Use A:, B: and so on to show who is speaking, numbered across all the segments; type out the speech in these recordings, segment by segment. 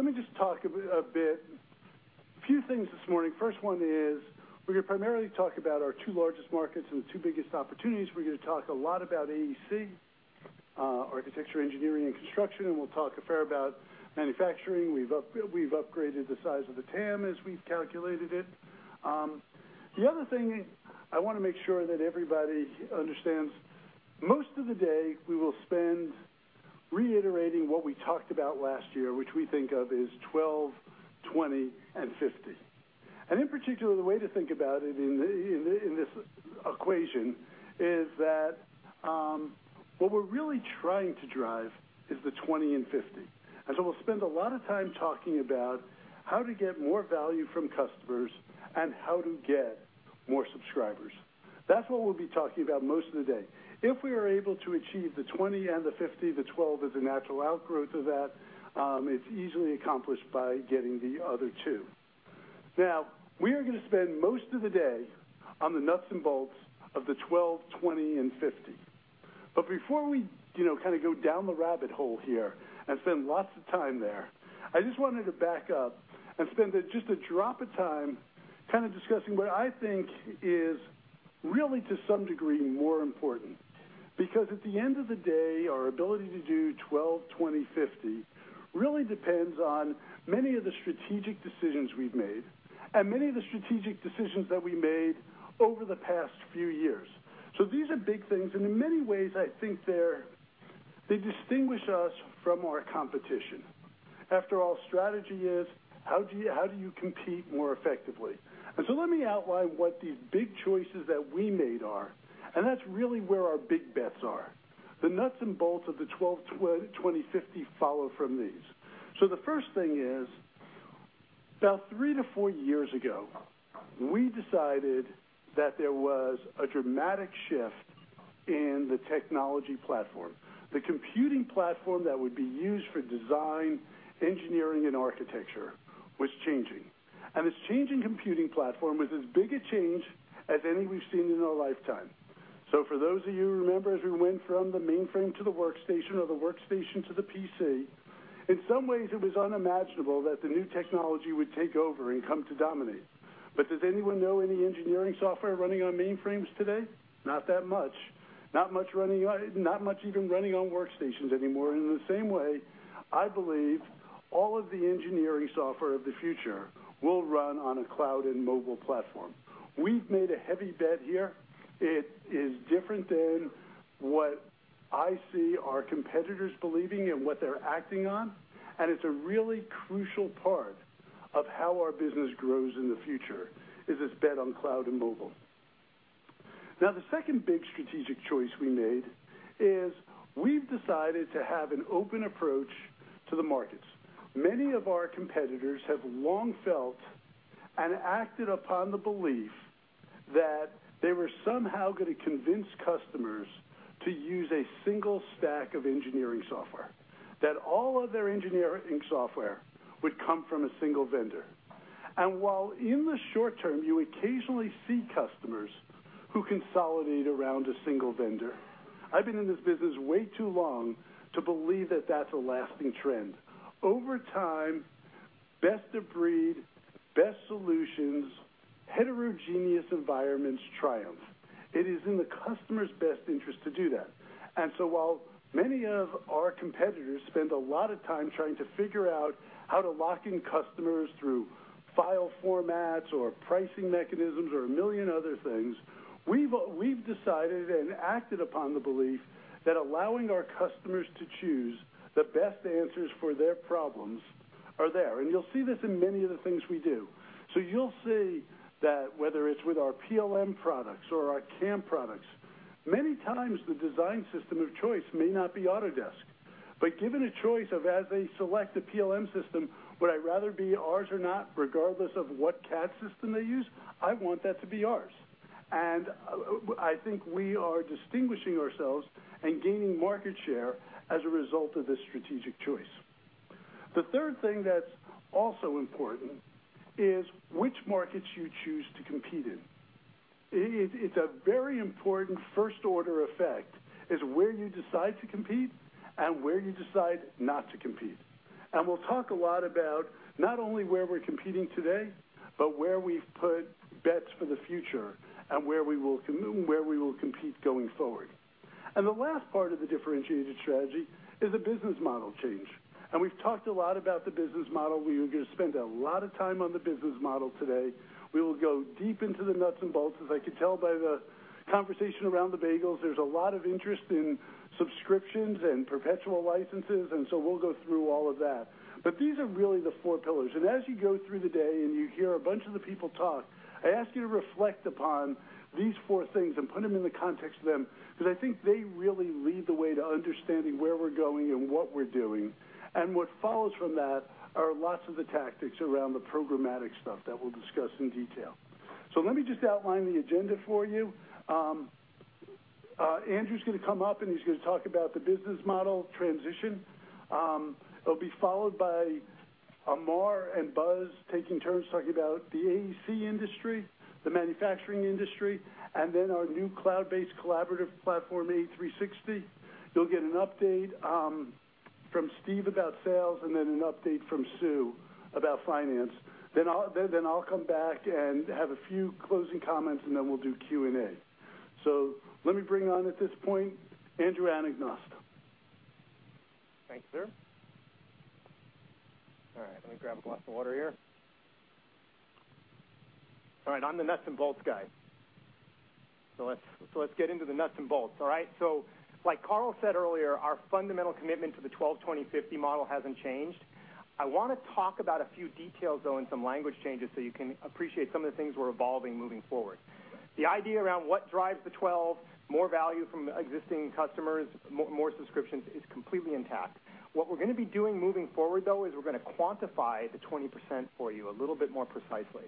A: Let me just talk a bit, a few things this morning. First one is we're going to primarily talk about our two largest markets and the two biggest opportunities. We're going to talk a lot about AEC, architecture, engineering, and construction, and we'll talk a fair about manufacturing. We've upgraded the size of the TAM as we've calculated it. The other thing I want to make sure that everybody understands, most of the day, we will spend reiterating what we talked about last year, which we think of as 12, 20, and 50. In particular, the way to think about it in this equation is that what we're really trying to drive is the 20 and 50. We'll spend a lot of time talking about how to get more value from customers and how to get more subscribers. That's what we'll be talking about most of the day. If we are able to achieve the 20 and the 50, the 12 is a natural outgrowth of that. It's easily accomplished by getting the other two. We are going to spend most of the day on the nuts and bolts of the 12, 20, and 50. Before we go down the rabbit hole here and spend lots of time there, I just wanted to back up and spend just a drop of time discussing what I think is really, to some degree, more important. At the end of the day, our ability to do 12, 20, 50 really depends on many of the strategic decisions we've made and many of the strategic decisions that we made over the past few years. These are big things, and in many ways, I think they distinguish us from our competition. After all, strategy is how do you compete more effectively? Let me outline what these big choices that we made are, and that's really where our big bets are. The nuts and bolts of the 12, 20, 50 follow from these. The first thing is, about three to four years ago, we decided that there was a dramatic shift in the technology platform. The computing platform that would be used for design, engineering, and architecture was changing. It's changing computing platform was as big a change as any we've seen in our lifetime. For those of you who remember, as we went from the mainframe to the workstation or the workstation to the PC, in some ways it was unimaginable that the new technology would take over and come to dominate. Does anyone know any engineering software running on mainframes today? Not that much. Not much even running on workstations anymore. In the same way, I believe all of the engineering software of the future will run on a cloud and mobile platform. We've made a heavy bet here. It is different than what I see our competitors believing and what they're acting on, and it's a really crucial part of how our business grows in the future, is this bet on cloud and mobile. The second big strategic choice we made is we've decided to have an open approach to the markets. Many of our competitors have long felt and acted upon the belief that they were somehow going to convince customers to use a single stack of engineering software. That all of their engineering software would come from a single vendor. While in the short term, you occasionally see customers who consolidate around a single vendor, I've been in this business way too long to believe that that's a lasting trend. Over time, best of breed, best solutions, heterogeneous environments triumph. It is in the customer's best interest to do that. While many of our competitors spend a lot of time trying to figure out how to lock in customers through file formats or pricing mechanisms or a million other things, we've decided and acted upon the belief that allowing our customers to choose the best answers for their problems are there. You'll see this in many of the things we do. You'll see that whether it's with our PLM products or our CAM products, many times the design system of choice may not be Autodesk. Given a choice of as they select a PLM system, would I rather be ours or not, regardless of what CAD system they use, I want that to be ours. I think we are distinguishing ourselves and gaining market share as a result of this strategic choice. The third thing that's also important is which markets you choose to compete in. It's a very important first-order effect is where you decide to compete and where you decide not to compete. We'll talk a lot about not only where we're competing today, but where we've put bets for the future and where we will compete going forward. The last part of the differentiated strategy is a business model change. We've talked a lot about the business model. We are going to spend a lot of time on the business model today. We will go deep into the nuts and bolts. As I could tell by the conversation around the bagels, there's a lot of interest in subscriptions and perpetual licenses, we'll go through all of that. These are really the four pillars. As you go through the day and you hear a bunch of the people talk, I ask you to reflect upon these four things and put them in the context of them, because I think they really lead the way to understanding where we're going and what we're doing. What follows from that are lots of the tactics around the programmatic stuff that we'll discuss in detail. Let me just outline the agenda for you. Andrew's going to come up and he's going to talk about the business model transition. It'll be followed by Amar and Buzz taking turns talking about the AEC industry, the manufacturing industry, and then our new cloud-based collaborative platform, A360. You'll get an update from Steve about sales and then an update from Sue about finance. I'll come back and have a few closing comments, we'll do Q&A. Let me bring on, at this point, Andrew Anagnost.
B: Thank you, sir. All right. Let me grab a glass of water here. All right. I'm the nuts and bolts guy. Let's get into the nuts and bolts. All right. Like Carl said earlier, our fundamental commitment to the 12/20/50 model hasn't changed. I want to talk about a few details, though, and some language changes so you can appreciate some of the things we're evolving moving forward. The idea around what drives the 12, more value from existing customers, more subscriptions, is completely intact. What we're going to be doing moving forward, though, is we're going to quantify the 20% for you a little bit more precisely.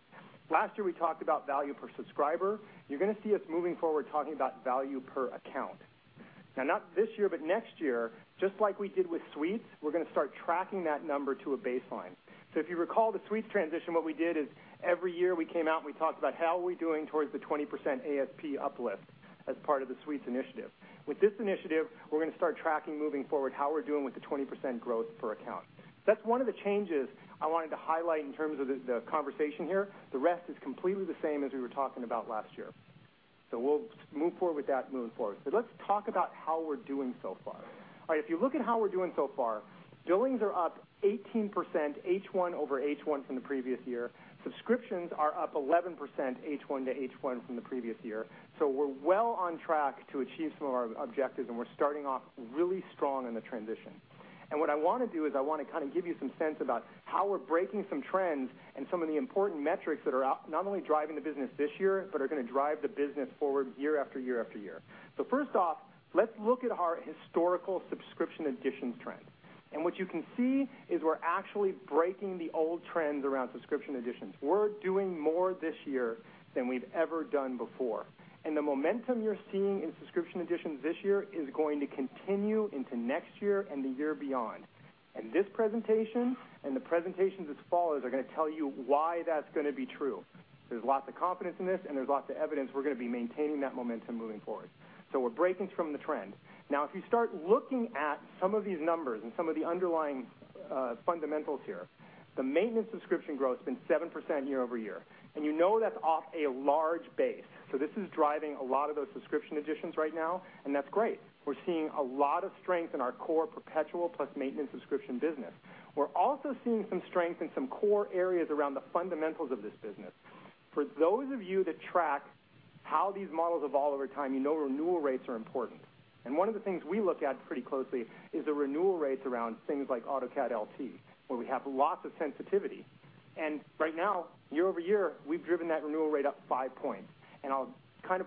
B: Last year, we talked about value per subscriber. You're going to see us moving forward talking about value per account. Not this year, but next year, just like we did with Suites, we're going to start tracking that number to a baseline. If you recall the Suites transition, what we did is every year we came out and we talked about how are we doing towards the 20% ASP uplift as part of the Suites initiative. With this initiative, we're going to start tracking moving forward how we're doing with the 20% growth per account. That's one of the changes I wanted to highlight in terms of the conversation here. The rest is completely the same as we were talking about last year. We'll move forward with that moving forward. Let's talk about how we're doing so far. All right. If you look at how we're doing so far, billings are up 18% H1 over H1 from the previous year. Subscriptions are up 11% H1 to H1 from the previous year. We're well on track to achieve some of our objectives, and we're starting off really strong in the transition. What I want to do is I want to give you some sense about how we're breaking some trends and some of the important metrics that are not only driving the business this year, but are going to drive the business forward year after year after year. First off, let's look at our historical subscription additions trend. What you can see is we're actually breaking the old trends around subscription additions. We're doing more this year than we've ever done before. The momentum you're seeing in subscription additions this year is going to continue into next year and the year beyond. This presentation and the presentations as follows are going to tell you why that's going to be true. There's lots of confidence in this, and there's lots of evidence we're going to be maintaining that momentum moving forward. We're breaking from the trend. If you start looking at some of these numbers and some of the underlying fundamentals here, the maintenance subscription growth's been 7% year-over-year. You know that's off a large base. This is driving a lot of those subscription additions right now, and that's great. We're seeing a lot of strength in our core perpetual plus maintenance subscription business. We're also seeing some strength in some core areas around the fundamentals of this business. For those of you that track how these models evolve over time, you know renewal rates are important. One of the things we look at pretty closely is the renewal rates around things like AutoCAD LT, where we have lots of sensitivity. Right now, year-over-year, we've driven that renewal rate up 5 points. I'll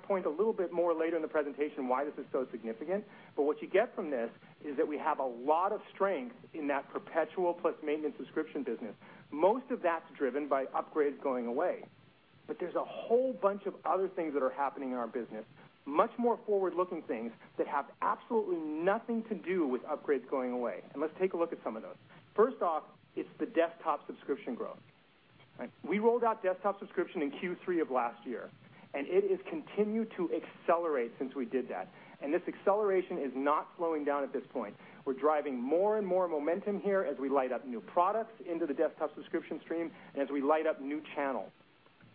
B: point a little bit more later in the presentation why this is so significant. What you get from this is that we have a lot of strength in that perpetual plus maintenance subscription business. Most of that's driven by upgrades going away. There's a whole bunch of other things that are happening in our business, much more forward-looking things that have absolutely nothing to do with upgrades going away. Let's take a look at some of those. First off, it's the desktop subscription growth. We rolled out desktop subscription in Q3 of last year, and it has continued to accelerate since we did that. This acceleration is not slowing down at this point. We're driving more and more momentum here as we light up new products into the desktop subscription stream, and as we light up new channels.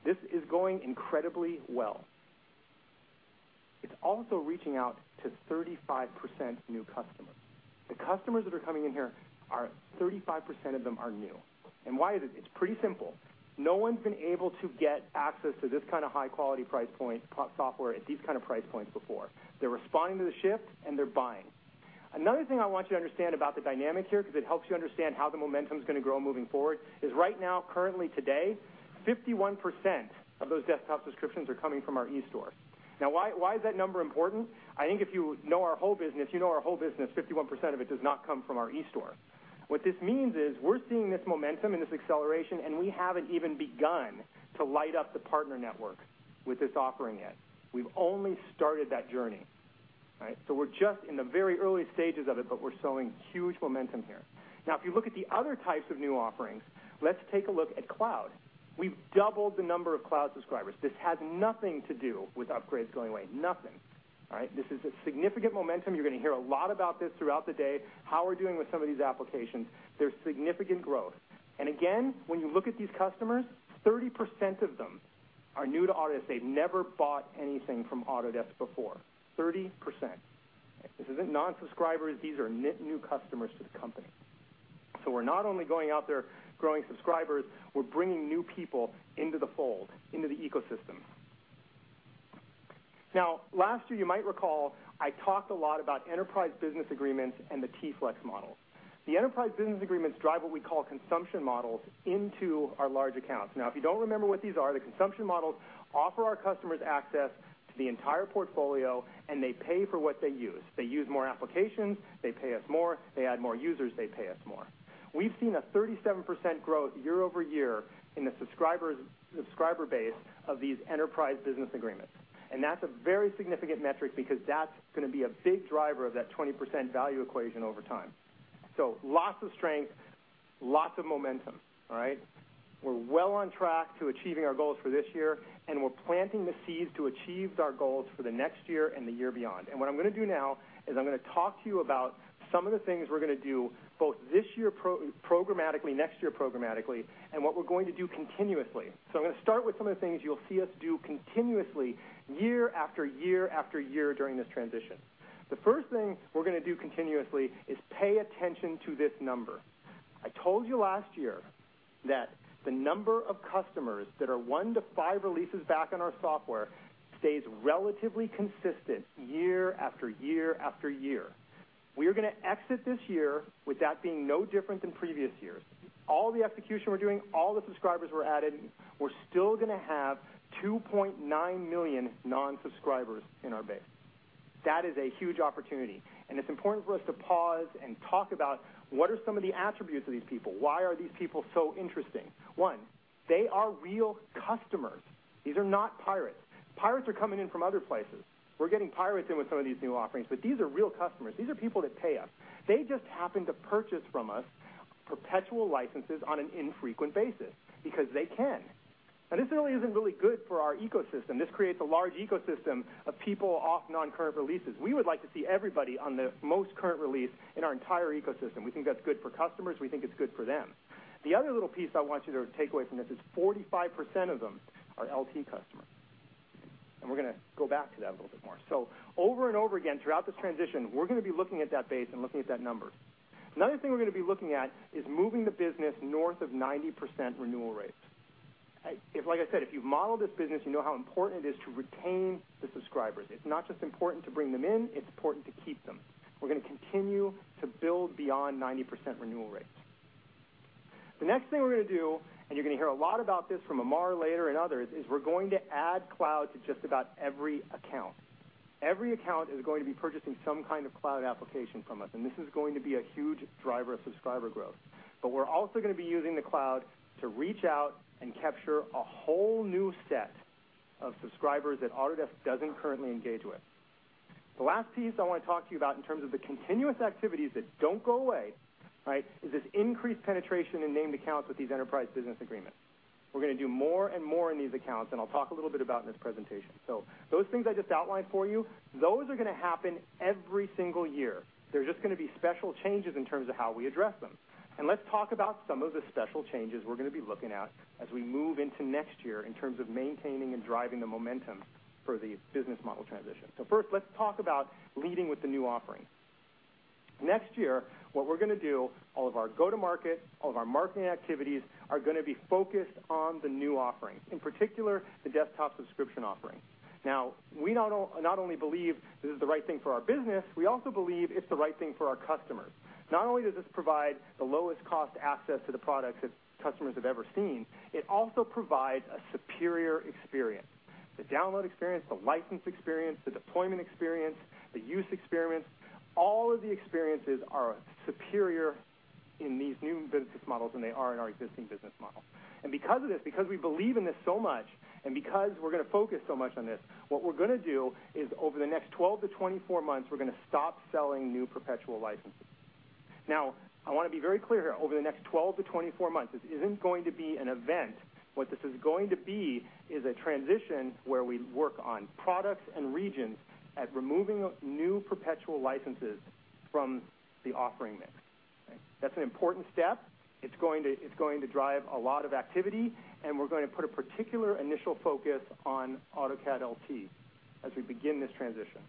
B: This is going incredibly well. It's also reaching out to 35% new customers. The customers that are coming in here, 35% of them are new. Why is it? It's pretty simple. No one's been able to get access to this kind of high-quality price point software at these kind of price points before. They're responding to the shift, and they're buying. Another thing I want you to understand about the dynamic here, because it helps you understand how the momentum's going to grow moving forward, is right now, currently today, 51% of those desktop subscriptions are coming from our eStore. Why is that number important? I think if you know our whole business, you know our whole business, 51% of it does not come from our eStore. What this means is we're seeing this momentum and this acceleration, and we haven't even begun to light up the partner network with this offering yet. We've only started that journey. We're just in the very early stages of it, but we're showing huge momentum here. If you look at the other types of new offerings, let's take a look at cloud. We've doubled the number of cloud subscribers. This has nothing to do with upgrades going away. Nothing. All right. This is a significant momentum. You're going to hear a lot about this throughout the day, how we're doing with some of these applications. There's significant growth. Again, when you look at these customers, 30% of them are new to Autodesk. They've never bought anything from Autodesk before. 30%. This isn't non-subscribers. These are net new customers to the company. We're not only going out there growing subscribers, we're bringing new people into the fold, into the ecosystem. Last year, you might recall I talked a lot about enterprise business agreements and the Token Flex model. The enterprise business agreements drive what we call consumption models into our large accounts. If you don't remember what these are, the consumption models offer our customers access to the entire portfolio, and they pay for what they use. They use more applications, they pay us more. They add more users, they pay us more. We've seen a 37% growth year-over-year in the subscriber base of these enterprise business agreements. That's a very significant metric because that's going to be a big driver of that 20% value equation over time. Lots of strength. Lots of momentum. We're well on track to achieving our goals for this year, and we're planting the seeds to achieve our goals for the next year and the year beyond. What I'm going to do now is I'm going to talk to you about some of the things we're going to do both this year programmatically, next year programmatically, and what we're going to do continuously. I'm going to start with some of the things you'll see us do continuously year after year after year during this transition. The first thing we're going to do continuously is pay attention to this number. I told you last year that the number of customers that are one to five releases back on our software stays relatively consistent year after year after year. We are going to exit this year with that being no different than previous years. All the execution we're doing, all the subscribers we're adding, we're still going to have 2.9 million non-subscribers in our base. That is a huge opportunity, and it's important for us to pause and talk about what are some of the attributes of these people. Why are these people so interesting? One, they are real customers. These are not pirates. Pirates are coming in from other places. We're getting pirates in with some of these new offerings, but these are real customers. These are people that pay us. They just happen to purchase from us perpetual licenses on an infrequent basis because they can. This really isn't really good for our ecosystem. This creates a large ecosystem of people off non-current releases. We would like to see everybody on the most current release in our entire ecosystem. We think that's good for customers. We think it's good for them. The other little piece I want you to take away from this is 45% of them are LT customers. We're going to go back to that a little bit more. Over and over again throughout this transition, we're going to be looking at that base and looking at that number. Another thing we're going to be looking at is moving the business north of 90% renewal rates. Like I said, if you've modeled this business, you know how important it is to retain the subscribers. It's not just important to bring them in, it's important to keep them. We're going to continue to build beyond 90% renewal rates. The next thing we're going to do, you're going to hear a lot about this from Amar later and others, is we're going to add cloud to just about every account. Every account is going to be purchasing some kind of cloud application from us, and this is going to be a huge driver of subscriber growth. We're also going to be using the cloud to reach out and capture a whole new set of subscribers that Autodesk doesn't currently engage with. The last piece I want to talk to you about in terms of the continuous activities that don't go away is this increased penetration in named accounts with these enterprise business agreements. We're going to do more and more in these accounts, and I'll talk a little bit about in this presentation. Those things I just outlined for you, those are going to happen every single year. They're just going to be special changes in terms of how we address them. Let's talk about some of the special changes we're going to be looking at as we move into next year in terms of maintaining and driving the momentum for the business model transition. First, let's talk about leading with the new offerings. Next year, what we're going to do, all of our go-to-market, all of our marketing activities are going to be focused on the new offerings, in particular, the desktop subscription offering. We not only believe this is the right thing for our business, we also believe it's the right thing for our customers. Not only does this provide the lowest cost access to the products that customers have ever seen, it also provides a superior experience. The download experience, the license experience, the deployment experience, the use experience, all of the experiences are superior in these new business models than they are in our existing business model. Because of this, because we believe in this so much and because we're going to focus so much on this, what we're going to do is over the next 12 to 24 months, we're going to stop selling new perpetual licenses. I want to be very clear here. Over the next 12 to 24 months, this isn't going to be an event. What this is going to be is a transition where we work on products and regions at removing new perpetual licenses from the offering mix. That's an important step. It's going to drive a lot of activity, we're going to put a particular initial focus on AutoCAD LT as we begin this transition.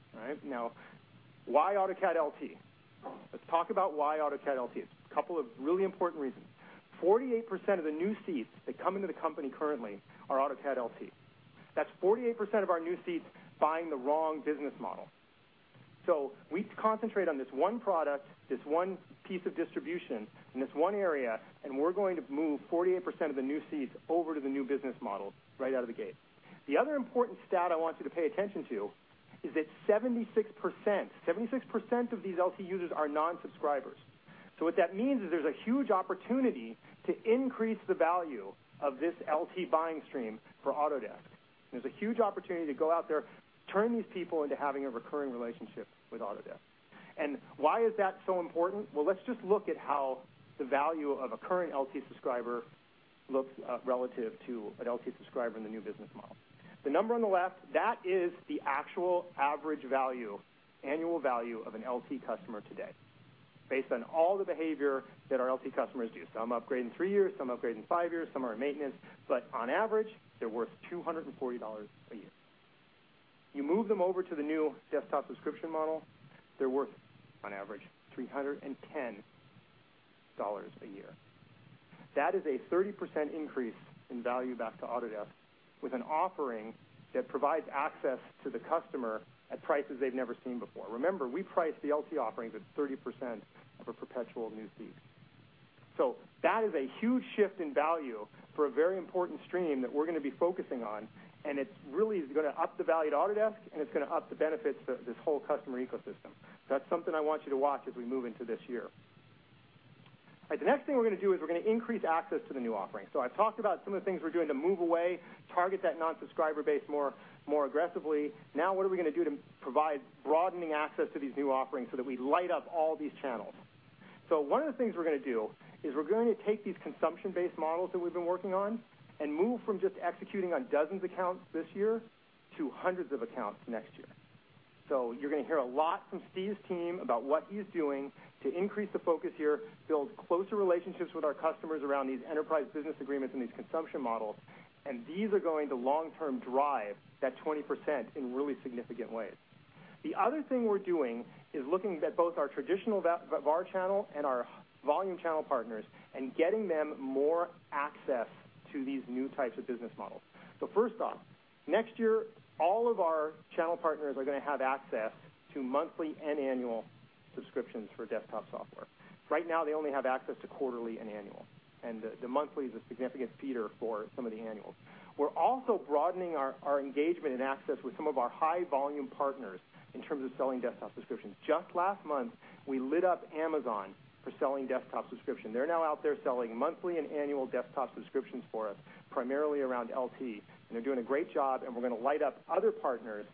B: Why AutoCAD LT? Let's talk about why AutoCAD LT. A couple of really important reasons. 48% of the new seats that come into the company currently are AutoCAD LT. That's 48% of our new seats buying the wrong business model. We concentrate on this one product, this one piece of distribution, and this one area, we're going to move 48% of the new seats over to the new business model right out of the gate. The other important stat I want you to pay attention to is that 76%, 76% of these LT users are non-subscribers. What that means is there's a huge opportunity to increase the value of this LT buying stream for Autodesk. There's a huge opportunity to go out there, turn these people into having a recurring relationship with Autodesk. Why is that so important? Let's just look at how the value of a current LT subscriber looks relative to an LT subscriber in the new business model. The number on the left, that is the actual average value, annual value of an LT customer today based on all the behavior that our LT customers do. Some upgrade in three years, some upgrade in five years, some are in maintenance, but on average, they're worth $240 a year. You move them over to the new desktop subscription model, they're worth on average $310 a year. That is a 30% increase in value back to Autodesk with an offering that provides access to the customer at prices they've never seen before. Remember, we price the LT offerings at 30% of a perpetual new seat. That is a huge shift in value for a very important stream that we're going to be focusing on, and it really is going to up the value at Autodesk, and it's going to up the benefits of this whole customer ecosystem. That's something I want you to watch as we move into this year. The next thing we're going to do is we're going to increase access to the new offerings. I've talked about some of the things we're doing to move away, target that non-subscriber base more aggressively. Now what are we going to do to provide broadening access to these new offerings so that we light up all these channels? One of the things we're going to do is we're going to take these consumption-based models that we've been working on and move from just executing on dozens of accounts this year to hundreds of accounts next year. You're going to hear a lot from Steve's team about what he's doing to increase the focus here, build closer relationships with our customers around these enterprise business agreements and these consumption models. These are going to long-term drive that 20% in really significant ways. The other thing we're doing is looking at both our traditional VAR channel and our volume channel partners and getting them more access to these new types of business models. First off, next year, all of our channel partners are going to have access to monthly and annual subscriptions for desktop software. Right now, they only have access to quarterly and annual, and the monthly is a significant feeder for some of the annuals. We're also broadening our engagement and access with some of our high-volume partners in terms of selling desktop subscriptions. Just last month, we lit up Amazon for selling desktop subscription. They're now out there selling monthly and annual desktop subscriptions for us, primarily around LT. They're doing a great job, and we're going to light up other partners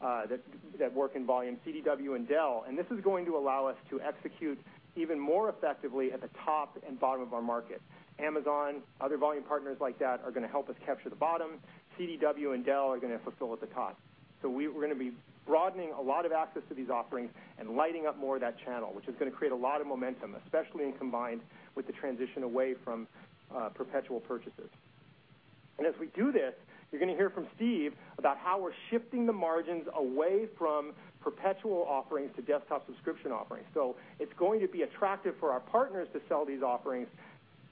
B: that work in volume, CDW and Dell. This is going to allow us to execute even more effectively at the top and bottom of our market. Amazon, other volume partners like that are going to help us capture the bottom. CDW and Dell are going to fulfill at the top. We're going to be broadening a lot of access to these offerings and lighting up more of that channel, which is going to create a lot of momentum, especially when combined with the transition away from perpetual purchases. As we do this, you're going to hear from Steve about how we're shifting the margins away from perpetual offerings to desktop subscription offerings. It's going to be attractive for our partners to sell these offerings,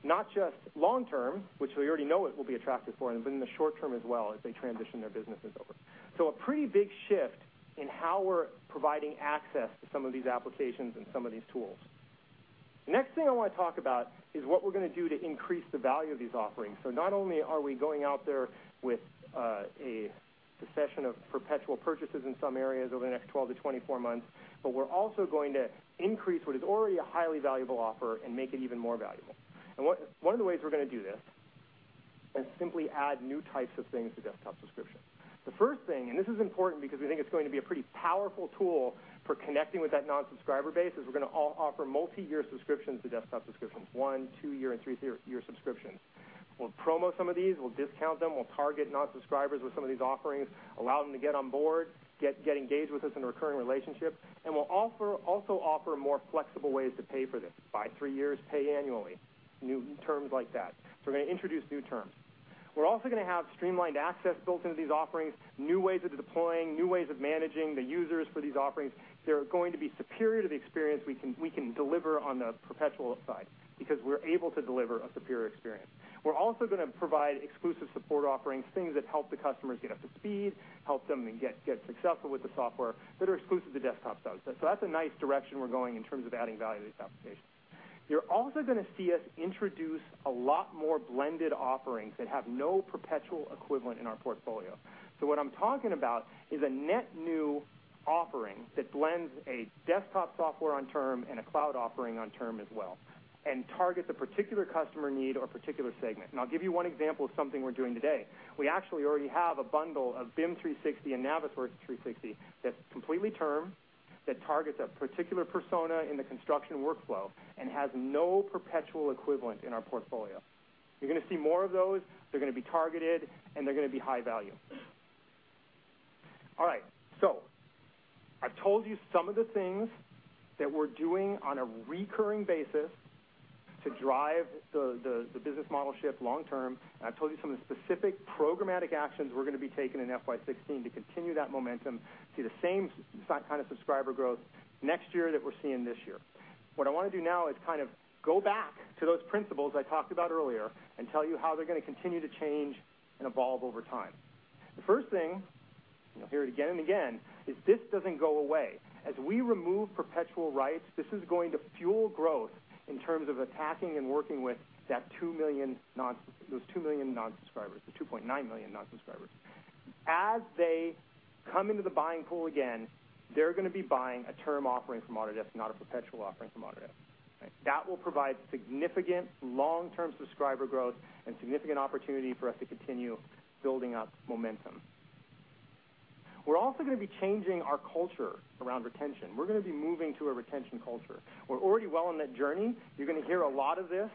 B: not just long-term, which we already know it will be attractive for them, but in the short term as well as they transition their businesses over. A pretty big shift in how we're providing access to some of these applications and some of these tools. The next thing I want to talk about is what we're going to do to increase the value of these offerings. Not only are we going out there with a cessation of perpetual purchases in some areas over the next 12-24 months, but we're also going to increase what is already a highly valuable offer and make it even more valuable. One of the ways we're going to do this is simply add new types of things to desktop subscriptions. The first thing, and this is important because we think it's going to be a pretty powerful tool for connecting with that non-subscriber base, is we're going to offer multi-year subscriptions to desktop subscriptions, one-year, two-year, and three-year subscriptions. We'll promo some of these. We'll discount them. We'll target non-subscribers with some of these offerings, allow them to get on board, get engaged with us in a recurring relationship. We'll also offer more flexible ways to pay for this. Buy three years, pay annually, new terms like that. We're going to introduce new terms. We're also going to have streamlined access built into these offerings, new ways of deploying, new ways of managing the users for these offerings. They're going to be superior to the experience we can deliver on the perpetual side because we're able to deliver a superior experience. We're also going to provide exclusive support offerings, things that help the customers get up to speed, help them get successful with the software that are exclusive to desktop subs. That's a nice direction we're going in terms of adding value to these applications. You're also going to see us introduce a lot more blended offerings that have no perpetual equivalent in our portfolio. What I'm talking about is a net new offering that blends a desktop software on term and a cloud offering on term as well, and targets a particular customer need or a particular segment. I'll give you one example of something we're doing today. We actually already have a bundle of BIM 360 and Navisworks 360 that's completely termed, that targets a particular persona in the construction workflow and has no perpetual equivalent in our portfolio. You're going to see more of those. They're going to be targeted, and they're going to be high value. All right. I've told you some of the things that we're doing on a recurring basis to drive the business model shift long term, and I've told you some of the specific programmatic actions we're going to be taking in FY 2016 to continue that momentum, see the same kind of subscriber growth next year that we're seeing this year. What I want to do now is kind of go back to those principles I talked about earlier and tell you how they're going to continue to change and evolve over time. The first thing, and you'll hear it again and again, is this doesn't go away. As we remove perpetual rights, this is going to fuel growth in terms of attacking and working with those 2 million non-subscribers, the 2.9 million non-subscribers. As they come into the buying pool again, they're going to be buying a term offering from Autodesk, not a perpetual offering from Autodesk. That will provide significant long-term subscriber growth and significant opportunity for us to continue building up momentum. We're also going to be changing our culture around retention. We're going to be moving to a retention culture. We're already well on that journey. You're going to hear a lot of this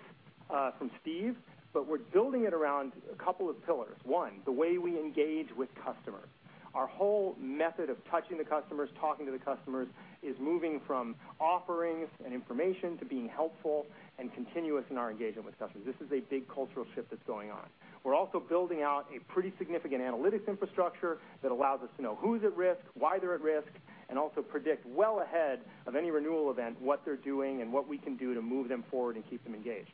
B: from Steve, but we're building it around a couple of pillars. One, the way we engage with customers. Our whole method of touching the customers, talking to the customers is moving from offerings and information to being helpful and continuous in our engagement with customers. This is a big cultural shift that's going on. We're also building out a pretty significant analytics infrastructure that allows us to know who's at risk, why they're at risk, and also predict well ahead of any renewal event what they're doing and what we can do to move them forward and keep them engaged.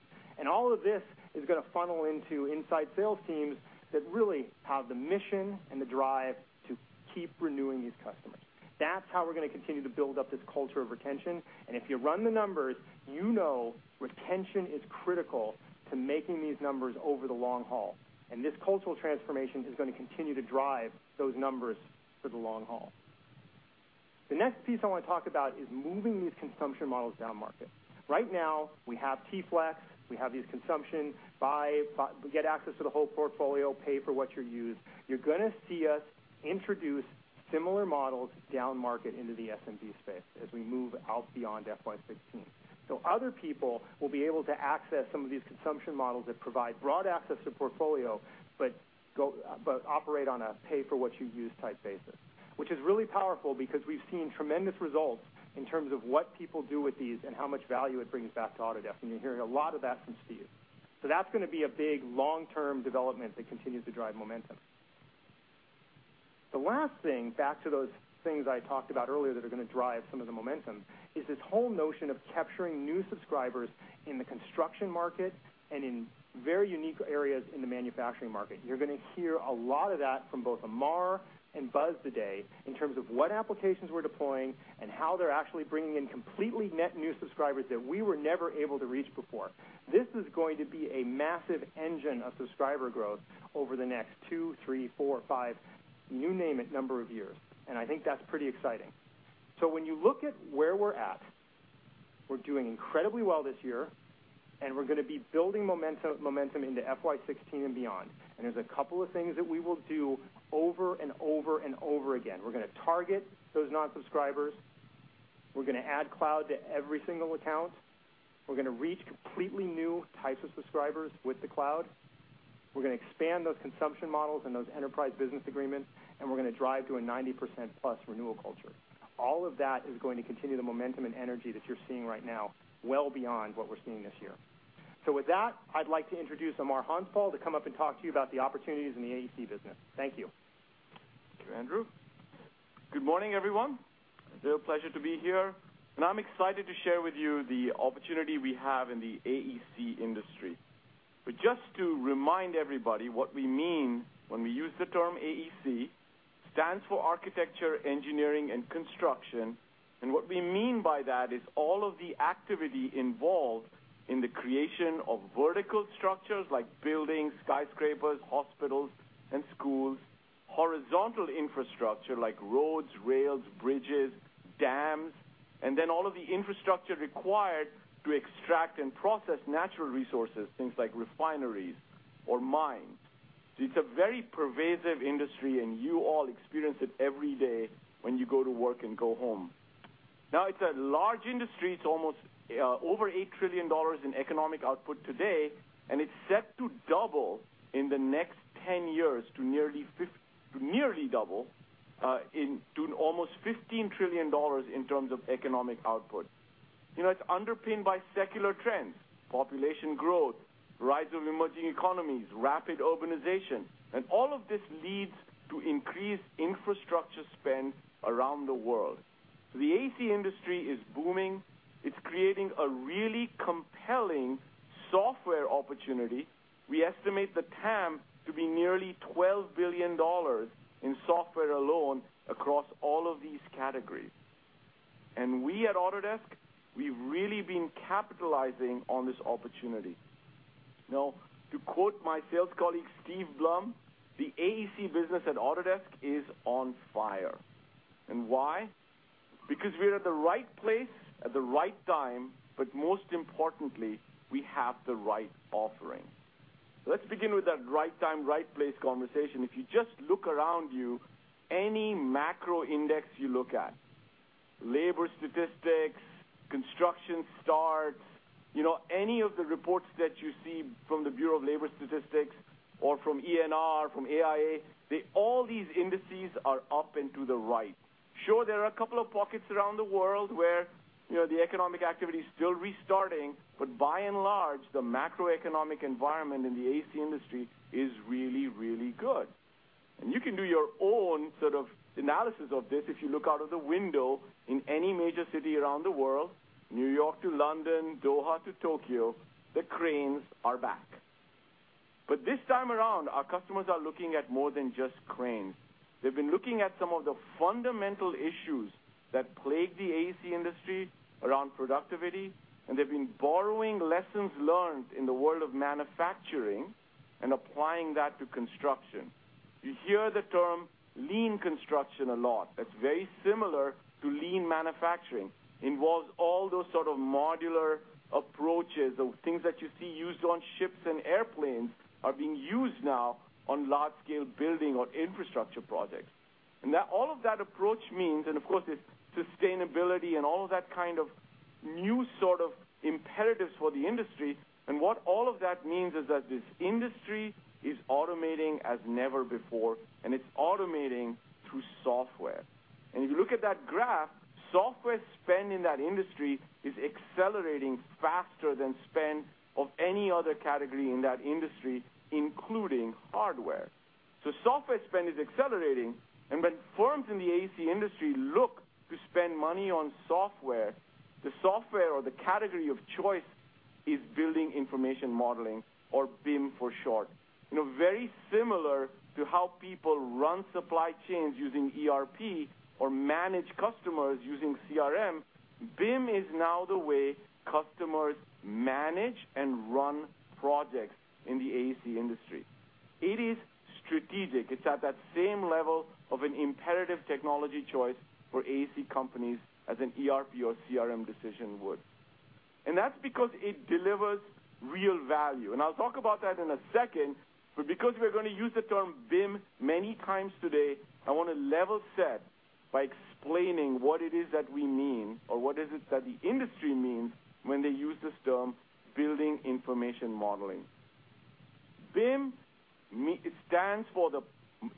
B: All of this is going to funnel into inside sales teams that really have the mission and the drive to keep renewing these customers. That's how we're going to continue to build up this culture of retention. If you run the numbers, you know retention is critical to making these numbers over the long haul. This cultural transformation is going to continue to drive those numbers for the long haul. The next piece I want to talk about is moving these consumption models down market. Right now, we have Token Flex, we have these consumption, buy, get access to the whole portfolio, pay for what you use. You're going to see us introduce similar models down market into the SMB space as we move out beyond FY 2016. Other people will be able to access some of these consumption models that provide broad access to portfolio, but operate on a pay-for-what-you-use type basis, which is really powerful because we've seen tremendous results in terms of what people do with these and how much value it brings back to Autodesk, and you're hearing a lot of that from Steve. That's going to be a big long-term development that continues to drive momentum. The last thing, back to those things I talked about earlier that are going to drive some of the momentum, is this whole notion of capturing new subscribers in the construction market and in very unique areas in the manufacturing market. You're going to hear a lot of that from both Amar and Buzz today in terms of what applications we're deploying and how they're actually bringing in completely net new subscribers that we were never able to reach before. This is going to be a massive engine of subscriber growth over the next two, three, four, five, you name it, number of years, and I think that's pretty exciting. When you look at where we're at, we're doing incredibly well this year, and we're going to be building momentum into FY 2016 and beyond. There's a couple of things that we will do over and over and over again. We're going to target those non-subscribers. We're going to add cloud to every single account. We're going to reach completely new types of subscribers with the cloud. We're going to expand those consumption models and those enterprise business agreements, and we're going to drive to a 90%-plus renewal culture. All of that is going to continue the momentum and energy that you're seeing right now, well beyond what we're seeing this year. With that, I'd like to introduce Amar Hanspal to come up and talk to you about the opportunities in the AEC business. Thank you.
C: Thank you, Andrew. Good morning, everyone. A real pleasure to be here. I'm excited to share with you the opportunity we have in the AEC industry. Just to remind everybody what we mean when we use the term AEC, stands for Architecture, Engineering, and Construction. What we mean by that is all of the activity involved in the creation of vertical structures like buildings, skyscrapers, hospitals, and schools. Horizontal infrastructure like roads, rails, bridges, dams, and all of the infrastructure required to extract and process natural resources, things like refineries or mines. It's a very pervasive industry, and you all experience it every day when you go to work and go home. It's a large industry. It's almost over $8 trillion in economic output today, and it's set to double in the next 10 years to nearly double to almost $15 trillion in terms of economic output. It's underpinned by secular trends, population growth, rise of emerging economies, rapid urbanization, and all of this leads to increased infrastructure spend around the world. The AEC industry is booming. It's creating a really compelling software opportunity. We estimate the TAM to be nearly $12 billion in software alone across all of these categories. We at Autodesk, we've really been capitalizing on this opportunity. To quote my sales colleague, Steve Blum, the AEC business at Autodesk is on fire. Why? Because we're at the right place at the right time, most importantly, we have the right offering. Let's begin with that right time, right place conversation. If you just look around you, any macro index you look at, labor statistics, construction starts, any of the reports that you see from the Bureau of Labor Statistics or from ENR, from AIA, all these indices are up and to the right. Sure, there are a couple of pockets around the world where the economic activity is still restarting, by and large, the macroeconomic environment in the AEC industry is really, really good. You can do your own analysis of this if you look out of the window in any major city around the world, New York to London, Doha to Tokyo, the cranes are back. This time around, our customers are looking at more than just cranes. They've been looking at some of the fundamental issues that plague the AEC industry around productivity, and they've been borrowing lessons learned in the world of manufacturing and applying that to construction. You hear the term lean construction a lot. That's very similar to lean manufacturing. It involves all those modular approaches, those things that you see used on ships and airplanes are being used now on large-scale building or infrastructure projects. All of that approach means, of course, there's sustainability and all of that kind of new imperatives for the industry. What all of that means is that this industry is automating as never before, and it's automating through software. If you look at that graph, software spend in that industry is accelerating faster than spend of any other category in that industry, including hardware. Software spend is accelerating, and when firms in the AEC industry look to spend money on software, the software or the category of choice is building information modeling or BIM for short. Very similar to how people run supply chains using ERP or manage customers using CRM, BIM is now the way customers manage and run projects in the AEC industry. It is strategic. It's at that same level of an imperative technology choice for AEC companies as an ERP or CRM decision would. That's because it delivers real value, and I'll talk about that in a second, because we're going to use the term BIM many times today, I want to level set by explaining what it is that we mean or what is it that the industry means when they use this term, building information modeling. BIM, it stands for the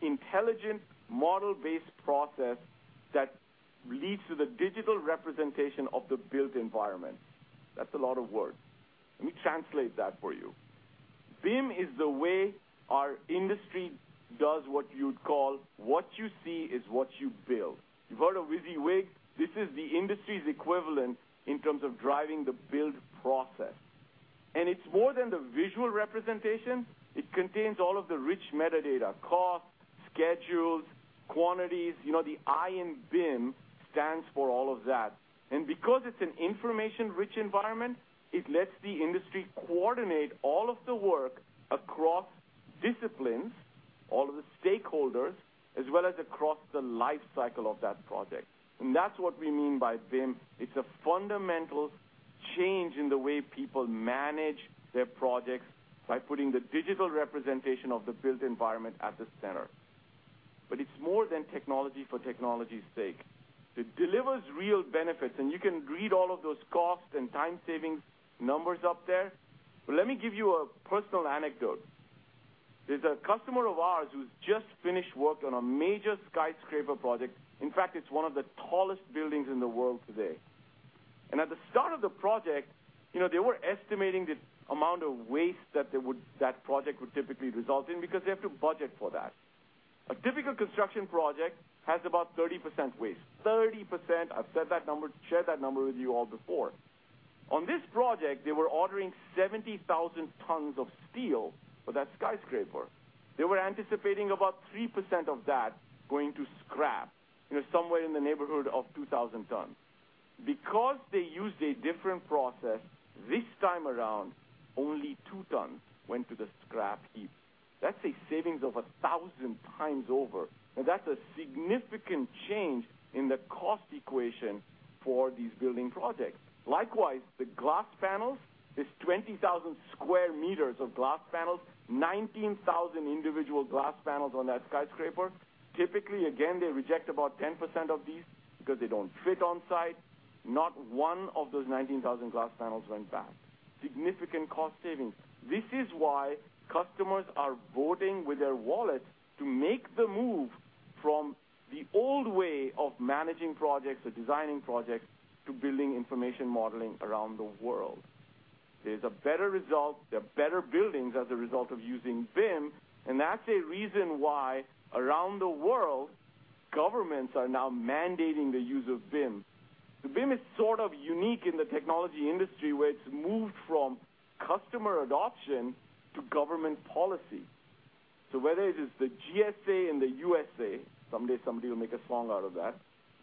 C: intelligent, model-based process that leads to the digital representation of the built environment. That's a lot of words. Let me translate that for you. BIM is the way our industry does what you'd call what you see is what you build. You've heard of WYSIWYG. This is the industry's equivalent in terms of driving the build process. It's more than the visual representation. It contains all of the rich metadata, costs, schedules, quantities, the I in BIM stands for all of that. Because it's an information-rich environment, it lets the industry coordinate all of the work across disciplines, all of the stakeholders, as well as across the life cycle of that project. That's what we mean by BIM. It's a fundamental change in the way people manage their projects by putting the digital representation of the built environment at the center. It's more than technology for technology's sake. It delivers real benefits, you can read all of those cost and time-saving numbers up there. Let me give you a personal anecdote. There's a customer of ours who's just finished work on a major skyscraper project. In fact, it's one of the tallest buildings in the world today. At the start of the project, they were estimating the amount of waste that project would typically result in because they have to budget for that. A typical construction project has about 30% waste. 30%. I've said that number, shared that number with you all before. On this project, they were ordering 70,000 tons of steel for that skyscraper. They were anticipating about 3% of that going to scrap, somewhere in the neighborhood of 2,000 tons. Because they used a different process this time around, only two tons went to the scrap heap. That's a savings of 1,000 times over, and that's a significant change in the cost equation for these building projects. Likewise, the glass panels, it's 20,000 sq m of glass panels, 19,000 individual glass panels on that skyscraper. Typically, again, they reject about 10% of these because they don't fit on-site. Not one of those 19,000 glass panels went back. Significant cost savings. This is why customers are voting with their wallets to make the move from the old way of managing projects or designing projects to Building Information Modeling around the world. There's a better result, there are better buildings as a result of using BIM, and that's a reason why around the world, governments are now mandating the use of BIM. BIM is sort of unique in the technology industry, where it's moved from customer adoption to government policy. Whether it is the GSA in the U.S.A., someday somebody will make a song out of that,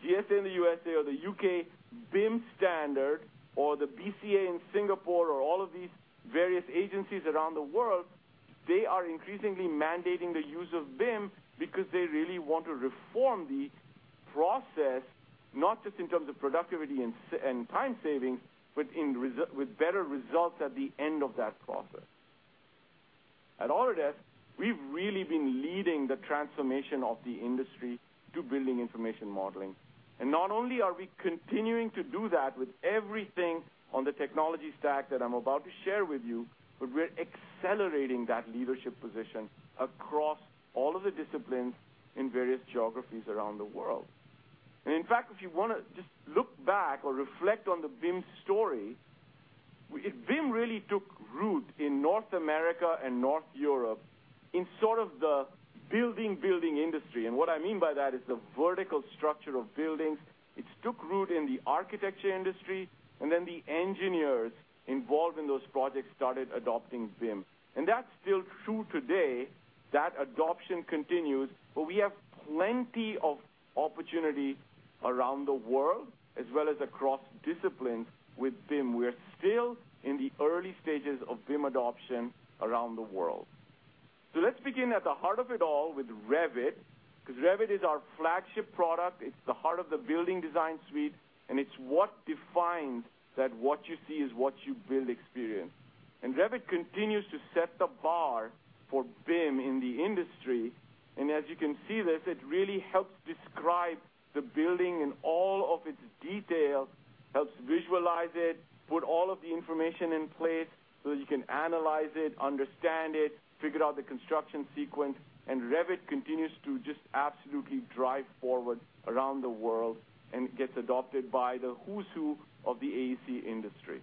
C: GSA in the U.S.A. or the U.K. BIM standard, or the BCA in Singapore or all of these various agencies around the world, they are increasingly mandating the use of BIM because they really want to reform the process, not just in terms of productivity and time savings, but with better results at the end of that process. At Autodesk, we've really been leading the transformation of the industry to Building Information Modeling. Not only are we continuing to do that with everything on the technology stack that I'm about to share with you, but we're accelerating that leadership position across all of the disciplines in various geographies around the world. In fact, if you want to just look back or reflect on the BIM story, BIM really took root in North America and North Europe in sort of the building industry, and what I mean by that is the vertical structure of buildings. It took root in the architecture industry, and then the engineers involved in those projects started adopting BIM. That's still true today. That adoption continues, but we have plenty of opportunity around the world, as well as across disciplines with BIM. We're still in the early stages of BIM adoption around the world. Let's begin at the heart of it all with Revit, because Revit is our flagship product. It's the heart of the Building Design Suite, and it's what defines that what you see is what you build experience. Revit continues to set the bar for BIM in the industry. As you can see this, it really helps describe the building and all of its detail, helps visualize it, put all of the information in place so you can analyze it, understand it, figure out the construction sequence, and Revit continues to just absolutely drive forward around the world and gets adopted by the who's who of the AEC industry.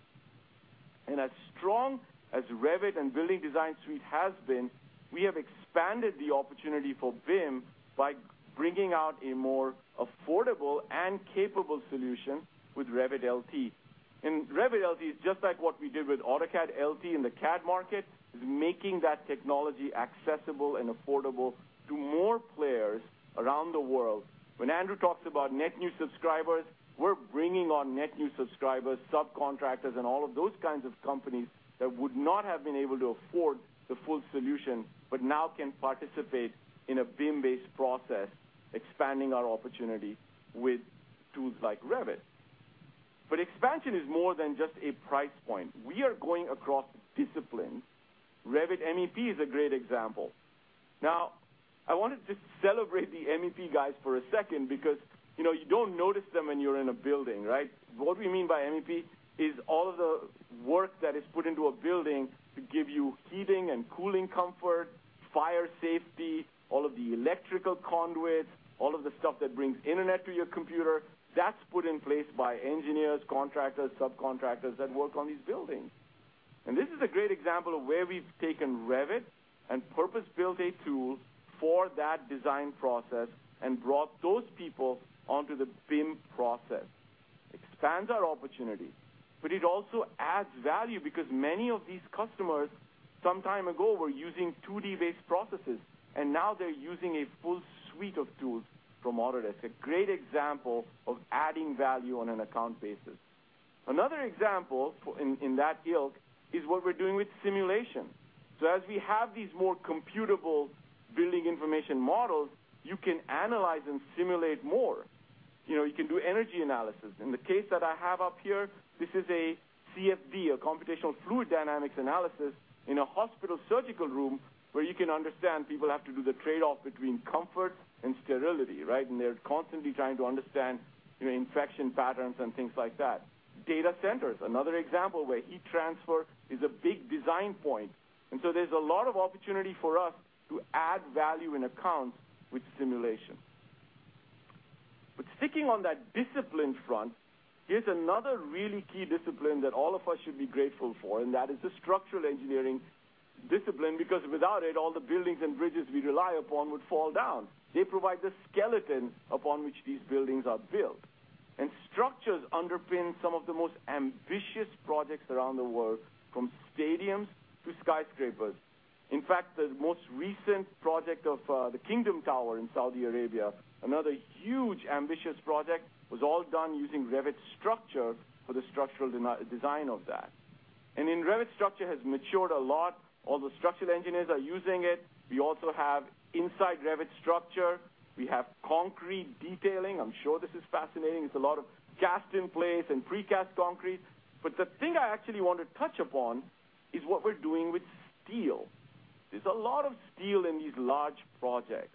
C: As strong as Revit and Building Design Suite has been, we have expanded the opportunity for BIM by bringing out a more affordable and capable solution with Revit LT. Revit LT is just like what we did with AutoCAD LT in the CAD market, is making that technology accessible and affordable to more players around the world. When Andrew talks about net new subscribers, we're bringing on net new subscribers, subcontractors, and all of those kinds of companies that would not have been able to afford the full solution, but now can participate in a BIM-based process, expanding our opportunity with tools like Revit. Expansion is more than just a price point. We are going across disciplines. Revit MEP is a great example. I want to just celebrate the MEP guys for a second because you don't notice them when you're in a building, right? What we mean by MEP is all of the work that is put into a building to give you heating and cooling comfort, fire safety, all of the electrical conduits, all of the stuff that brings internet to your computer. That's put in place by engineers, contractors, subcontractors that work on these buildings. This is a great example of where we've taken Revit and purpose-built a tool for that design process and brought those people onto the BIM process. Expands our opportunity. It also adds value because many of these customers, some time ago, were using 2D-based processes, and now they're using a full suite of tools from Autodesk. A great example of adding value on an account basis. Another example in that ilk is what we're doing with simulation. As we have these more computable building information models, you can analyze and simulate more. You can do energy analysis. In the case that I have up here, this is a CFD, a computational fluid dynamics analysis in a hospital surgical room where you can understand people have to do the trade-off between comfort and sterility, right? They're constantly trying to understand infection patterns and things like that. Data centers, another example where heat transfer is a big design point. There's a lot of opportunity for us to add value in accounts with simulation. Sticking on that discipline front, here's another really key discipline that all of us should be grateful for, and that is the structural engineering discipline, because without it, all the buildings and bridges we rely upon would fall down. They provide the skeleton upon which these buildings are built. Structures underpin some of the most ambitious projects around the world, from stadiums to skyscrapers. In fact, the most recent project of the Kingdom Tower in Saudi Arabia, another huge, ambitious project, was all done using Revit Structure for the structural design of that. Revit Structure has matured a lot. All the structural engineers are using it. We also have inside Revit Structure concrete detailing. I'm sure this is fascinating. It's a lot of cast-in-place and precast concrete. The thing I actually want to touch upon is what we're doing with steel. There's a lot of steel in these large projects.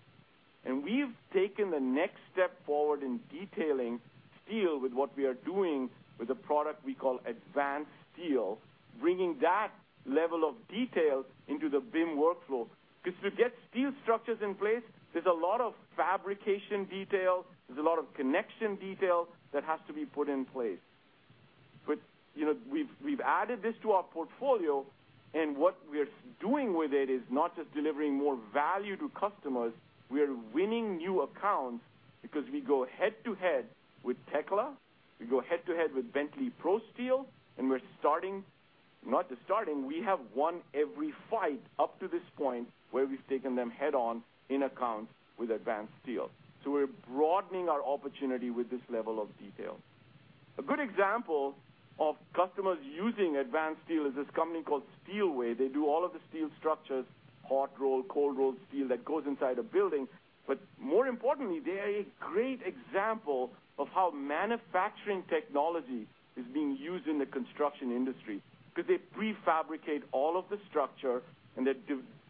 C: We've taken the next step forward in detailing steel with what we are doing with a product we call Advance Steel, bringing that level of detail into the BIM workflow. To get steel structures in place, there's a lot of fabrication detail, there's a lot of connection detail that has to be put in place. We've added this to our portfolio, what we're doing with it is not just delivering more value to customers, we are winning new accounts because we go head to head with Tekla, we go head to head with Bentley ProSteel, and we're starting, not just starting, we have won every fight up to this point where we've taken them head on in accounts with Advance Steel. We're broadening our opportunity with this level of detail. A good example of customers using Advance Steel is this company called Steelway. They do all of the steel structures, hot-rolled, cold-rolled steel that goes inside a building. More importantly, they are a great example of how manufacturing technology is being used in the construction industry, because they prefabricate all of the structure and they're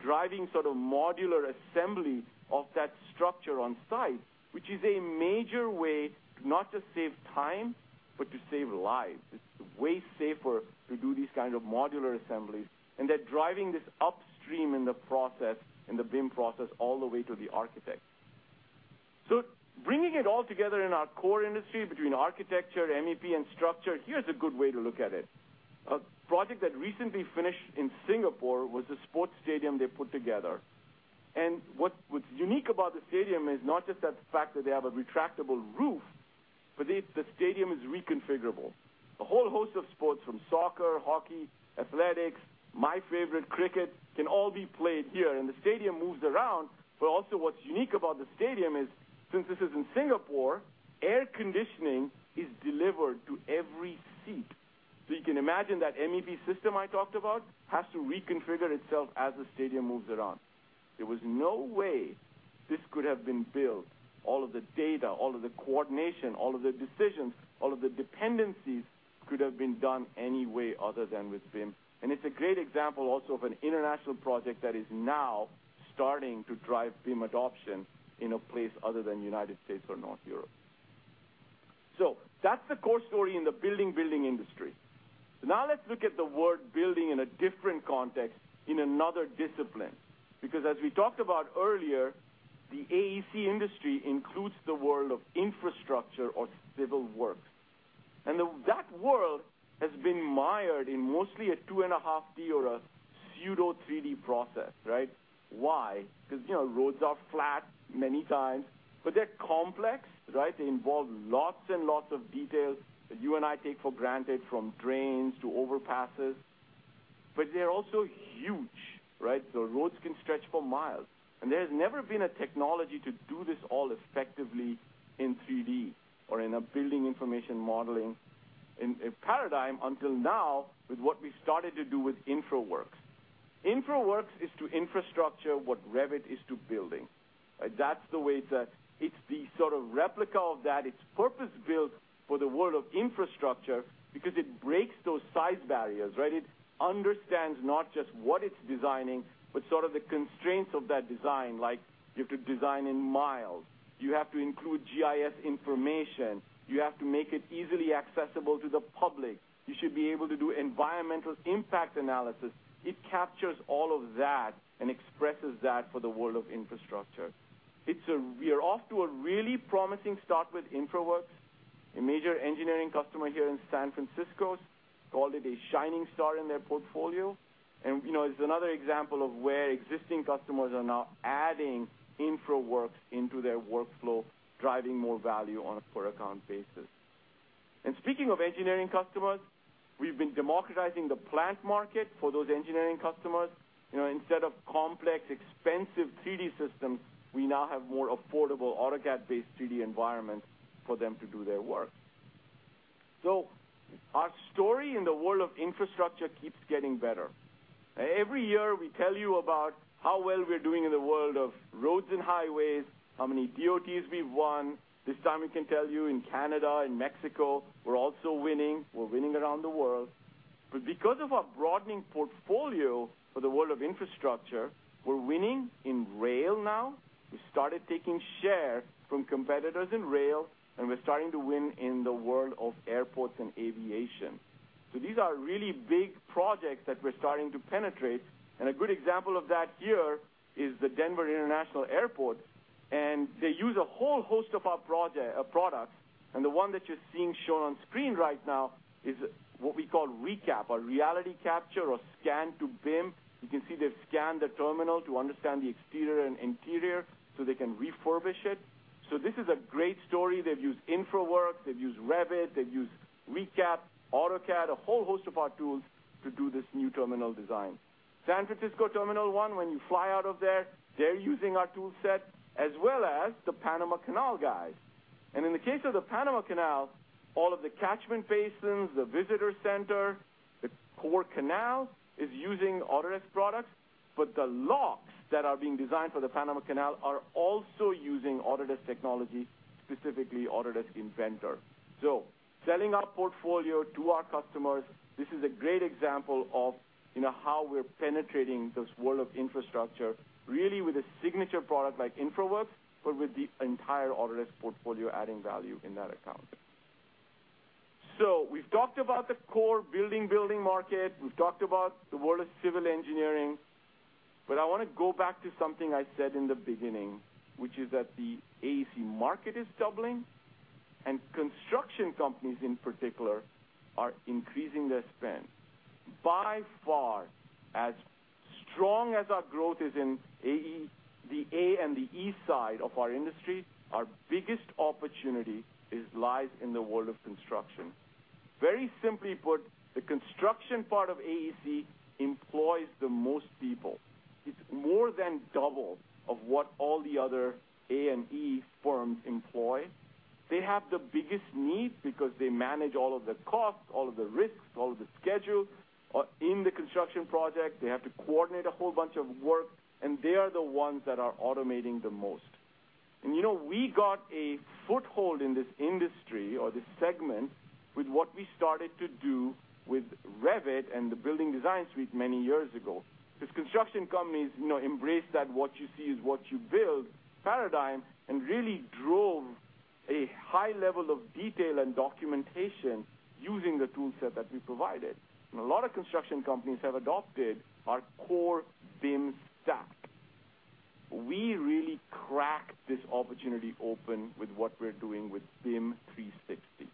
C: driving sort of modular assembly of that structure on site, which is a major way to not just save time, but to save lives. It's way safer to do these kinds of modular assemblies. They're driving this upstream in the process, in the BIM process, all the way to the architect. Bringing it all together in our core industry between architecture, MEP, and structure, here's a good way to look at it. A project that recently finished in Singapore was a sports stadium they put together. What's unique about the stadium is not just that fact that they have a retractable roof, but the stadium is reconfigurable. A whole host of sports from soccer, hockey, athletics, my favorite, cricket, can all be played here. The stadium moves around. Also what's unique about the stadium is, since this is in Singapore, air conditioning is delivered to every seat. You can imagine that MEP system I talked about has to reconfigure itself as the stadium moves around. There was no way this could have been built. All of the data, all of the coordination, all of the decisions, all of the dependencies could have been done any way other than with BIM. It's a great example also of an international project that is now starting to drive BIM adoption in a place other than U.S. or North Europe. That's the core story in the building industry. Now let's look at the word building in a different context in another discipline. As we talked about earlier, the AEC industry includes the world of infrastructure or civil works. That world has been mired in mostly a 2.5D or a pseudo 3D process, right? Why? Because roads are flat many times, but they're complex, right? They involve lots and lots of details that you and I take for granted, from drains to overpasses. They're also huge, right? Roads can stretch for miles. There's never been a technology to do this all effectively in 3D or in a Building Information Modeling in a paradigm until now, with what we started to do with InfraWorks. InfraWorks is to infrastructure what Revit is to building, right? That's the way it's a replica of that. It's purpose-built for the world of infrastructure because it breaks those size barriers, right? It understands not just what it's designing, but the constraints of that design. You have to design in miles. You have to include GIS information. You have to make it easily accessible to the public. You should be able to do environmental impact analysis. It captures all of that and expresses that for the world of infrastructure. We are off to a really promising start with InfraWorks. A major engineering customer here in San Francisco called it a shining star in their portfolio. It's another example of where existing customers are now adding InfraWorks into their workflow, driving more value on a per-account basis. Speaking of engineering customers, we've been democratizing the plant market for those engineering customers. Instead of complex, expensive 3D systems, we now have more affordable AutoCAD-based 3D environments for them to do their work. Our story in the world of infrastructure keeps getting better. Every year, we tell you about how well we're doing in the world of roads and highways, how many DOTs we've won. This time, we can tell you in Canada and Mexico, we're also winning. We're winning around the world. Because of our broadening portfolio for the world of infrastructure, we're winning in rail now. We started taking share from competitors in rail, we're starting to win in the world of airports and aviation. These are really big projects that we're starting to penetrate, a good example of that here is the Denver International Airport. They use a whole host of our products, the one that you're seeing shown on screen right now is what we call ReCap, or reality capture, or scan to BIM. You can see they've scanned the terminal to understand the exterior and interior so they can refurbish it. This is a great story. They've used InfraWorks, they've used Revit, they've used ReCap, AutoCAD, a whole host of our tools to do this new terminal design. San Francisco Terminal 1, when you fly out of there, they're using our tool set as well as the Panama Canal guys. In the case of the Panama Canal, all of the catchment basins, the visitor center, the core canal is using Autodesk products, but the locks that are being designed for the Panama Canal are also using Autodesk technology, specifically Autodesk Inventor. Selling our portfolio to our customers, this is a great example of how we're penetrating this world of infrastructure, really with a signature product like InfraWorks, but with the entire Autodesk portfolio adding value in that account. We've talked about the core building market, we've talked about the world of civil engineering, I want to go back to something I said in the beginning, which is that the AEC market is doubling, construction companies in particular are increasing their spend. By far, as strong as our growth is in AE, the A and the E side of our industry, our biggest opportunity lies in the world of construction. Very simply put, the construction part of AEC employs the most people. It's more than double of what all the other A&E firms employ. They have the biggest needs because they manage all of the costs, all of the risks, all of the schedule in the construction project. They have to coordinate a whole bunch of work, they are the ones that are automating the most. We got a foothold in this industry or this segment with what we started to do with Revit and the Autodesk Building Design Suite many years ago. These construction companies embrace that what you see is what you build paradigm and really drove a high level of detail and documentation using the tool set that we provided. A lot of construction companies have adopted our core BIM stack. We really cracked this opportunity open with what we're doing with BIM 360.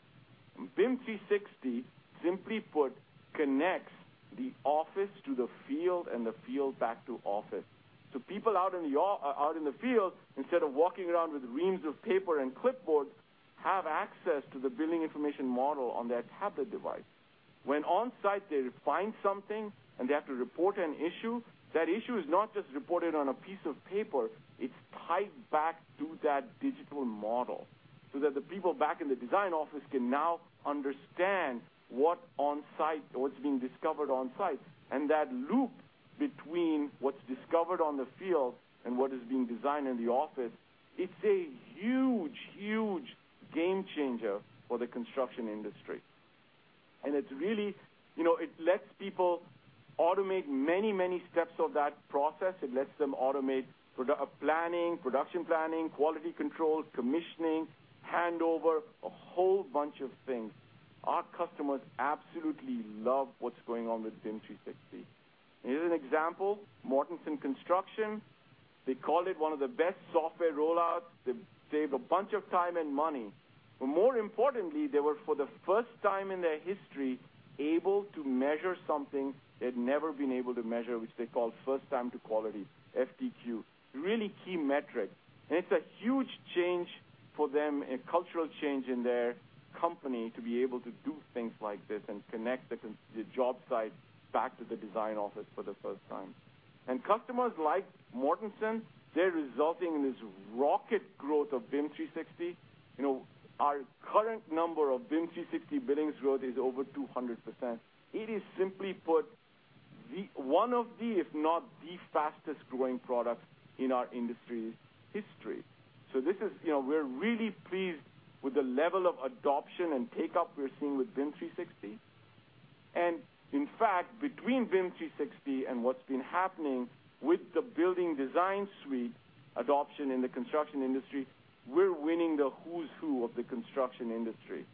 C: BIM 360, simply put, connects the office to the field and the field back to office. People out in the field, instead of walking around with reams of paper and clipboards, have access to the building information model on their tablet device. When on-site they find something and they have to report an issue, that issue is not just reported on a piece of paper. It's tied back to that digital model so that the people back in the design office can now understand what's being discovered on-site. That loop between what's discovered on the field and what is being designed in the office, it's a huge game changer for the construction industry. It lets people automate many steps of that process. It lets them automate production planning, quality control, commissioning, handover, a whole bunch of things. Our customers absolutely love what's going on with BIM 360. Here's an example. Mortenson Construction. They called it one of the best software rollouts. They saved a bunch of time and money. More importantly, they were, for the first time in their history, able to measure something they'd never been able to measure, which they call first time to quality, FTQ. Really key metric. It's a huge change for them, a cultural change in their company, to be able to do things like this and connect the job site back to the design office for the first time. Customers like Mortenson, they're resulting in this rocket growth of BIM 360. Our current number of BIM 360 billings growth is over 200%. It is, simply put, one of the, if not the fastest growing product in our industry's history. We're really pleased with the level of adoption and take-up we're seeing with BIM 360. In fact, between BIM 360 and what's been happening with the Autodesk Building Design Suite adoption in the construction industry, we're winning the who's who of the construction industry.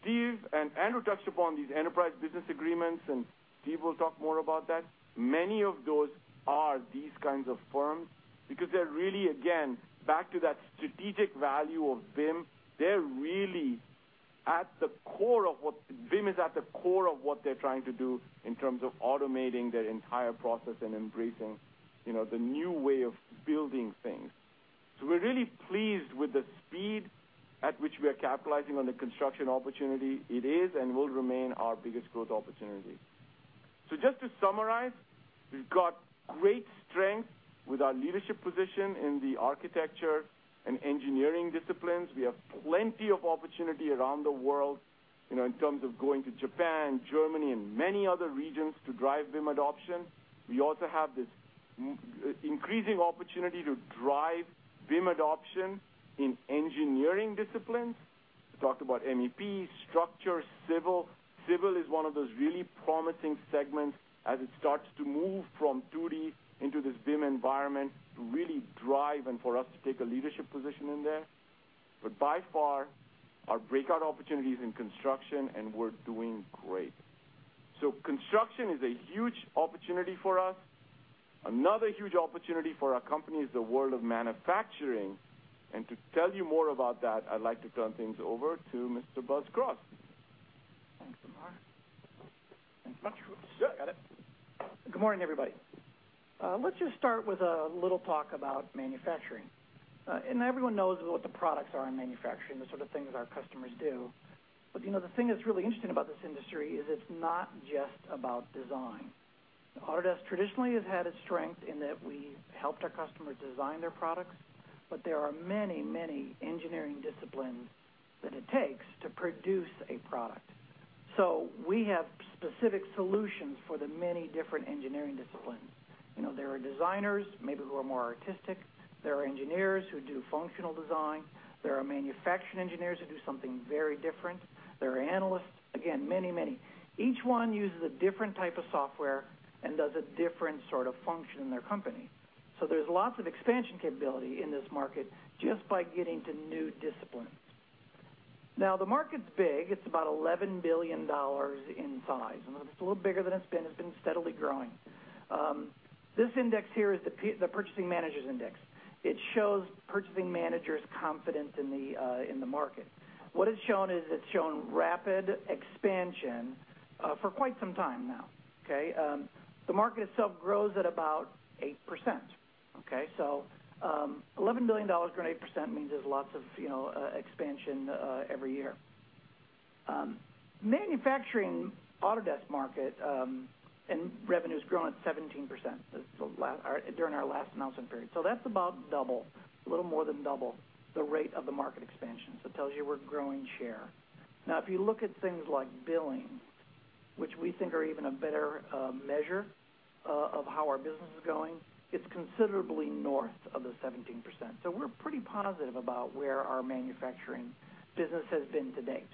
C: Steve and Andrew touched upon these Enterprise Business Agreements, and Steve will talk more about that. Many of those are these kinds of firms, because they're really, again, back to that strategic value of BIM. BIM is at the core of what they're trying to do in terms of automating their entire process and embracing the new way of building things. We're really pleased with the speed at which we are capitalizing on the construction opportunity. It is and will remain our biggest growth opportunity. Just to summarize, we've got great strength with our leadership position in the architecture and engineering disciplines. We have plenty of opportunity around the world in terms of going to Japan, Germany, and many other regions to drive BIM adoption. We also have this increasing opportunity to drive BIM adoption in engineering disciplines. We talked about MEP, structure, civil. Civil is one of those really promising segments as it starts to move from 2D into this BIM environment to really drive and for us to take a leadership position in there. By far, our breakout opportunity is in construction, and we're doing great. Construction is a huge opportunity for us. Another huge opportunity for our company is the world of manufacturing. To tell you more about that, I'd like to turn things over to Mr. Buzz Kross.
D: Thanks, Amar. Thank you. Got it. Good morning, everybody. Let's just start with a little talk about manufacturing. Everyone knows what the products are in manufacturing, the sort of things our customers do. The thing that's really interesting about this industry is it's not just about design. Autodesk traditionally has had its strength in that we helped our customers design their products, but there are many engineering disciplines that it takes to produce a product. We have specific solutions for the many different engineering disciplines. There are designers, maybe who are more artistic. There are engineers who do functional design. There are manufacturing engineers who do something very different. There are analysts. Again, many. Each one uses a different type of software and does a different sort of function in their company. There's lots of expansion capability in this market just by getting to new disciplines. The market's big. It's about $11 billion in size, and it's a little bigger than it's been. It's been steadily growing. This index here is the Purchasing Managers' Index. It shows purchasing managers' confidence in the market. What it's shown is, it's shown rapid expansion for quite some time now. The market itself grows at about 8%. $11 billion growing at 8% means there's lots of expansion every year. Manufacturing Autodesk market, and revenue's grown at 17% during our last announcement period. That's about double, a little more than double the rate of the market expansion. It tells you we're growing share. If you look at things like billing, which we think are even a better measure of how our business is going, it's considerably north of the 17%. We're pretty positive about where our manufacturing business has been to date.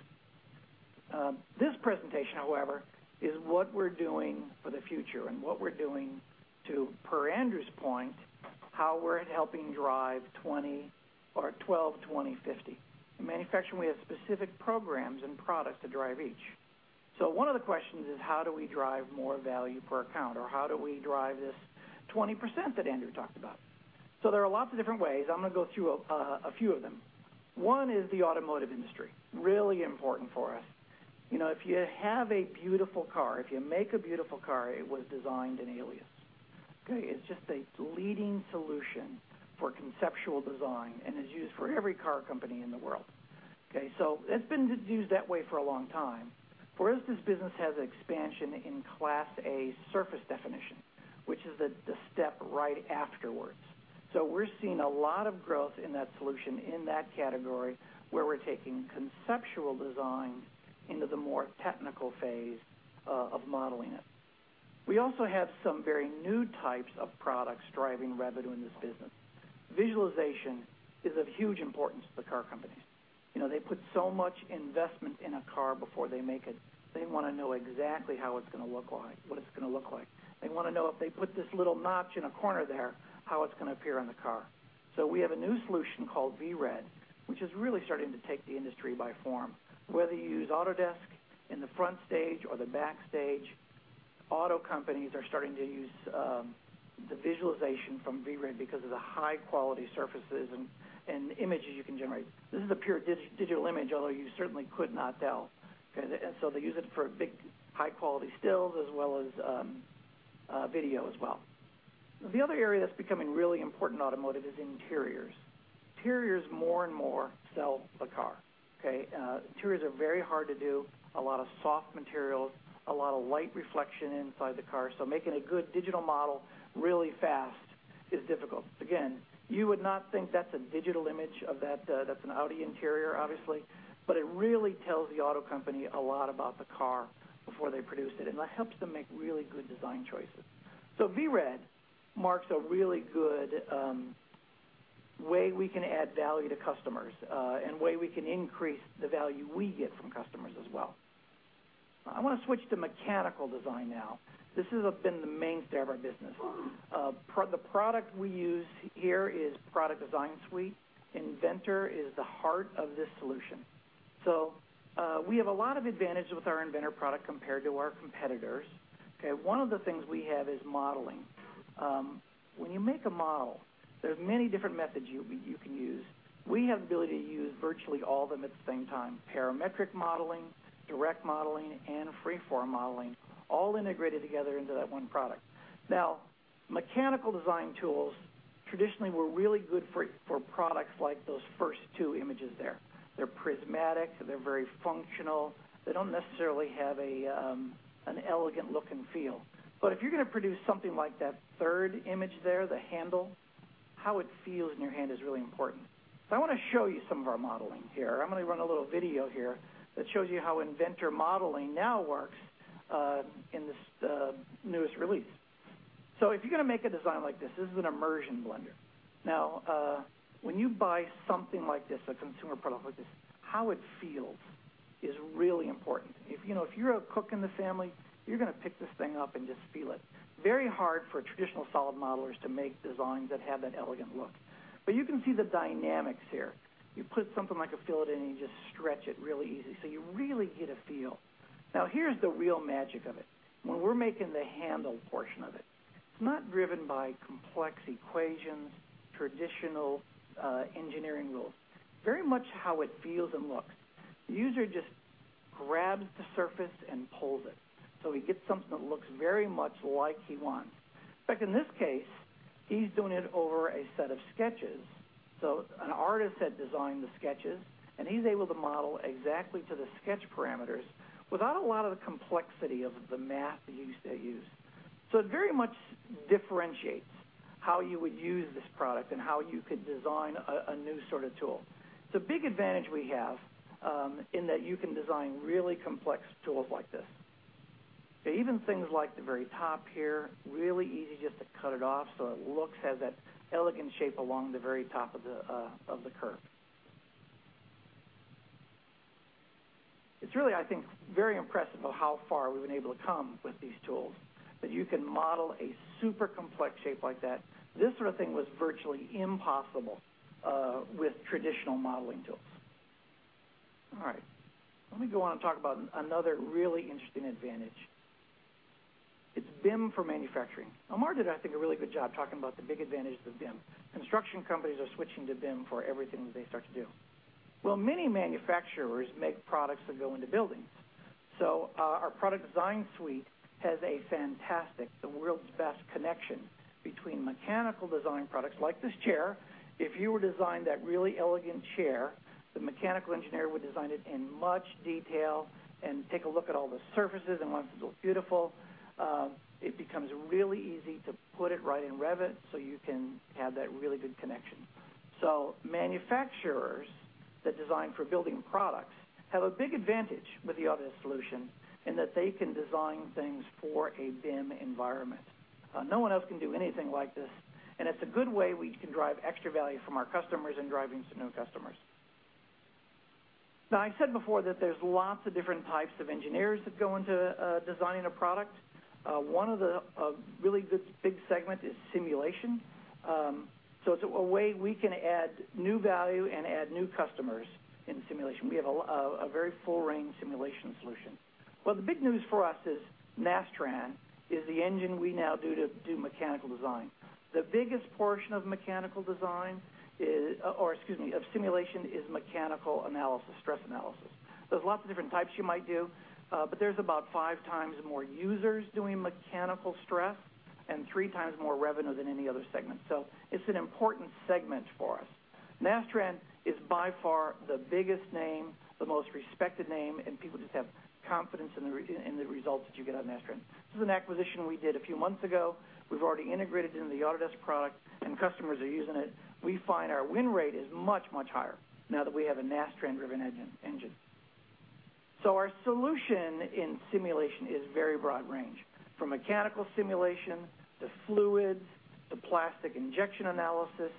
D: This presentation, however, is what we're doing for the future and what we're doing to, per Andrew's point, how we're helping drive 20 or 12, 20, 50. In manufacturing, we have specific programs and products that drive each. One of the questions is how do we drive more value per account, or how do we drive this 20% that Andrew talked about? There are lots of different ways. I'm going to go through a few of them. One is the automotive industry, really important for us. If you have a beautiful car, if you make a beautiful car, it was designed in Alias. It's just a leading solution for conceptual design and is used for every car company in the world. It's been used that way for a long time. For us, this business has expansion in Class A surface definition, which is the step right afterwards. We're seeing a lot of growth in that solution, in that category, where we're taking conceptual design into the more technical phase of modeling it. We also have some very new types of products driving revenue in this business. Visualization is of huge importance to the car companies. They put so much investment in a car before they make it. They want to know exactly how it's going to look like, what it's going to look like. They want to know if they put this little notch in a corner there, how it's going to appear on the car. We have a new solution called VRED, which is really starting to take the industry by form. Whether you use Autodesk in the front stage or the back stage. Auto companies are starting to use the visualization from VRED because of the high-quality surfaces and images you can generate. This is a pure digital image, although you certainly could not tell. They use it for big, high-quality stills as well as video as well. The other area that's becoming really important in automotive is interiors. Interiors more and more sell the car. Okay? Interiors are very hard to do, a lot of soft materials, a lot of light reflection inside the car. Making a good digital model really fast is difficult. Again, you would not think that's a digital image of that. That's an Audi interior, obviously. It really tells the auto company a lot about the car before they produce it, and that helps them make really good design choices. VRED marks a really good way we can add value to customers, and a way we can increase the value we get from customers as well. I want to switch to mechanical design now. This has been the mainstay of our business. The product we use here is Product Design Suite. Inventor is the heart of this solution. We have a lot of advantage with our Inventor product compared to our competitors. Okay? One of the things we have is modeling. When you make a model, there's many different methods you can use. We have the ability to use virtually all of them at the same time. Parametric modeling, direct modeling, and freeform modeling, all integrated together into that one product. Mechanical design tools traditionally were really good for products like those first two images there. They're prismatic, they're very functional. They don't necessarily have an elegant look and feel. If you're going to produce something like that third image there, the handle, how it feels in your hand is really important. I want to show you some of our modeling here. I'm going to run a little video here that shows you how Inventor modeling now works in this newest release. If you're going to make a design like this is an immersion blender. When you buy something like this, a consumer product like this, how it feels is really important. If you're a cook in the family, you're going to pick this thing up and just feel it. Very hard for traditional solid modelers to make designs that have that elegant look. You can see the dynamics here. You put something like a fillet in, and you just stretch it really easy, so you really get a feel. Here's the real magic of it. When we're making the handle portion of it's not driven by complex equations, traditional engineering rules. Very much how it feels and looks. The user just grabs the surface and pulls it, so he gets something that looks very much like he wants. In fact, in this case, he's doing it over a set of sketches. An artist had designed the sketches, and he's able to model exactly to the sketch parameters without a lot of the complexity of the math that used to get used. It very much differentiates how you would use this product and how you could design a new sort of tool. It's a big advantage we have in that you can design really complex tools like this. Even things like the very top here, really easy just to cut it off so it has that elegant shape along the very top of the curve. It's really, I think, very impressive of how far we've been able to come with these tools, that you can model a super complex shape like that. This sort of thing was virtually impossible with traditional modeling tools. All right. Let me go on and talk about another really interesting advantage. It's BIM for manufacturing. Amar did, I think, a really good job talking about the big advantage of BIM. Construction companies are switching to BIM for everything that they start to do. Many manufacturers make products that go into buildings. Our Product Design Suite has a fantastic, the world's best connection between mechanical design products like this chair. If you were to design that really elegant chair, the mechanical engineer would design it in much detail and take a look at all the surfaces and wants it to look beautiful. It becomes really easy to put it right in Revit so you can have that really good connection. Manufacturers that design for building products have a big advantage with the Autodesk solution in that they can design things for a BIM environment. No one else can do anything like this, and it's a good way we can drive extra value from our customers and driving some new customers. I said before that there's lots of different types of engineers that go into designing a product. One of the really good, big segment is simulation. It's a way we can add new value and add new customers in simulation. We have a very full range simulation solution. The big news for us is Nastran is the engine we now do to do mechanical design. The biggest portion of simulation is mechanical analysis, stress analysis. There's lots of different types you might do. There's about five times more users doing mechanical stress and three times more revenue than any other segment. It's an important segment for us. Nastran is by far the biggest name, the most respected name, and people just have confidence in the results that you get out of Nastran. This is an acquisition we did a few months ago. We've already integrated it into the Autodesk product, and customers are using it. We find our win rate is much, much higher now that we have a Nastran-driven engine. Our solution in simulation is very broad range. From mechanical simulation, to fluids, to plastic injection analysis,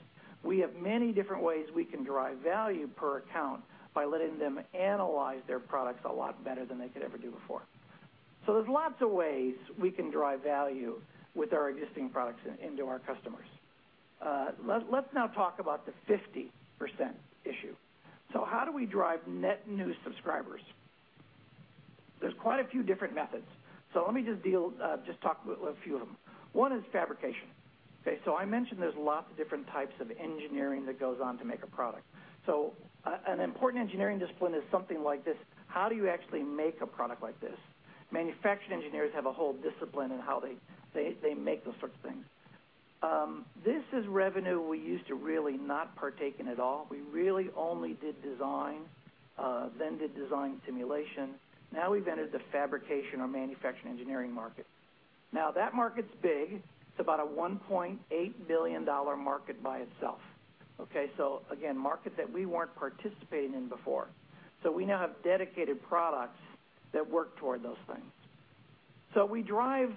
D: we have many different ways we can derive value per account by letting them analyze their products a lot better than they could ever do before. There's lots of ways we can derive value with our existing products into our customers. Let's now talk about the 50% issue. How do we drive net new subscribers? There's quite a few different methods. Let me just talk about a few of them. One is fabrication. Okay, I mentioned there's lots of different types of engineering that goes on to make a product. An important engineering discipline is something like this. How do you actually make a product like this? Manufacturing engineers have a whole discipline in how they make those sorts of things. This is revenue we used to really not partake in at all. We really only did design, then did design simulation. We've entered the fabrication or manufacturing engineering market. That market's big. It's about a $1.8 billion market by itself. Okay, again, market that we weren't participating in before. We now have dedicated products that work toward those things. We drive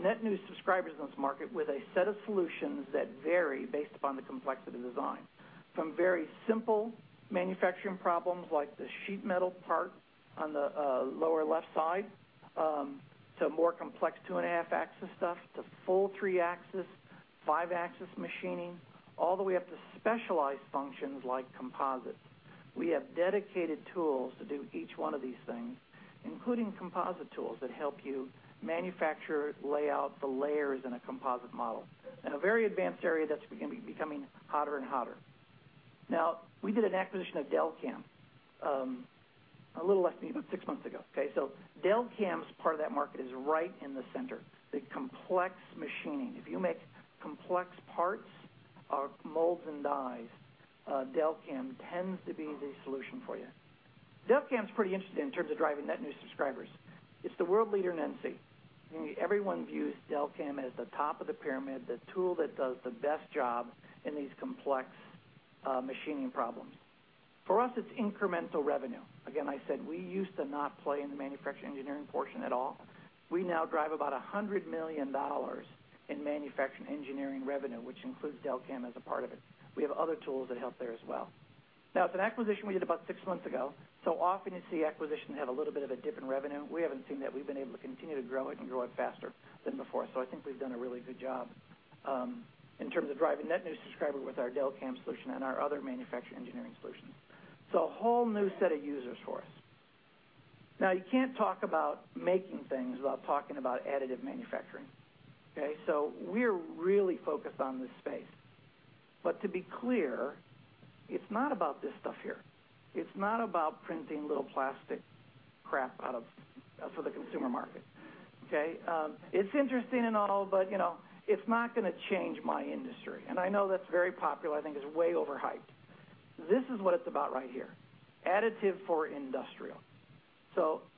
D: net new subscribers in this market with a set of solutions that vary based upon the complexity of design. From very simple manufacturing problems like the sheet metal part on the lower left side, to more complex two-and-a-half axis stuff, to full three-axis, five-axis machining, all the way up to specialized functions like composites. We have dedicated tools to do each one of these things, including composite tools that help you manufacture, lay out the layers in a composite model. A very advanced area that's becoming hotter and hotter. We did an acquisition of Delcam, a little less than 6 months ago. Okay, Delcam's part of that market is right in the center, the complex machining. If you make complex parts of molds and dies, Delcam tends to be the solution for you. Delcam's pretty interesting in terms of driving net new subscribers. It's the world leader in NC. Everyone views Delcam as the top of the pyramid, the tool that does the best job in these complex machining problems. For us, it's incremental revenue. Again, I said we used to not play in the manufacturing engineering portion at all. We now drive about $100 million in manufacturing engineering revenue, which includes Delcam as a part of it. We have other tools that help there as well. It's an acquisition we did about 6 months ago, often you see acquisitions have a little bit of a dip in revenue. We haven't seen that. We've been able to continue to grow it and grow it faster than before. I think we've done a really good job in terms of driving net new subscriber with our Delcam solution and our other manufacturing engineering solutions. A whole new set of users for us. You can't talk about making things without talking about additive manufacturing. Okay, we're really focused on this space. To be clear, it's not about this stuff here. It's not about printing little plastic crap out for the consumer market. Okay, it's interesting and all, but it's not going to change my industry. I know that's very popular. I think it's way overhyped. This is what it's about right here, additive for industrial.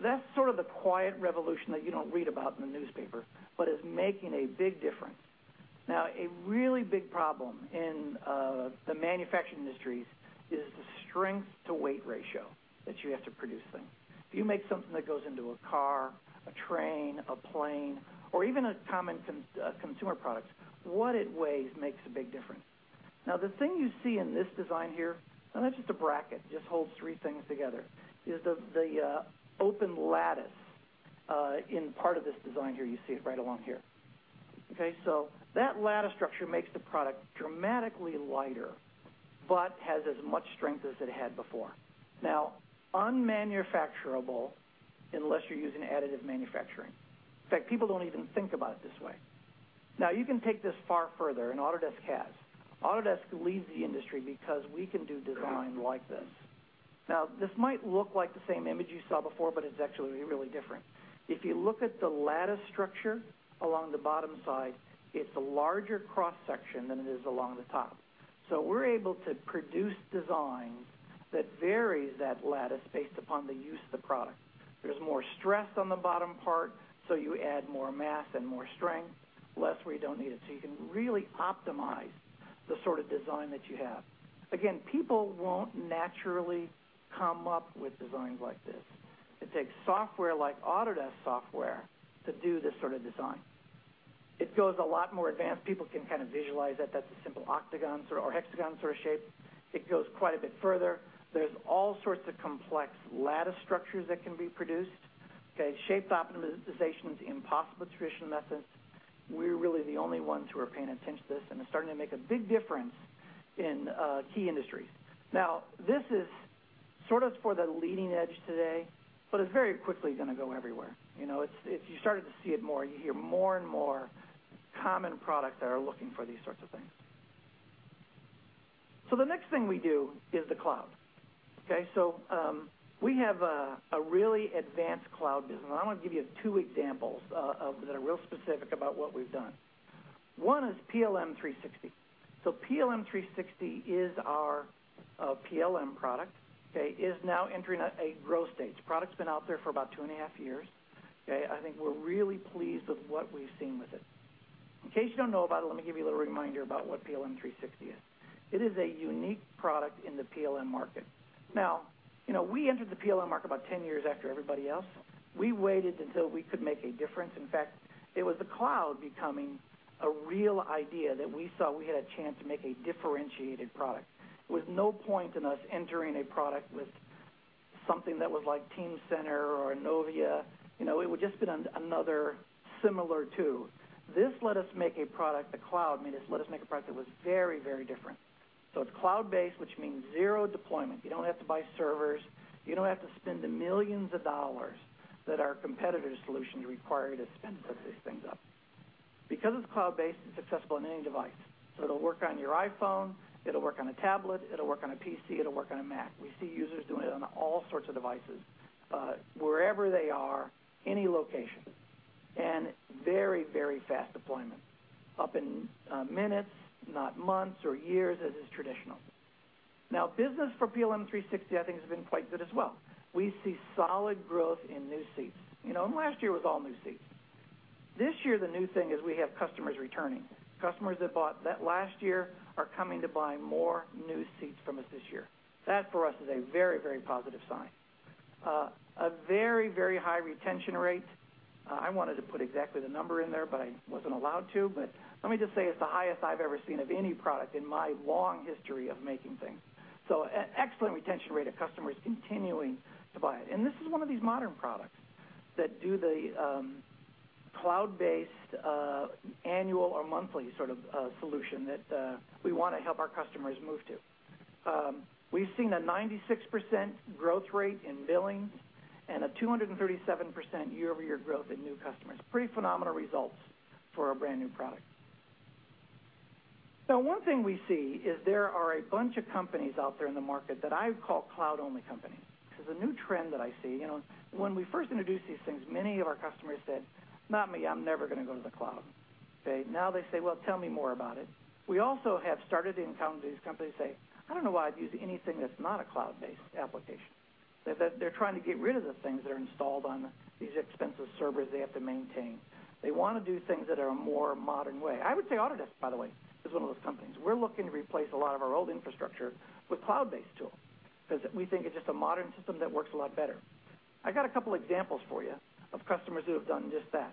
D: That's sort of the quiet revolution that you don't read about in the newspaper, but is making a big difference. A really big problem in the manufacturing industries is the strength-to-weight ratio that you have to produce things. If you make something that goes into a car, a train, a plane, or even a common consumer product, what it weighs makes a big difference. The thing you see in this design here, and that's just a bracket, just holds three things together, is the open lattice in part of this design here. You see it right along here. That lattice structure makes the product dramatically lighter, but has as much strength as it had before. Unmanufacturable, unless you're using additive manufacturing. People don't even think about it this way. You can take this far further, and Autodesk has. Autodesk leads the industry because we can do design like this. This might look like the same image you saw before, but it's actually really different. If you look at the lattice structure along the bottom side, it's a larger cross-section than it is along the top. We're able to produce designs that vary that lattice based upon the use of the product. There's more stress on the bottom part, so you add more mass and more strength, less where you don't need it. You can really optimize the sort of design that you have. Again, people won't naturally come up with designs like this. It takes software like Autodesk software to do this sort of design. It goes a lot more advanced. People can kind of visualize that. That's a simple octagon or hexagon sort of shape. It goes quite a bit further. There's all sorts of complex lattice structures that can be produced. Shape optimization is impossible with traditional methods. We're really the only ones who are paying attention to this, and it's starting to make a big difference in key industries. This is sort of for the leading edge today, but it's very quickly going to go everywhere. You're starting to see it more. You hear more and more common products that are looking for these sorts of things. The next thing we do is the cloud. We have a really advanced cloud business, and I want to give you two examples of that are real specific about what we've done. One is PLM 360. PLM 360 is our PLM product, is now entering a growth stage. The product's been out there for about two and a half years. I think we're really pleased with what we've seen with it. In case you don't know about it, let me give you a little reminder about what PLM 360 is. It is a unique product in the PLM market. We entered the PLM market about 10 years after everybody else. We waited until we could make a difference. In fact, it was the cloud becoming a real idea that we saw we had a chance to make a differentiated product. There was no point in us entering a product with something that was like Teamcenter or ENOVIA, it would just been another similar to. This let us make a product, the cloud made us let us make a product that was very, very different. It's cloud-based, which means zero deployment. You don't have to buy servers, you don't have to spend the millions of dollars that our competitors' solutions require you to spend to set these things up. Because it's cloud-based, it's accessible on any device. So it'll work on your iPhone, it'll work on a tablet, it'll work on a PC, it'll work on a Mac. We see users doing it on all sorts of devices, wherever they are, any location. Very, very fast deployment. Up in minutes, not months or years as is traditional. Business for PLM 360, I think, has been quite good as well. We see solid growth in new seats. Last year was all new seats. This year, the new thing is we have customers returning. Customers that bought last year are coming to buy more new seats from us this year. That, for us, is a very, very positive sign. A very, very high retention rate. I wanted to put exactly the number in there, I wasn't allowed to. Let me just say it's the highest I've ever seen of any product in my long history of making things. An excellent retention rate of customers continuing to buy it. This is one of these modern products that do the cloud-based, annual or monthly sort of solution that we want to help our customers move to. We've seen a 96% growth rate in billings and a 237% year-over-year growth in new customers. Pretty phenomenal results for a brand-new product. One thing we see is there are a bunch of companies out there in the market that I call cloud-only companies, because the new trend that I see. When we first introduced these things, many of our customers said, "Not me, I'm never going to go to the cloud." Okay? They say, "Well, tell me more about it." We also have started encountering these companies who say, "I don't know why I'd use anything that's not a cloud-based application." They're trying to get rid of the things that are installed on these expensive servers they have to maintain. They want to do things that are a more modern way. I would say Autodesk, by the way, is one of those companies. We're looking to replace a lot of our old infrastructure with cloud-based tools, because we think it's just a modern system that works a lot better. I got a couple examples for you of customers who have done just that.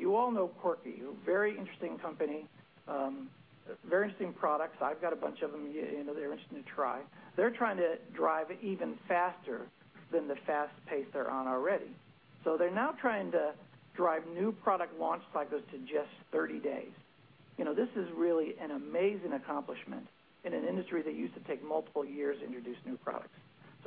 D: You all know Quirky, a very interesting company, very interesting products. I've got a bunch of them. They're interesting to try. They're trying to drive even faster than the fast pace they're on already. They're now trying to drive new product launch cycles to just 30 days. This is really an amazing accomplishment in an industry that used to take multiple years to introduce new products.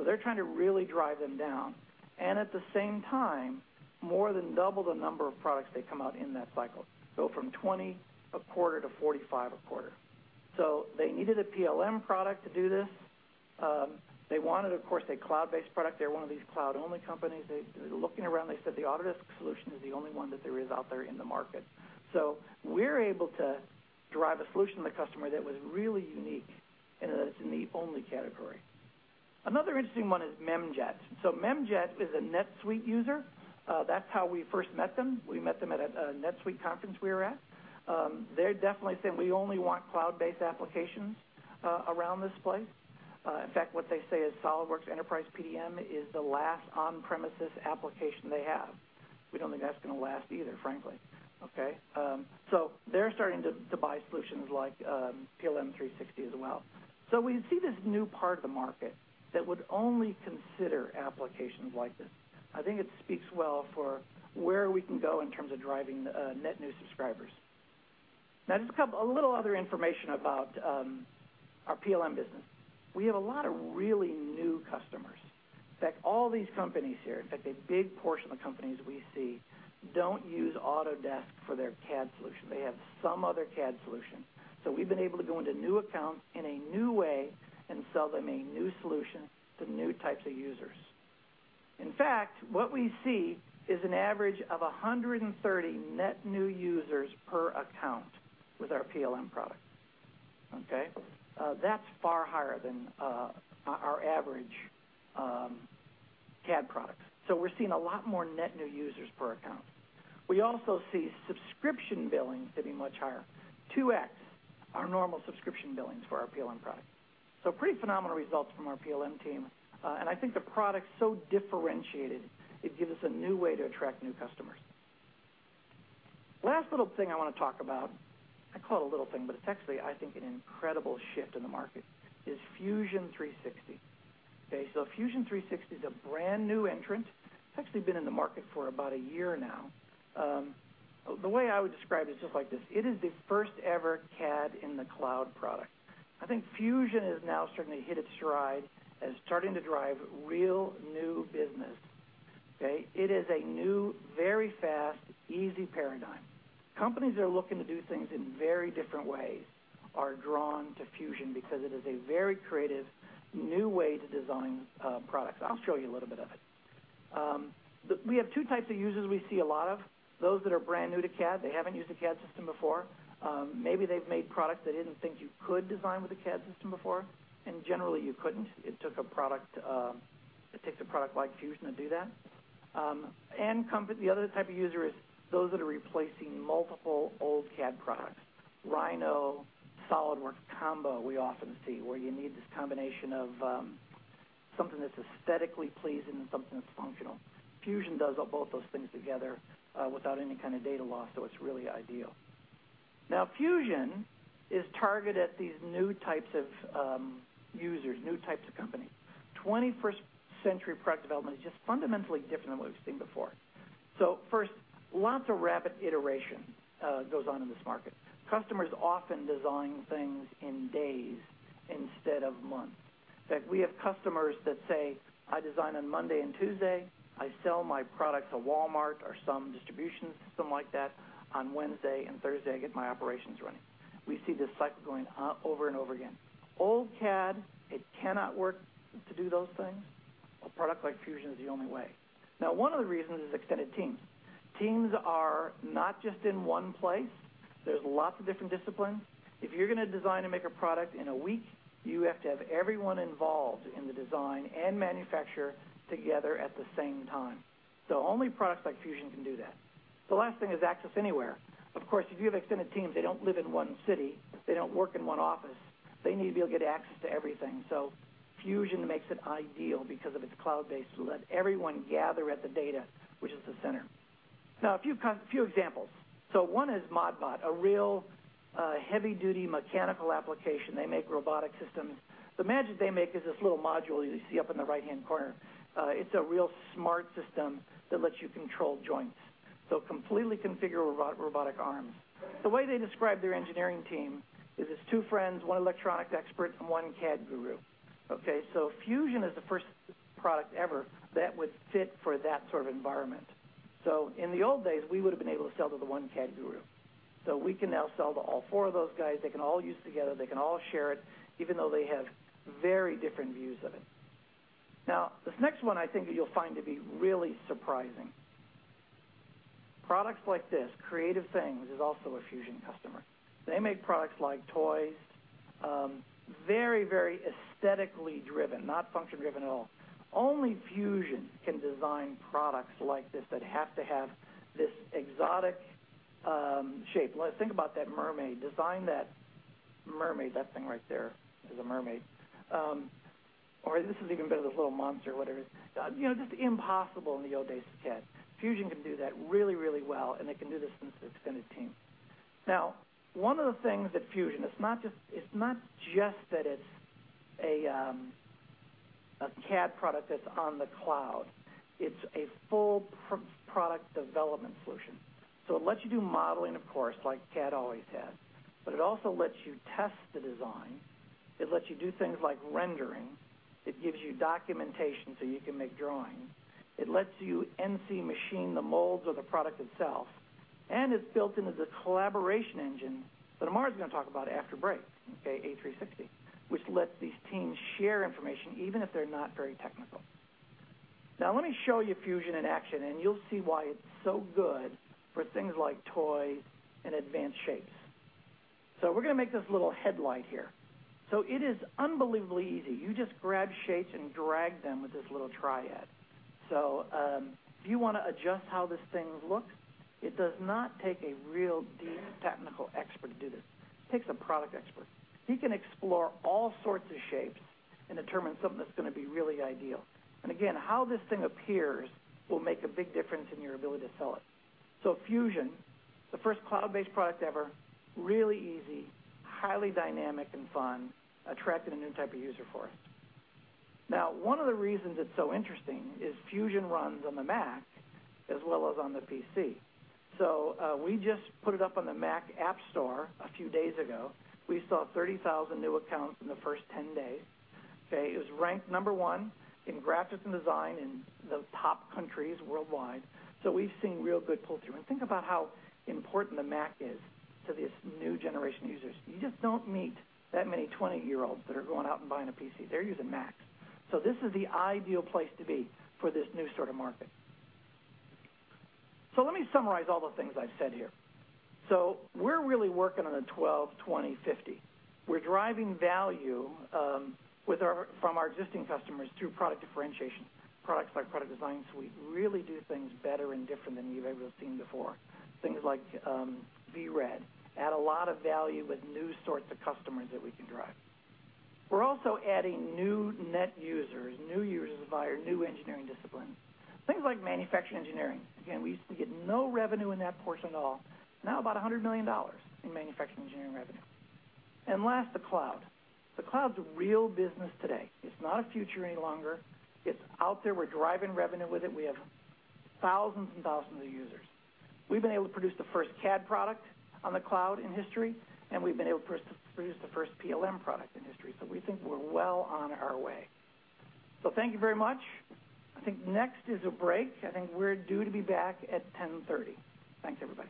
D: They're trying to really drive them down, and at the same time, more than double the number of products they come out in that cycle. From 20 a quarter to 45 a quarter. They needed a PLM product to do this. They wanted, of course, a cloud-based product. They're one of these cloud-only companies. They're looking around, they said the Autodesk solution is the only one that there is out there in the market. We're able to drive a solution to the customer that was really unique and that it's in the only category. Another interesting one is Memjet. Memjet is a NetSuite user. That's how we first met them. We met them at a NetSuite conference we were at. They're definitely saying, "We only want cloud-based applications around this place." In fact, what they say is SolidWorks Enterprise PDM is the last on-premises application they have. We don't think that's going to last either, frankly. Okay. They're starting to buy solutions like PLM 360 as well. We see this new part of the market that would only consider applications like this. I think it speaks well for where we can go in terms of driving net new subscribers. Just a little other information about our PLM business. We have a lot of really new customers. In fact, all these companies here, in fact, a big portion of the companies we see, don't use Autodesk for their CAD solution. They have some other CAD solution. We've been able to go into new accounts in a new way and sell them a new solution to new types of users. In fact, what we see is an average of 130 net new users per account with our PLM product. Okay. That's far higher than our average CAD products. We're seeing a lot more net new users per account. We also see subscription billings to be much higher, 2x our normal subscription billings for our PLM product. Pretty phenomenal results from our PLM team. I think the product's so differentiated, it gives us a new way to attract new customers. Last little thing I want to talk about, I call it a little thing, but it's actually, I think, an incredible shift in the market, is Fusion 360. Okay. Fusion 360 is a brand-new entrant. It's actually been in the market for about a year now. The way I would describe it is just like this: It is the first ever CAD in the cloud product. I think Fusion has now certainly hit its stride and is starting to drive real new business. Okay. It is a new, very fast, easy paradigm. Companies that are looking to do things in very different ways are drawn to Fusion because it is a very creative, new way to design products. I'll show you a little bit of it. We have two types of users we see a lot of, those that are brand new to CAD, they haven't used a CAD system before. Maybe they've made products they didn't think you could design with a CAD system before. Generally you couldn't. It takes a product like Fusion to do that. The other type of user is those that are replacing multiple old CAD products. Rhino, SolidWorks combo we often see, where you need this combination of something that's aesthetically pleasing and something that's functional. Fusion does both those things together, without any kind of data loss. It's really ideal. Fusion is targeted at these new types of users, new types of companies. 21st century product development is just fundamentally different than what we've seen before. First, lots of rapid iteration goes on in this market. Customers often design things in days instead of months. In fact, we have customers that say, "I design on Monday and Tuesday, I sell my product to Walmart or some distribution system like that on Wednesday and Thursday, I get my operations running." We see this cycle going over and over again. Old CAD, it cannot work to do those things. A product like Fusion is the only way. Now, one of the reasons is extended teams. Teams are not just in one place. There's lots of different disciplines. If you're going to design and make a product in a week, you have to have everyone involved in the design and manufacture together at the same time. Only products like Fusion can do that. The last thing is access anywhere. Of course, if you have extended teams, they don't live in one city, they don't work in one office. They need to be able to get access to everything. Fusion makes it ideal because of its cloud base to let everyone gather at the data, which is the center. A few examples. One is Modbot, a real heavy-duty mechanical application. They make robotic systems. The magic they make is this little module you see up in the right-hand corner. It's a real smart system that lets you control joints. Completely configure robotic arms. The way they describe their engineering team is it's two friends, one electronics expert, and one CAD guru. Okay? Fusion is the first product ever that would fit for that sort of environment. In the old days, we would've been able to sell to the one CAD guru. We can now sell to all four of those guys. They can all use together, they can all share it, even though they have very different views of it. This next one I think you'll find to be really surprising. Products like this, Creative Things, is also a Fusion customer. They make products like toys, very aesthetically driven, not function driven at all. Only Fusion can design products like this that have to have this exotic shape. Think about that mermaid. Design that mermaid, that thing right there is a mermaid. Or this is even better, this little monster or whatever it is. Just impossible in the old days of CAD. Fusion can do that really well, and it can do this in its extended team. One of the things that Fusion, it's not just that it's a CAD product that's on the cloud. It's a full product development solution. It lets you do modeling, of course, like CAD always has, but it also lets you test the design. It lets you do things like rendering. It gives you documentation so you can make drawings. It lets you NC machine the molds or the product itself, and it's built into the collaboration engine that Amar's going to talk about after break, A360, which lets these teams share information even if they're not very technical. Let me show you Fusion in action, and you'll see why it's so good for things like toys and advanced shapes. We're going to make this little headlight here. It is unbelievably easy. You just grab shapes and drag them with this little triad. If you want to adjust how this thing looks, it does not take a real deep technical expert to do this. It takes a product expert. He can explore all sorts of shapes and determine something that's going to be really ideal. Again, how this thing appears will make a big difference in your ability to sell it. Autodesk Fusion, the first cloud-based product ever, really easy, highly dynamic and fun, attracted a new type of user for us. One of the reasons it's so interesting is Autodesk Fusion runs on the Mac as well as on the PC. We just put it up on the Mac App Store a few days ago. We saw 30,000 new accounts in the first 10 days. Okay? It was ranked number 1 in graphics and design in the top countries worldwide. We've seen real good pull-through, and think about how important the Mac is to these new generation users. You just don't meet that many 20-year-olds that are going out and buying a PC. They're using Macs. This is the ideal place to be for this new sort of market. Let me summarize all the things I've said here. We're really working on a 12/20/50. We're driving value from our existing customers through product differentiation. Products like Autodesk Product Design Suite really do things better and different than you've ever seen before. Things like VRED add a lot of value with new sorts of customers that we can drive. We're also adding new net users, new users via new engineering disciplines. Things like manufacturing engineering. Again, we used to get no revenue in that portion at all. Now about $100 million in manufacturing engineering revenue. Last, the cloud. The cloud's a real business today. It's not a future any longer. It's out there. We're driving revenue with it. We have thousands and thousands of users. We've been able to produce the first CAD product on the cloud in history, and we've been able to produce the first PLM product in history. We think we're well on our way. Thank you very much. I think next is a break. I think we're due to be back at 10:30 A.M. Thanks, everybody.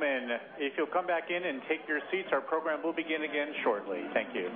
E: Ladies and gentlemen, if you'll come back in and take your seats, our program will begin again shortly. Thank you.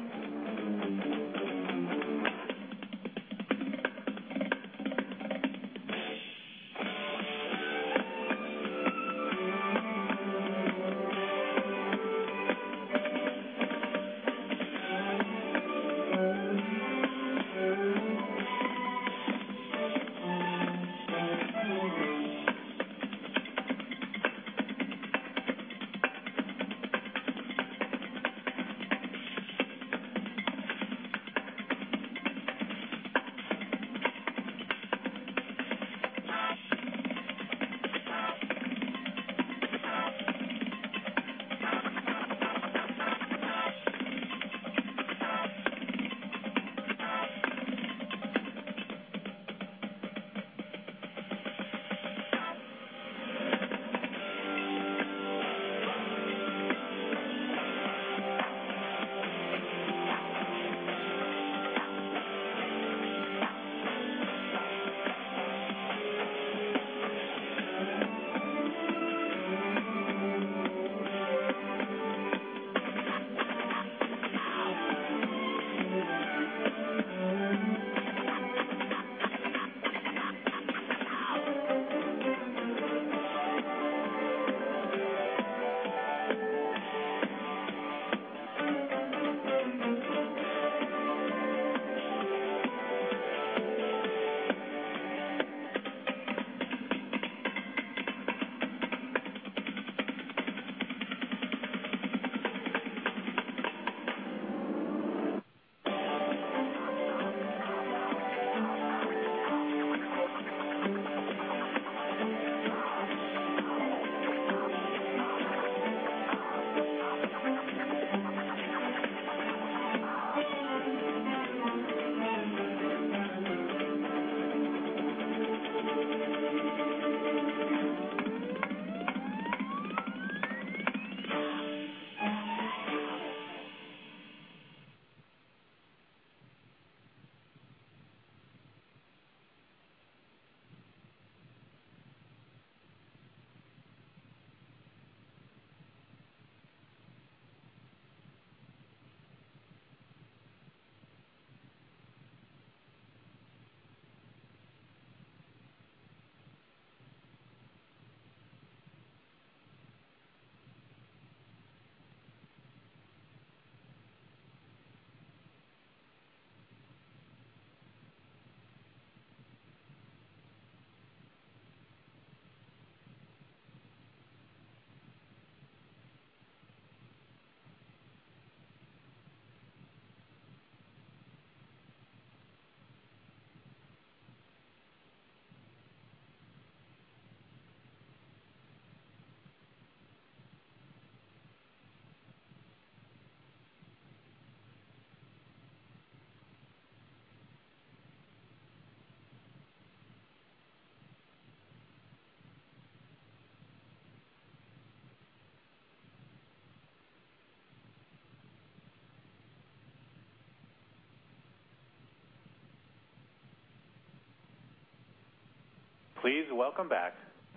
F: Please welcome back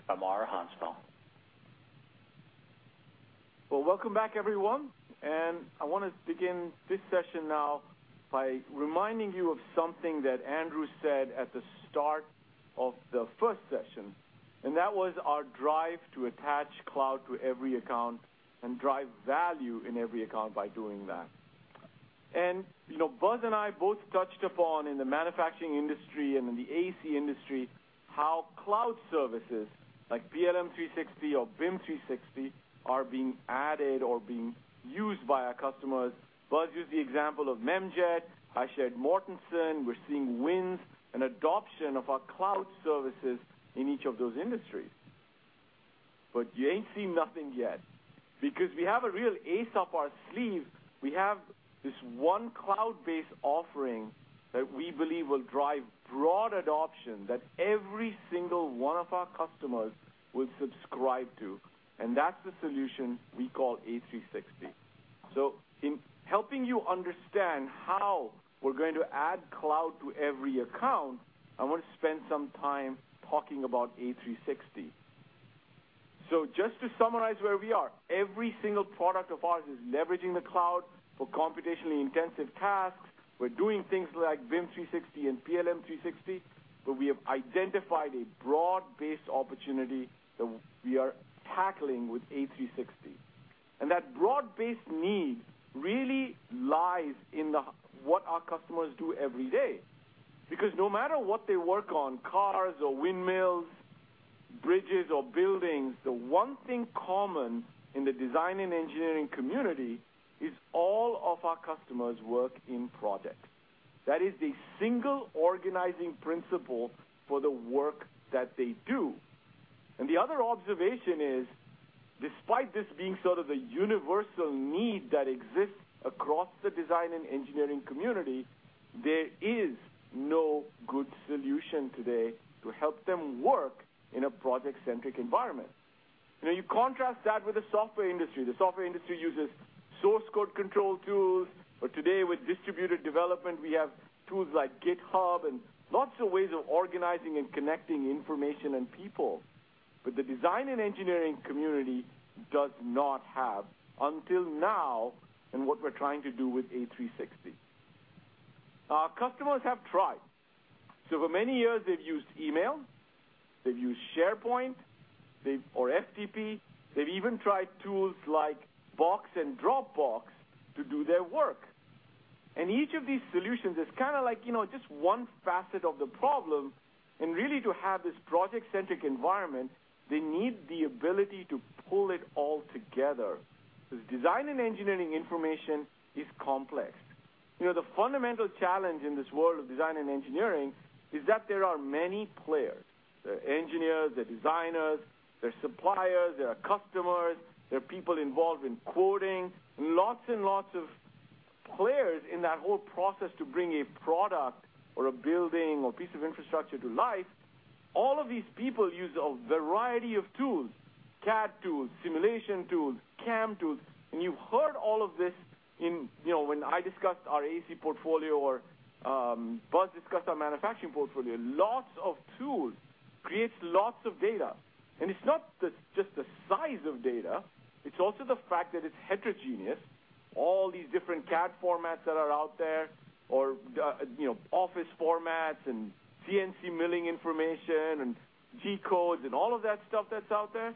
F: Amar Hanspal.
C: Welcome back everyone. I want to begin this session now by reminding you of something that Andrew said at the start of the first session, and that was our drive to attach cloud to every account and drive value in every account by doing that. Buzz and I both touched upon in the manufacturing industry and in the AEC industry how cloud services like PLM 360 or BIM 360 are being added or being used by our customers. Buzz used the example of Memjet. I shared Mortenson. We're seeing wins and adoption of our cloud services in each of those industries. You ain't seen nothing yet because we have a real ace up our sleeve. We have this one cloud-based offering that we believe will drive broad adoption that every single one of our customers will subscribe to, and that's the solution we call A360. In helping you understand how we're going to add cloud to every account, I want to spend some time talking about A360. Just to summarize where we are, every single product of ours is leveraging the cloud for computationally intensive tasks. We're doing things like BIM 360 and PLM 360, we have identified a broad-based opportunity that we are tackling with A360. That broad-based need really lies in what our customers do every day. No matter what they work on, cars or windmills, bridges or buildings, the one thing common in the design and engineering community is all of our customers work in projects. That is the single organizing principle for the work that they do. The other observation is, despite this being sort of a universal need that exists across the design and engineering community, there is no good solution today to help them work in a project-centric environment. You contrast that with the software industry. The software industry uses source code control tools. Today with distributed development, we have tools like GitHub and lots of ways of organizing and connecting information and people. The design and engineering community does not have, until now, and what we're trying to do with A360. Our customers have tried. For many years they've used email, they've used SharePoint or FTP. They've even tried tools like Box and Dropbox to do their work. Each of these solutions is kind of like just one facet of the problem. To have this project-centric environment, they need the ability to pull it all together, because design and engineering information is complex. The fundamental challenge in this world of design and engineering is that there are many players. There are engineers, there are designers, there are suppliers, there are customers, there are people involved in quoting, lots and lots of players in that whole process to bring a product or a building or piece of infrastructure to life. All of these people use a variety of tools, CAD tools, simulation tools, CAM tools, you've heard all of this when I discussed our AEC portfolio or Buzz discussed our manufacturing portfolio. Lots of tools creates lots of data. It's not just the size of data, it's also the fact that it's heterogeneous. All these different CAD formats that are out there or office formats and CNC milling information and G-codes and all of that stuff that's out there.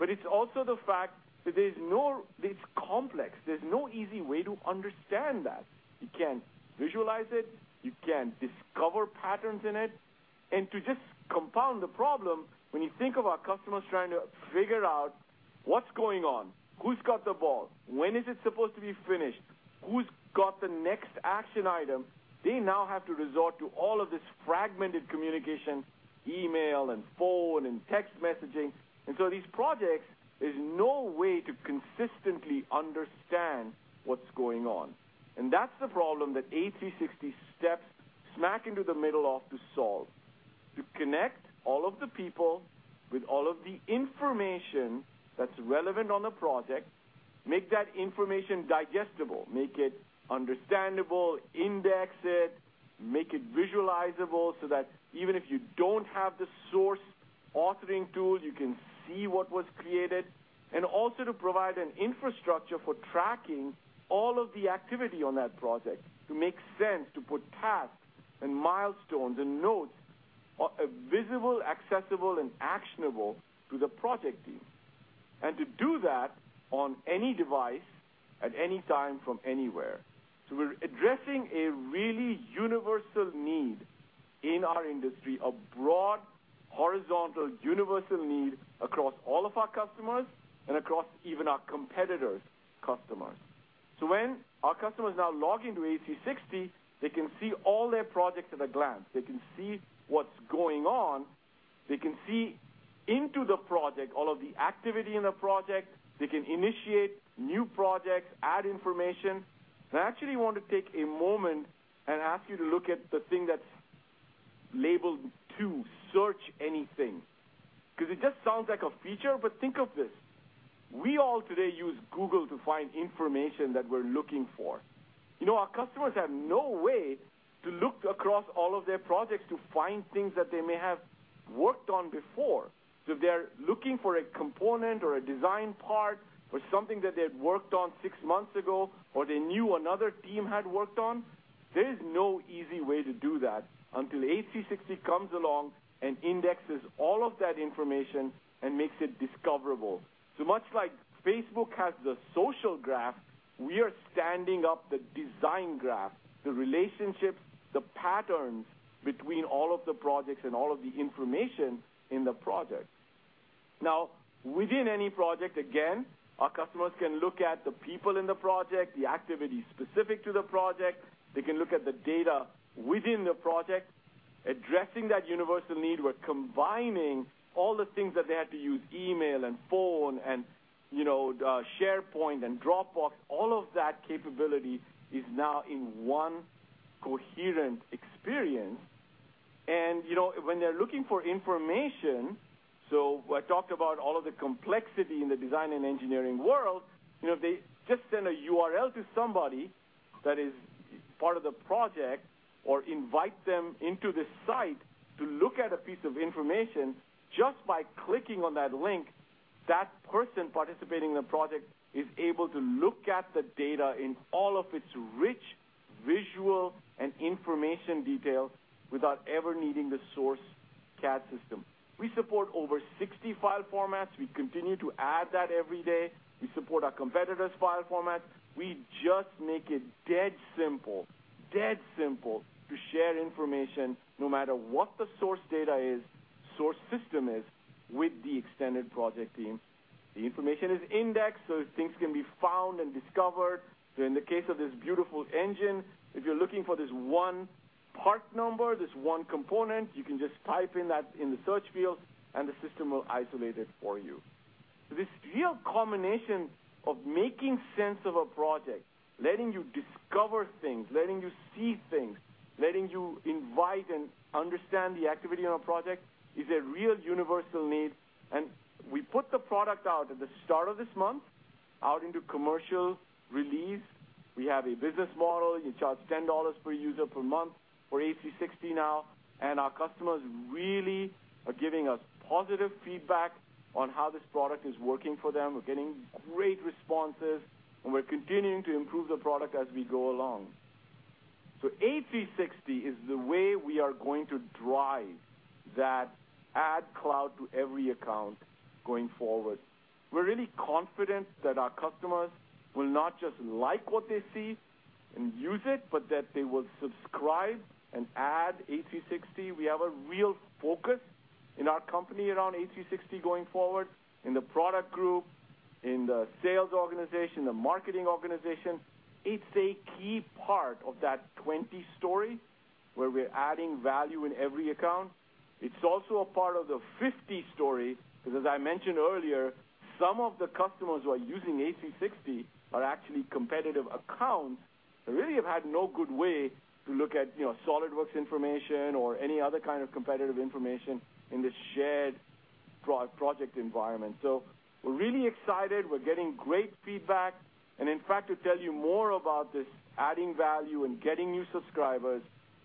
C: It's also the fact that it's complex. There's no easy way to understand that. You can't visualize it. You can't discover patterns in it. To just compound the problem, when you think of our customers trying to figure out what's going on, who's got the ball, when is it supposed to be finished, who's got the next action item, they now have to resort to all of this fragmented communication, email and phone and text messaging. These projects, there's no way to consistently understand what's going on. That's the problem that A360 steps smack into the middle of to solve. To connect all of the people with all of the information that's relevant on the project, make that information digestible, make it understandable, index it, make it visualizable, so that even if you don't have the source authoring tool, you can see what was created. Also to provide an infrastructure for tracking all of the activity on that project. To make sense, to put tasks and milestones and notes visible, accessible, and actionable to the project team. To do that on any device at any time from anywhere. We're addressing a really universal need in our industry, a broad, horizontal, universal need across all of our customers and across even our competitors' customers. When our customers now log into A360, they can see all their projects at a glance. They can see what's going on. They can see into the project, all of the activity in the project. They can initiate new projects, add information. I actually want to take a moment and ask you to look at the thing that's labeled two, Search anything. It just sounds like a feature, but think of this. We all today use Google to find information that we're looking for. Our customers have no way to look across all of their projects to find things that they may have worked on before. If they're looking for a component or a design part or something that they had worked on six months ago, or they knew another team had worked on, there's no easy way to do that until A360 comes along and indexes all of that information and makes it discoverable. Much like Facebook has the social graph, we are standing up the design graph, the relationships, the patterns between all of the projects and all of the information in the project. Now, within any project, again, our customers can look at the people in the project, the activities specific to the project. They can look at the data within the project, addressing that universal need. We're combining all the things that they had to use, email and phone and SharePoint and Dropbox, all of that capability is now in one coherent experience. When they're looking for information, I talked about all of the complexity in the design and engineering world. They just send a URL to somebody that is part of the project or invite them into the site to look at a piece of information just by clicking on that link, that person participating in the project is able to look at the data in all of its rich visual and information detail without ever needing the source CAD system. We support over 60 file formats. We continue to add that every day. We support our competitors' file formats. We just make it dead simple to share information no matter what the source data is, source system is with the extended project team. The information is indexed things can be found and discovered. In the case of this beautiful engine, if you're looking for this one part number, this one component, you can just type in that in the search field, the system will isolate it for you. This real combination of making sense of a project, letting you discover things, letting you see things, letting you invite and understand the activity on a project, is a real universal need. We put the product out at the start of this month, out into commercial release. We have a business model. We charge $10 per user per month for A360 now, our customers really are giving us positive feedback on how this product is working for them. We're getting great responses, we're continuing to improve the product as we go along. A360 is the way we are going to drive that add cloud to every account going forward. We're really confident that our customers will not just like what they see and use it, but that they will subscribe and add A360. We have a real focus in our company around A360 going forward in the product group, in the sales organization, the marketing organization. It's a key part of that 20 story where we're adding value in every account. It's also a part of the 50 story because as I mentioned earlier, some of the customers who are using A360 are actually competitive accounts that really have had no good way to look at SolidWorks information or any other kind of competitive information in this shared project environment. We're really excited. We're getting great feedback. To tell you more about this adding value and getting new subscribers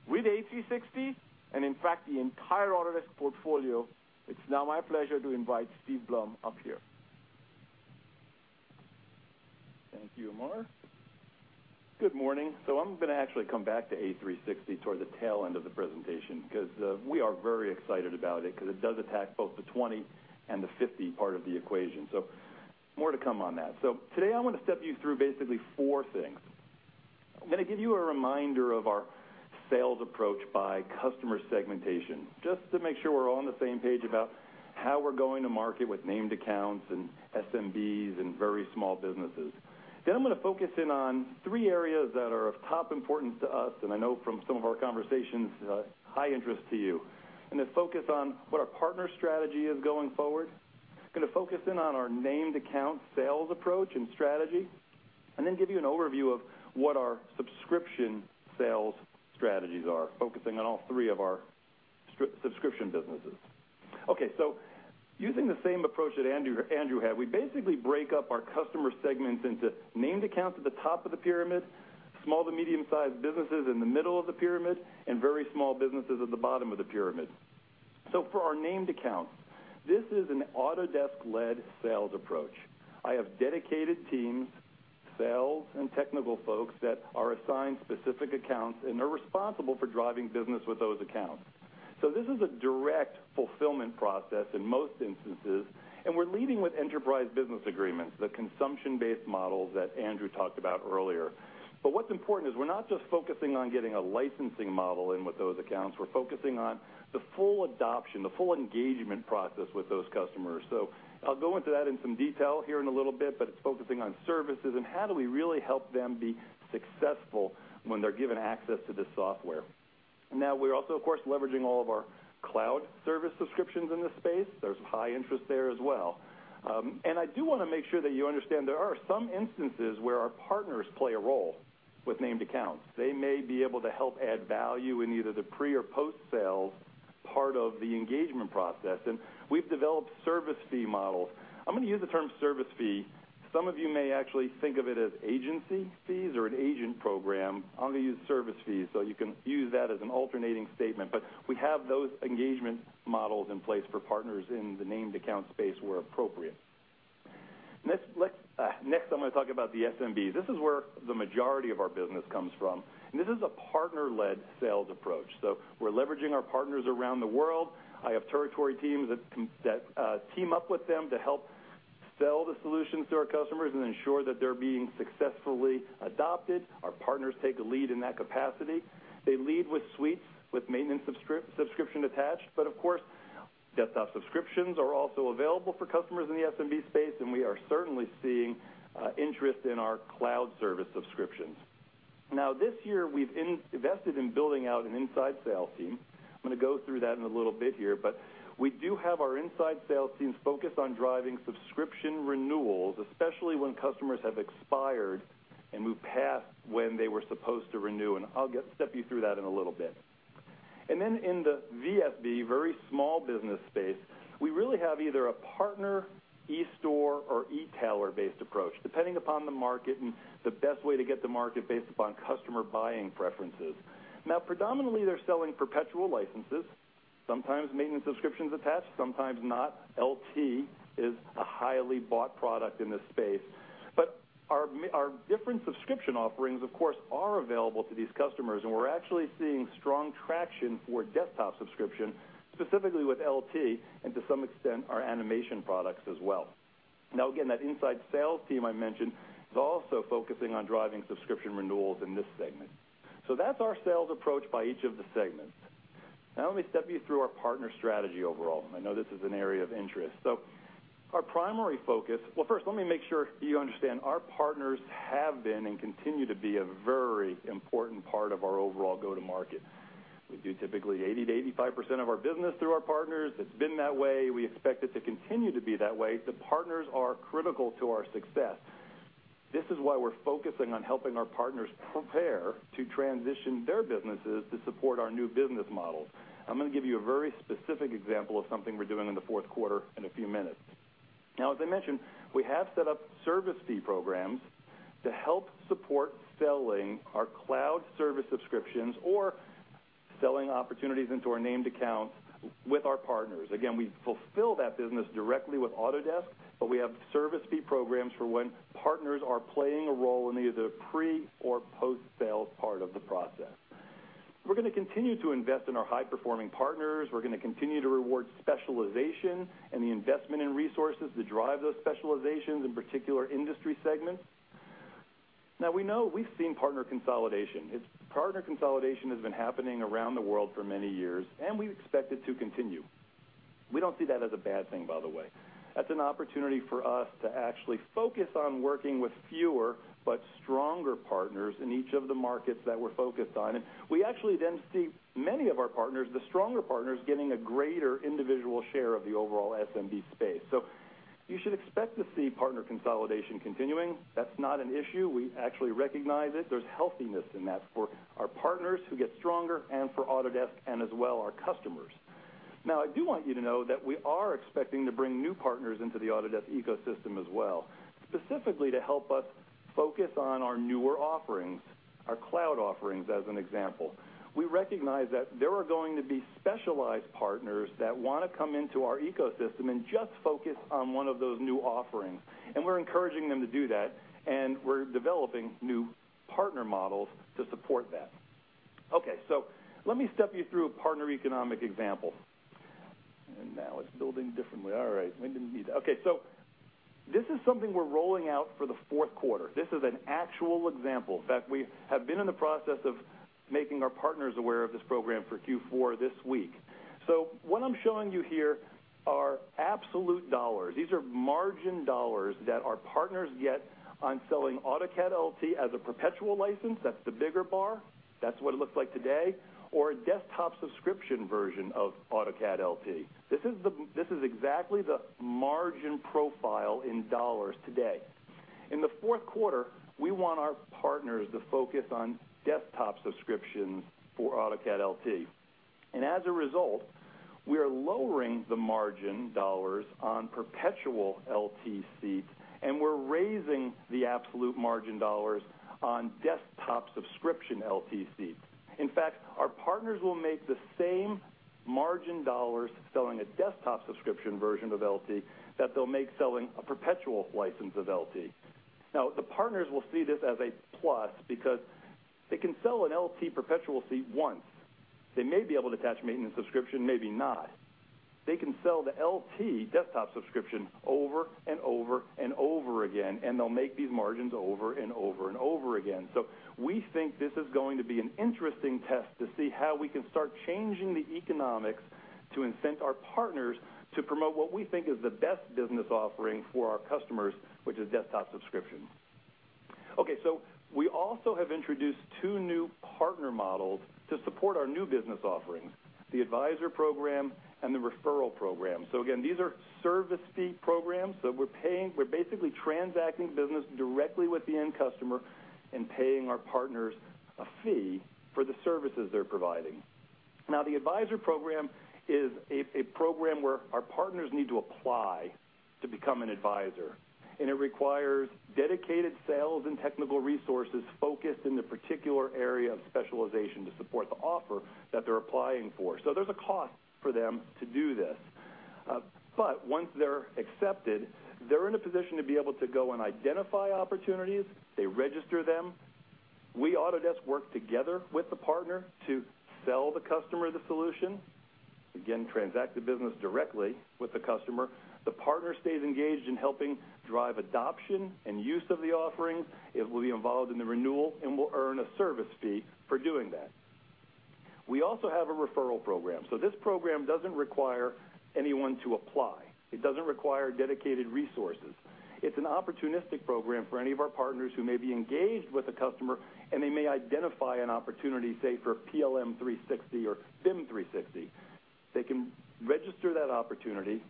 C: with A360, in fact, the entire Autodesk portfolio, it's now my pleasure to invite Steve Blum up here.
G: Thank you, Amar. Good morning. I'm going to actually come back to A360 toward the tail end of the presentation because we are very excited about it because it does attack both the 20 and the 50 part of the equation. More to come on that. Today I want to step you through basically four things. I'm going to give you a reminder of our sales approach by customer segmentation, just to make sure we're all on the same page about how we're going to market with named accounts and SMBs and very small businesses. I'm going to focus in on three areas that are of top importance to us, and I know from some of our conversations, high interest to you. I'm going to focus on what our partner strategy is going forward. I'm going to focus in on our named account sales approach and strategy. Give you an overview of what our subscription sales strategies are, focusing on all three of our subscription businesses. Okay, using the same approach that Andrew had, we basically break up our customer segments into named accounts at the top of the pyramid, small to medium-sized businesses in the middle of the pyramid, and very small businesses at the bottom of the pyramid. For our named accounts, this is an Autodesk-led sales approach. I have dedicated teams, sales and technical folks that are assigned specific accounts, and they're responsible for driving business with those accounts. This is a direct fulfillment process in most instances, and we're leading with Enterprise Business Agreements, the consumption-based models that Andrew talked about earlier. What's important is we're not just focusing on getting a licensing model in with those accounts. We're focusing on the full adoption, the full engagement process with those customers. I'll go into that in some detail here in a little bit, but it's focusing on services and how do we really help them be successful when they're given access to this software. We're also, of course, leveraging all of our cloud service subscriptions in this space. There's high interest there as well. I do want to make sure that you understand there are some instances where our partners play a role with named accounts. They may be able to help add value in either the pre or post-sales part of the engagement process. We've developed service fee models. I'm going to use the term service fee. Some of you may actually think of it as agency fees or an agent program. I'm going to use service fees, so you can use that as an alternating statement. We have those engagement models in place for partners in the named account space where appropriate. Next, I'm going to talk about the SMB. This is where the majority of our business comes from. This is a partner-led sales approach. We're leveraging our partners around the world. I have territory teams that team up with them to help sell the solutions to our customers and ensure that they're being successfully adopted. Our partners take a lead in that capacity. They lead with Suites, with maintenance subscription attached. Of course, desktop subscriptions are also available for customers in the SMB space, and we are certainly seeing interest in our cloud service subscriptions. This year we've invested in building out an inside sales team. I'm going to go through that in a little bit here, but we do have our inside sales teams focused on driving subscription renewals, especially when customers have expired and moved past when they were supposed to renew, and I'll step you through that in a little bit. In the VSB, very small business space, we really have either a partner eStore or e-tailer-based approach, depending upon the market and the best way to get to market based upon customer buying preferences. Predominantly, they're selling perpetual licenses, sometimes maintenance subscriptions attached, sometimes not. LT is a highly bought product in this space. Our different subscription offerings, of course, are available to these customers, and we're actually seeing strong traction for desktop subscription, specifically with LT, and to some extent, our animation products as well. Again, that inside sales team I mentioned is also focusing on driving subscription renewals in this segment. That's our sales approach by each of the segments. Let me step you through our partner strategy overall. I know this is an area of interest. Our primary focus-- Well, first, let me make sure you understand. Our partners have been and continue to be a very important part of our overall go-to market. We do typically 80%-85% of our business through our partners. It's been that way. We expect it to continue to be that way. The partners are critical to our success. This is why we're focusing on helping our partners prepare to transition their businesses to support our new business models. I'm going to give you a very specific example of something we're doing in the fourth quarter in a few minutes. As I mentioned, we have set up service fee programs to help support selling our cloud service subscriptions or selling opportunities into our named accounts with our partners. Again, we fulfill that business directly with Autodesk, we have service fee programs for when partners are playing a role in either the pre or post-sale part of the process. We're going to continue to invest in our high-performing partners. We're going to continue to reward specialization and the investment in resources that drive those specializations in particular industry segments. We know we've seen partner consolidation. Partner consolidation has been happening around the world for many years, and we expect it to continue. We don't see that as a bad thing, by the way. That's an opportunity for us to actually focus on working with fewer but stronger partners in each of the markets that we're focused on. We actually then see many of our partners, the stronger partners, getting a greater individual share of the overall SMB space. You should expect to see partner consolidation continuing. That's not an issue. We actually recognize it. There's healthiness in that for our partners who get stronger and for Autodesk, and as well our customers. I do want you to know that we are expecting to bring new partners into the Autodesk ecosystem as well, specifically to help us focus on our newer offerings, our cloud offerings, as an example. We recognize that there are going to be specialized partners that want to come into our ecosystem and just focus on one of those new offerings. We're encouraging them to do that, and we're developing new partner models to support that. Let me step you through a partner economic example. Now it's building differently. This is something we're rolling out for the fourth quarter. This is an actual example. In fact, we have been in the process of making our partners aware of this program for Q4 this week. What I'm showing you here are absolute dollars. These are margin dollars that our partners get on selling AutoCAD LT as a perpetual license. That's the bigger bar. That's what it looks like today, or a desktop subscription version of AutoCAD LT. This is exactly the margin profile in dollars today. In the fourth quarter, we want our partners to focus on desktop subscriptions for AutoCAD LT. As a result, we are lowering the margin dollars on perpetual LT seats, and we're raising the absolute margin dollars on desktop subscription LT seats. In fact, our partners will make the same margin dollars selling a desktop subscription version of LT that they'll make selling a perpetual license of LT. The partners will see this as a plus because they can sell an LT perpetual seat once. They may be able to attach maintenance subscription, maybe not. They can sell the LT desktop subscription over and over and over again, and they'll make these margins over and over and over again. We think this is going to be an interesting test to see how we can start changing the economics to incent our partners to promote what we think is the best business offering for our customers, which is desktop subscription. We also have introduced two new partner models to support our new business offerings, the Advisor Program and the Referral Program. Again, these are service fee programs. We're basically transacting business directly with the end customer and paying our partners a fee for the services they're providing. The Advisor Program is a program where our partners need to apply to become an advisor, and it requires dedicated sales and technical resources focused in the particular area of specialization to support the offer that they're applying for. There's a cost for them to do this. Once they're accepted, they're in a position to be able to go and identify opportunities. They register them. We, Autodesk, work together with the partner to sell the customer the solution. Again, transact the business directly with the customer. The partner stays engaged in helping drive adoption and use of the offerings. It will be involved in the renewal and will earn a service fee for doing that. We also have a Referral Program. This program doesn't require anyone to apply. It doesn't require dedicated resources. It's an opportunistic program for any of our partners who may be engaged with a customer, and they may identify an opportunity, say, for PLM 360 or BIM 360. They can register that opportunity.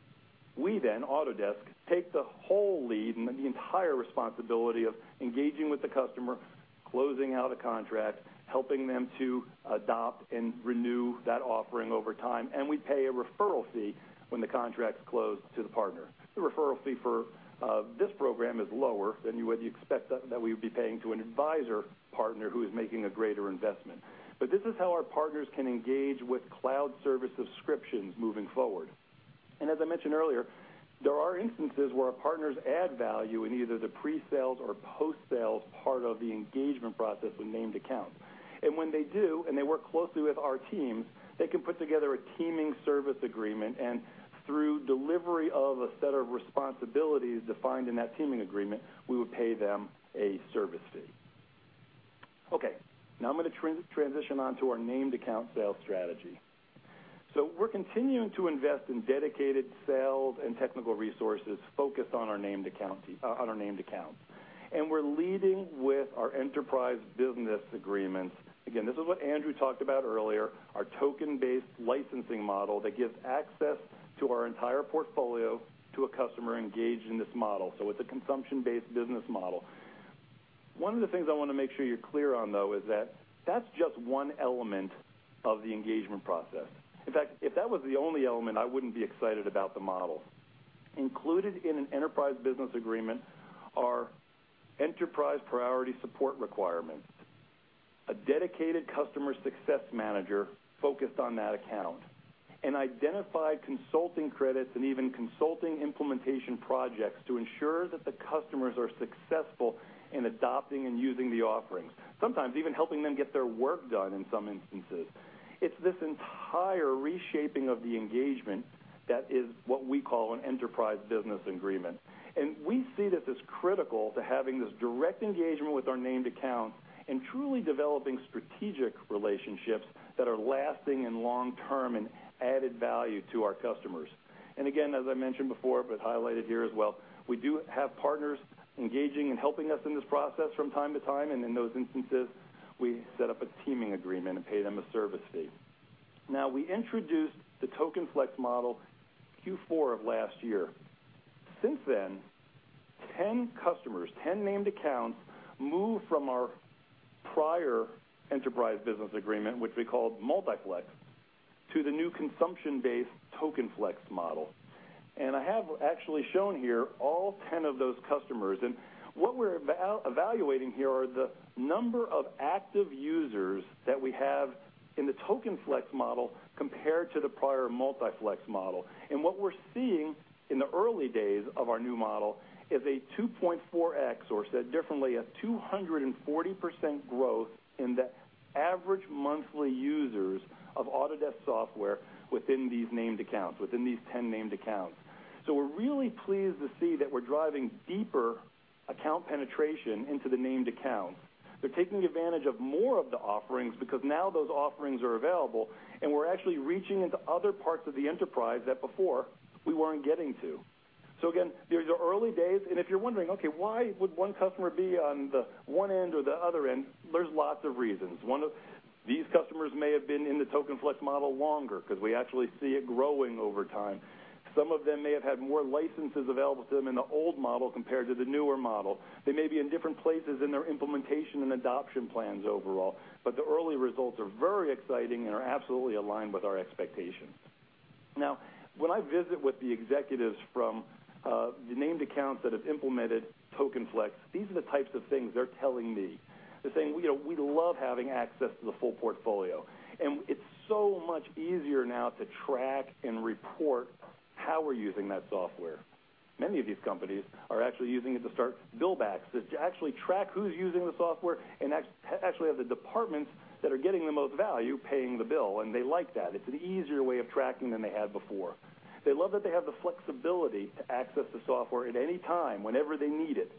G: We, Autodesk, take the whole lead and the entire responsibility of engaging with the customer, closing out a contract, helping them to adopt and renew that offering over time. We pay a referral fee when the contract's closed to the partner. The referral fee for this program is lower than you would expect that we would be paying to an advisor partner who is making a greater investment. This is how our partners can engage with cloud service subscriptions moving forward. As I mentioned earlier, there are instances where our partners add value in either the pre-sales or post-sales part of the engagement process with named accounts. When they do, and they work closely with our teams, they can put together a teaming service agreement, and through delivery of a set of responsibilities defined in that teaming agreement, we would pay them a service fee. Okay. I'm going to transition on to our named account sales strategy. We're continuing to invest in dedicated sales and technical resources focused on our named accounts. We're leading with our enterprise business agreements. Again, this is what Andrew talked about earlier, our token-based licensing model that gives access to our entire portfolio to a customer engaged in this model. It's a consumption-based business model. One of the things I want to make sure you're clear on, though, is that that's just one element of the engagement process. In fact, if that was the only element, I wouldn't be excited about the model. Included in an enterprise business agreement are Enterprise Priority Support requirements, a dedicated customer success manager focused on that account, and identified consulting credits and even consulting implementation projects to ensure that the customers are successful in adopting and using the offerings, sometimes even helping them get their work done in some instances. It's this entire reshaping of the engagement that is what we call an enterprise business agreement. We see that as critical to having this direct engagement with our named accounts and truly developing strategic relationships that are lasting and long-term and added value to our customers. Again, as I mentioned before, but highlighted here as well, we do have partners engaging and helping us in this process from time to time, and in those instances, we set up a teaming agreement and pay them a service fee. We introduced the Token Flex model Q4 of last year. Since then, 10 customers, 10 named accounts, moved from our prior enterprise business agreement, which we called Multi-Flex, to the new consumption-based Token Flex model. I have actually shown here all 10 of those customers. What we're evaluating here are the number of active users that we have in the Token Flex model compared to the prior Multi-Flex model. What we're seeing in the early days of our new model is a 2.4x, or said differently, a 240% growth in the average monthly users of Autodesk software within these named accounts, within these 10 named accounts. We're really pleased to see that we're driving deeper account penetration into the named accounts. They're taking advantage of more of the offerings because now those offerings are available, and we're actually reaching into other parts of the enterprise that before we weren't getting to. Again, these are early days, and if you're wondering, okay, why would one customer be on the one end or the other end, there's lots of reasons. These customers may have been in the Token Flex model longer because we actually see it growing over time. Some of them may have had more licenses available to them in the old model compared to the newer model. They may be in different places in their implementation and adoption plans overall. The early results are very exciting and are absolutely aligned with our expectations. Now, when I visit with the executives from the named accounts that have implemented Token Flex, these are the types of things they're telling me. They're saying, "We love having access to the full portfolio. It's so much easier now to track and report how we're using that software." Many of these companies are actually using it to start bill backs, to actually track who's using the software and actually have the departments that are getting the most value paying the bill, and they like that. It's an easier way of tracking than they had before. They love that they have the flexibility to access the software at any time, whenever they need it.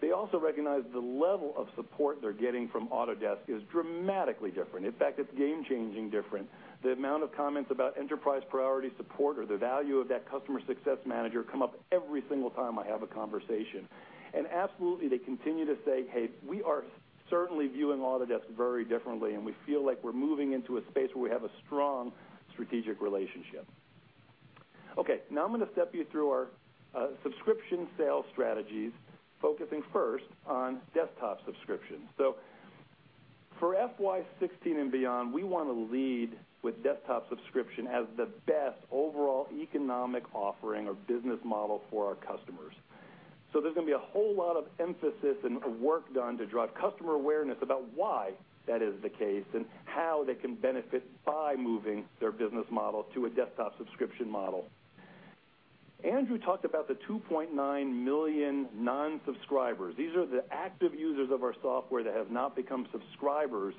G: They also recognize the level of support they're getting from Autodesk is dramatically different. In fact, it's game-changing different. The amount of comments about enterprise priority support or the value of that customer success manager come up every single time I have a conversation. Absolutely, they continue to say, "Hey, we are certainly viewing Autodesk very differently, and we feel like we're moving into a space where we have a strong strategic relationship." Okay, now, I'm going to step you through our subscription sales strategies, focusing first on desktop subscription. For FY 2016 and beyond, we want to lead with desktop subscription as the best overall economic offering or business model for our customers. There's going to be a whole lot of emphasis and work done to drive customer awareness about why that is the case and how they can benefit by moving their business model to a desktop subscription model. Andrew talked about the 2.9 million non-subscribers. These are the active users of our software that have not become subscribers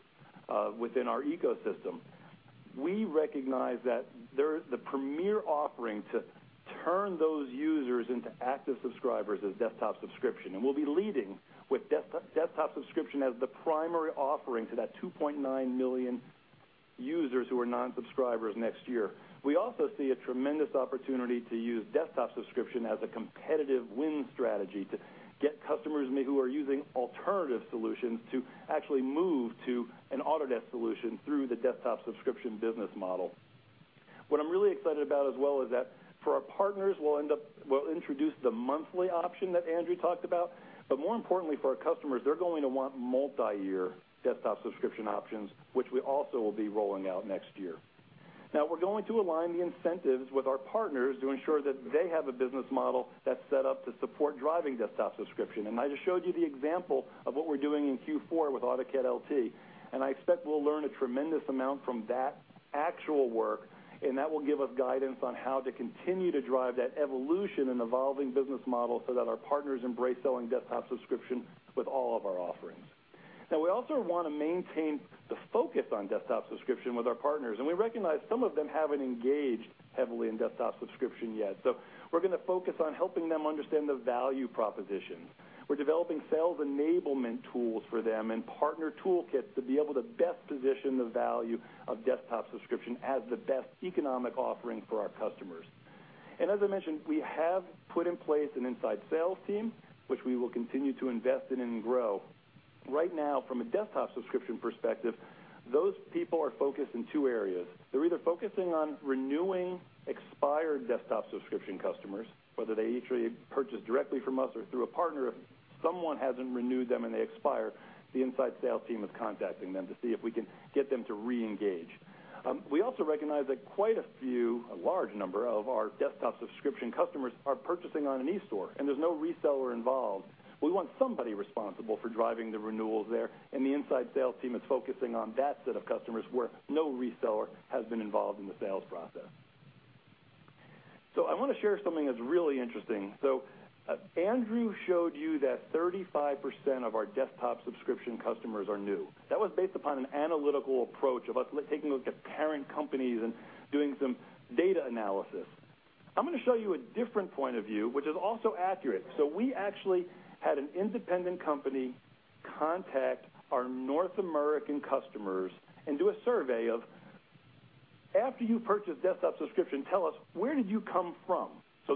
G: within our ecosystem. We recognize that the premier offering to turn those users into active subscribers is desktop subscription, and we'll be leading with desktop subscription as the primary offering to that 2.9 million users who are non-subscribers next year. We also see a tremendous opportunity to use desktop subscription as a competitive win strategy to get customers who are using alternative solutions to actually move to an Autodesk solution through the desktop subscription business model. What I'm really excited about as well is that for our partners, we'll introduce the monthly option that Andrew talked about. More importantly for our customers, they're going to want multi-year desktop subscription options, which we also will be rolling out next year. We're going to align the incentives with our partners to ensure that they have a business model that's set up to support driving desktop subscription. I just showed you the example of what we're doing in Q4 with AutoCAD LT. I expect we'll learn a tremendous amount from that actual work, and that will give us guidance on how to continue to drive that evolution and evolving business model so that our partners embrace selling desktop subscription with all of our offerings. We also want to maintain the focus on desktop subscription with our partners, and we recognize some of them haven't engaged heavily in desktop subscription yet. We're going to focus on helping them understand the value proposition. We're developing sales enablement tools for them and partner toolkits to be able to best position the value of desktop subscription as the best economic offering for our customers. As I mentioned, we have put in place an inside sales team, which we will continue to invest in and grow. Right now, from a desktop subscription perspective, those people are focused in two areas. They're either focusing on renewing expired desktop subscription customers, whether they purchased directly from us or through a partner. If someone hasn't renewed them and they expire, the inside sales team is contacting them to see if we can get them to re-engage. We also recognize that quite a few, a large number of our desktop subscription customers are purchasing on an e-store, and there's no reseller involved. We want somebody responsible for driving the renewals there, and the inside sales team is focusing on that set of customers where no reseller has been involved in the sales process. I want to share something that's really interesting. Andrew showed you that 35% of our desktop subscription customers are new. That was based upon an analytical approach of us taking a look at parent companies and doing some data analysis. I'm going to show you a different point of view, which is also accurate. We actually had an independent company contact our North American customers and do a survey of, after you purchase desktop subscription, tell us, where did you come from?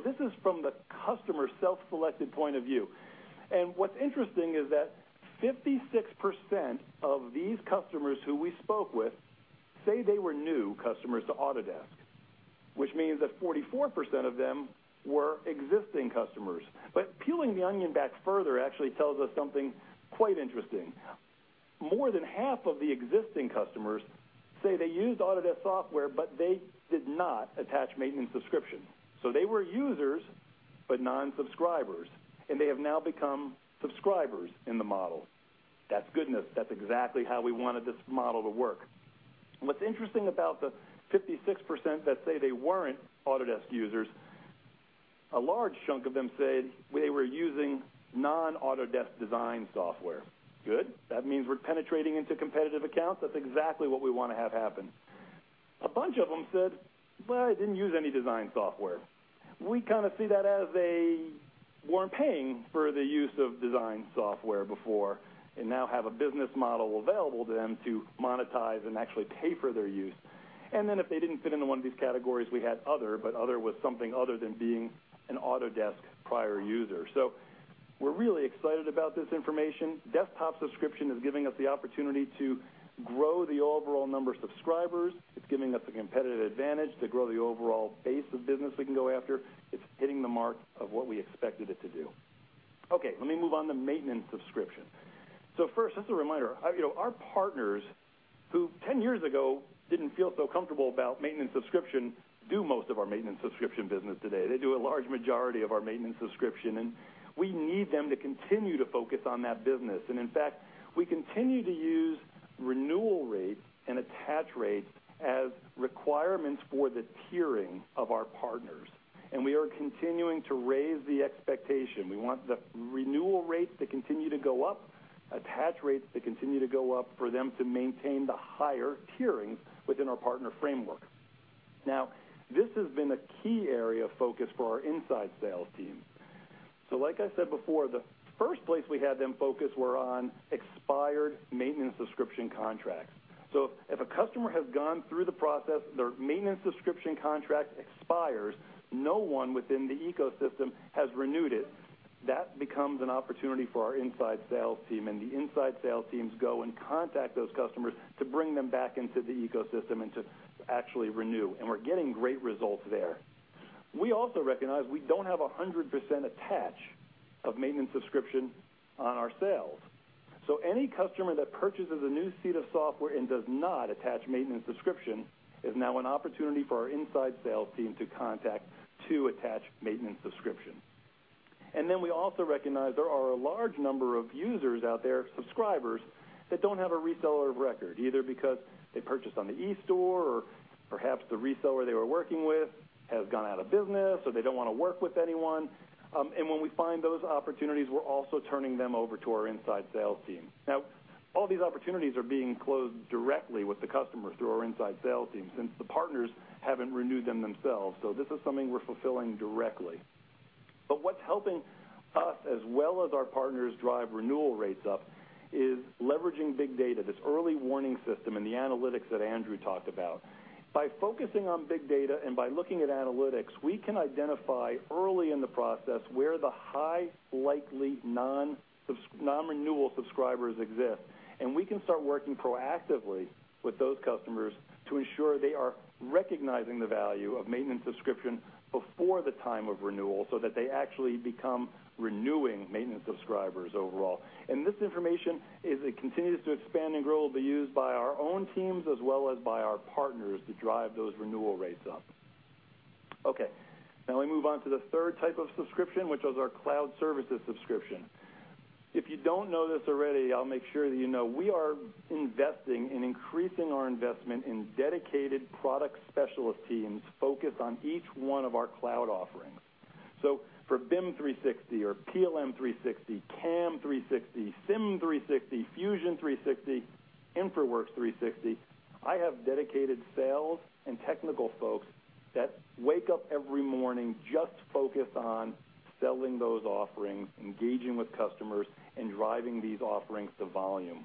G: This is from the customer self-selected point of view. What's interesting is that 56% of these customers who we spoke with say they were new customers to Autodesk, which means that 44% of them were existing customers. Peeling the onion back further actually tells us something quite interesting. More than half of the existing customers say they used Autodesk software, but they did not attach Maintenance Subscription. They were users, but non-subscribers, and they have now become subscribers in the model. That's goodness. That's exactly how we wanted this model to work. What's interesting about the 56% that say they weren't Autodesk users, a large chunk of them said they were using non-Autodesk design software. Good. That means we're penetrating into competitive accounts. That's exactly what we want to have happen. A bunch of them said, "Well, I didn't use any design software." We see that as a weren't paying for the use of design software before and now have a business model available to them to monetize and actually pay for their use. If they didn't fit into one of these categories, we had other, but other was something other than being an Autodesk prior user. We're really excited about this information. Desktop Subscription is giving us the opportunity to grow the overall number of subscribers. It's giving us a competitive advantage to grow the overall base of business we can go after. It's hitting the mark of what we expected it to do. Let me move on to Maintenance Subscription. First, just a reminder. Our partners who 10 years ago didn't feel so comfortable about Maintenance Subscription, do most of our Maintenance Subscription business today. They do a large majority of our Maintenance Subscription, and we need them to continue to focus on that business. In fact, we continue to use renewal rates and attach rates as requirements for the tiering of our partners. We are continuing to raise the expectation. We want the renewal rate to continue to go up, attach rates to continue to go up for them to maintain the higher tiering within our partner framework. This has been a key area of focus for our inside sales team. Like I said before, the first place we had them focus were on expired Maintenance Subscription contracts. If a customer has gone through the process, their Maintenance Subscription contract expires, no one within the ecosystem has renewed it. That becomes an opportunity for our inside sales team. The inside sales teams go and contact those customers to bring them back into the ecosystem and to actually renew. We're getting great results there. We also recognize we don't have 100% attach of Maintenance Subscription on our sales. Any customer that purchases a new seat of software and does not attach Maintenance Subscription is now an opportunity for our inside sales team to contact to attach Maintenance Subscription. We also recognize there are a large number of users out there, subscribers that don't have a reseller of record, either because they purchased on the eStore or perhaps the reseller they were working with has gone out of business, or they don't want to work with anyone. When we find those opportunities, we're also turning them over to our inside sales team. All these opportunities are being closed directly with the customers through our inside sales teams since the partners haven't renewed them themselves. This is something we're fulfilling directly. What's helping us as well as our partners drive renewal rates up is leveraging big data, this early warning system, and the analytics that Andrew talked about. By focusing on big data and by looking at analytics, we can identify early in the process where the high likely non-renewal subscribers exist. We can start working proactively with those customers to ensure they are recognizing the value of Maintenance Subscription before the time of renewal so that they actually become renewing maintenance subscribers overall. This information, as it continues to expand and grow, will be used by our own teams as well as by our partners to drive those renewal rates up. Okay. We move on to the third type of subscription, which is our cloud services subscription. If you don't know this already, I'll make sure that you know we are investing and increasing our investment in dedicated product specialist teams focused on each one of our cloud offerings. For BIM 360 or PLM 360, CAM 360, Sim 360, Fusion 360, InfraWorks 360, I have dedicated sales and technical folks that wake up every morning just focused on selling those offerings, engaging with customers, and driving these offerings to volume.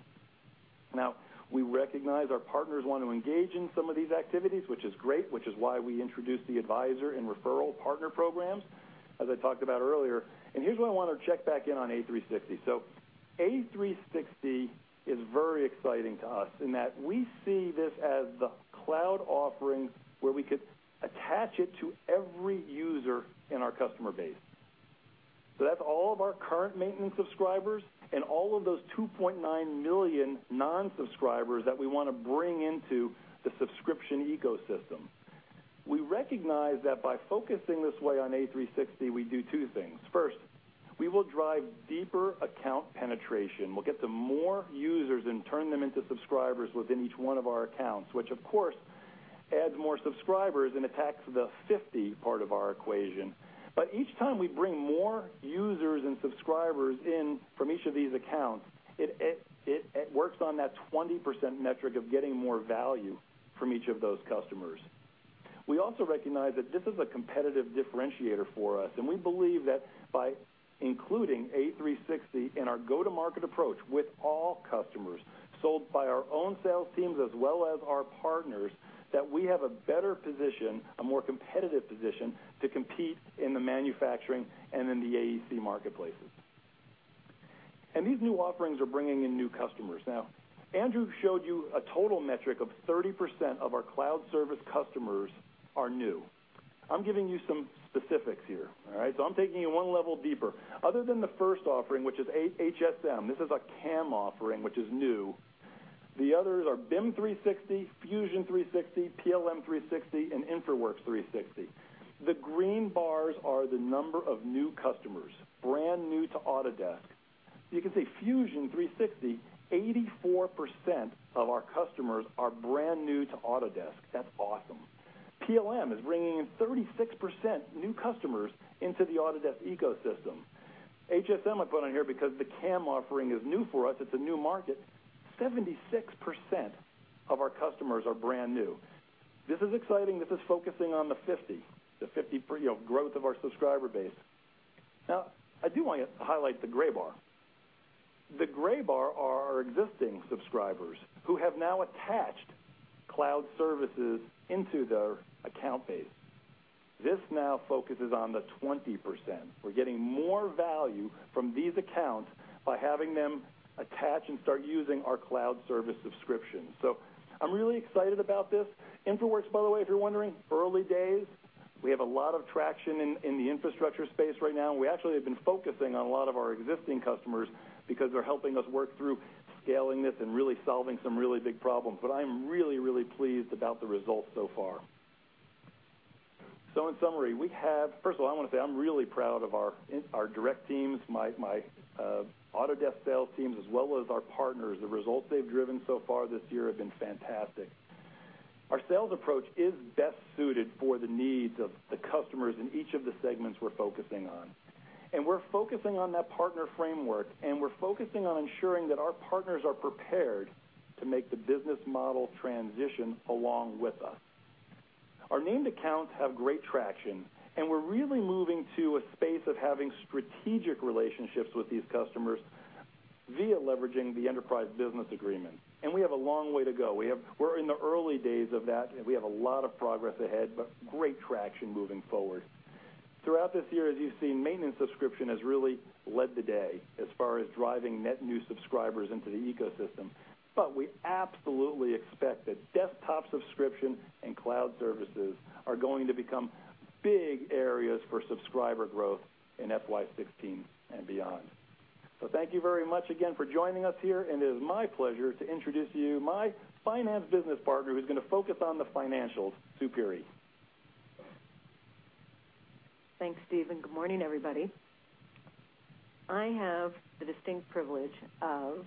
G: We recognize our partners want to engage in some of these activities, which is great, which is why we introduced the Advisor and Referral Partner programs, as I talked about earlier. Here's where I want to check back in on A360. A360 is very exciting to us in that we see this as the cloud offering where we could attach it to every user in our customer base. That's all of our current maintenance subscribers and all of those 2.9 million non-subscribers that we want to bring into the subscription ecosystem. We recognize that by focusing this way on A360, we do two things. First, we will drive deeper account penetration. We'll get to more users and turn them into subscribers within each one of our accounts, which of course adds more subscribers and attacks the 50 part of our equation. Each time we bring more users and subscribers in from each of these accounts, it works on that 20% metric of getting more value from each of those customers. We also recognize that this is a competitive differentiator for us, and we believe that by including A360 in our go-to-market approach with all customers sold by our own sales teams as well as our partners, that we have a better position, a more competitive position to compete in the manufacturing and in the AEC marketplaces. These new offerings are bringing in new customers. Andrew showed you a total metric of 30% of our cloud service customers are new. I'm giving you some specifics here. I'm taking it 1 level deeper. Other than the first offering, which is HSM, this is a CAM offering, which is new. The others are BIM 360, Fusion 360, PLM 360, and InfraWorks 360. The green bars are the number of new customers, brand new to Autodesk. You can see Fusion 360, 84% of our customers are brand new to Autodesk. That's awesome. PLM is bringing in 36% new customers into the Autodesk ecosystem. HSM I put on here because the CAM offering is new for us. It's a new market. 76% of our customers are brand new. This is exciting. This is focusing on the 50. The growth of our subscriber base. I do want to highlight the gray bar. The gray bar are our existing subscribers who have now attached cloud services into their account base. This now focuses on the 20%. We're getting more value from these accounts by having them attach and start using our cloud service subscription. I'm really excited about this. InfraWorks, by the way, if you're wondering, early days. We have a lot of traction in the infrastructure space right now, and we actually have been focusing on a lot of our existing customers because they're helping us work through scaling this and really solving some really big problems. I'm really, really pleased about the results so far. In summary, first of all, I want to say I'm really proud of our direct teams, my Autodesk sales teams, as well as our partners. The results they've driven so far this year have been fantastic. Our sales approach is best suited for the needs of the customers in each of the segments we're focusing on. We're focusing on that partner framework, and we're focusing on ensuring that our partners are prepared to make the business model transition along with us. Our named accounts have great traction, and we're really moving to a space of having strategic relationships with these customers via leveraging the Enterprise Business Agreement. We have a long way to go. We're in the early days of that, and we have a lot of progress ahead, but great traction moving forward. Throughout this year, as you've seen, maintenance subscription has really led the day as far as driving net new subscribers into the ecosystem. We absolutely expect that desktop subscription and cloud services are going to become big areas for subscriber growth in FY 2016 and beyond. Thank you very much again for joining us here, and it is my pleasure to introduce to you my finance business partner who's going to focus on the financials, Sue Pirri.
H: Thanks, Steve, and good morning, everybody. I have the distinct privilege of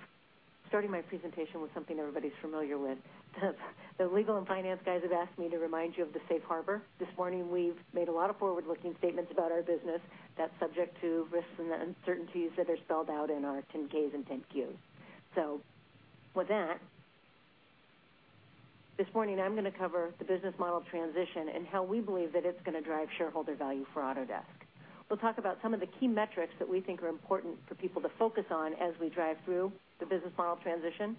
H: starting my presentation with something everybody's familiar with. The legal and finance guys have asked me to remind you of the safe harbor. This morning, we've made a lot of forward-looking statements about our business that's subject to risks and the uncertainties that are spelled out in our 10-Ks and 10-Qs. With that, this morning I'm going to cover the business model transition and how we believe that it's going to drive shareholder value for Autodesk. We'll talk about some of the key metrics that we think are important for people to focus on as we drive through the business model transition.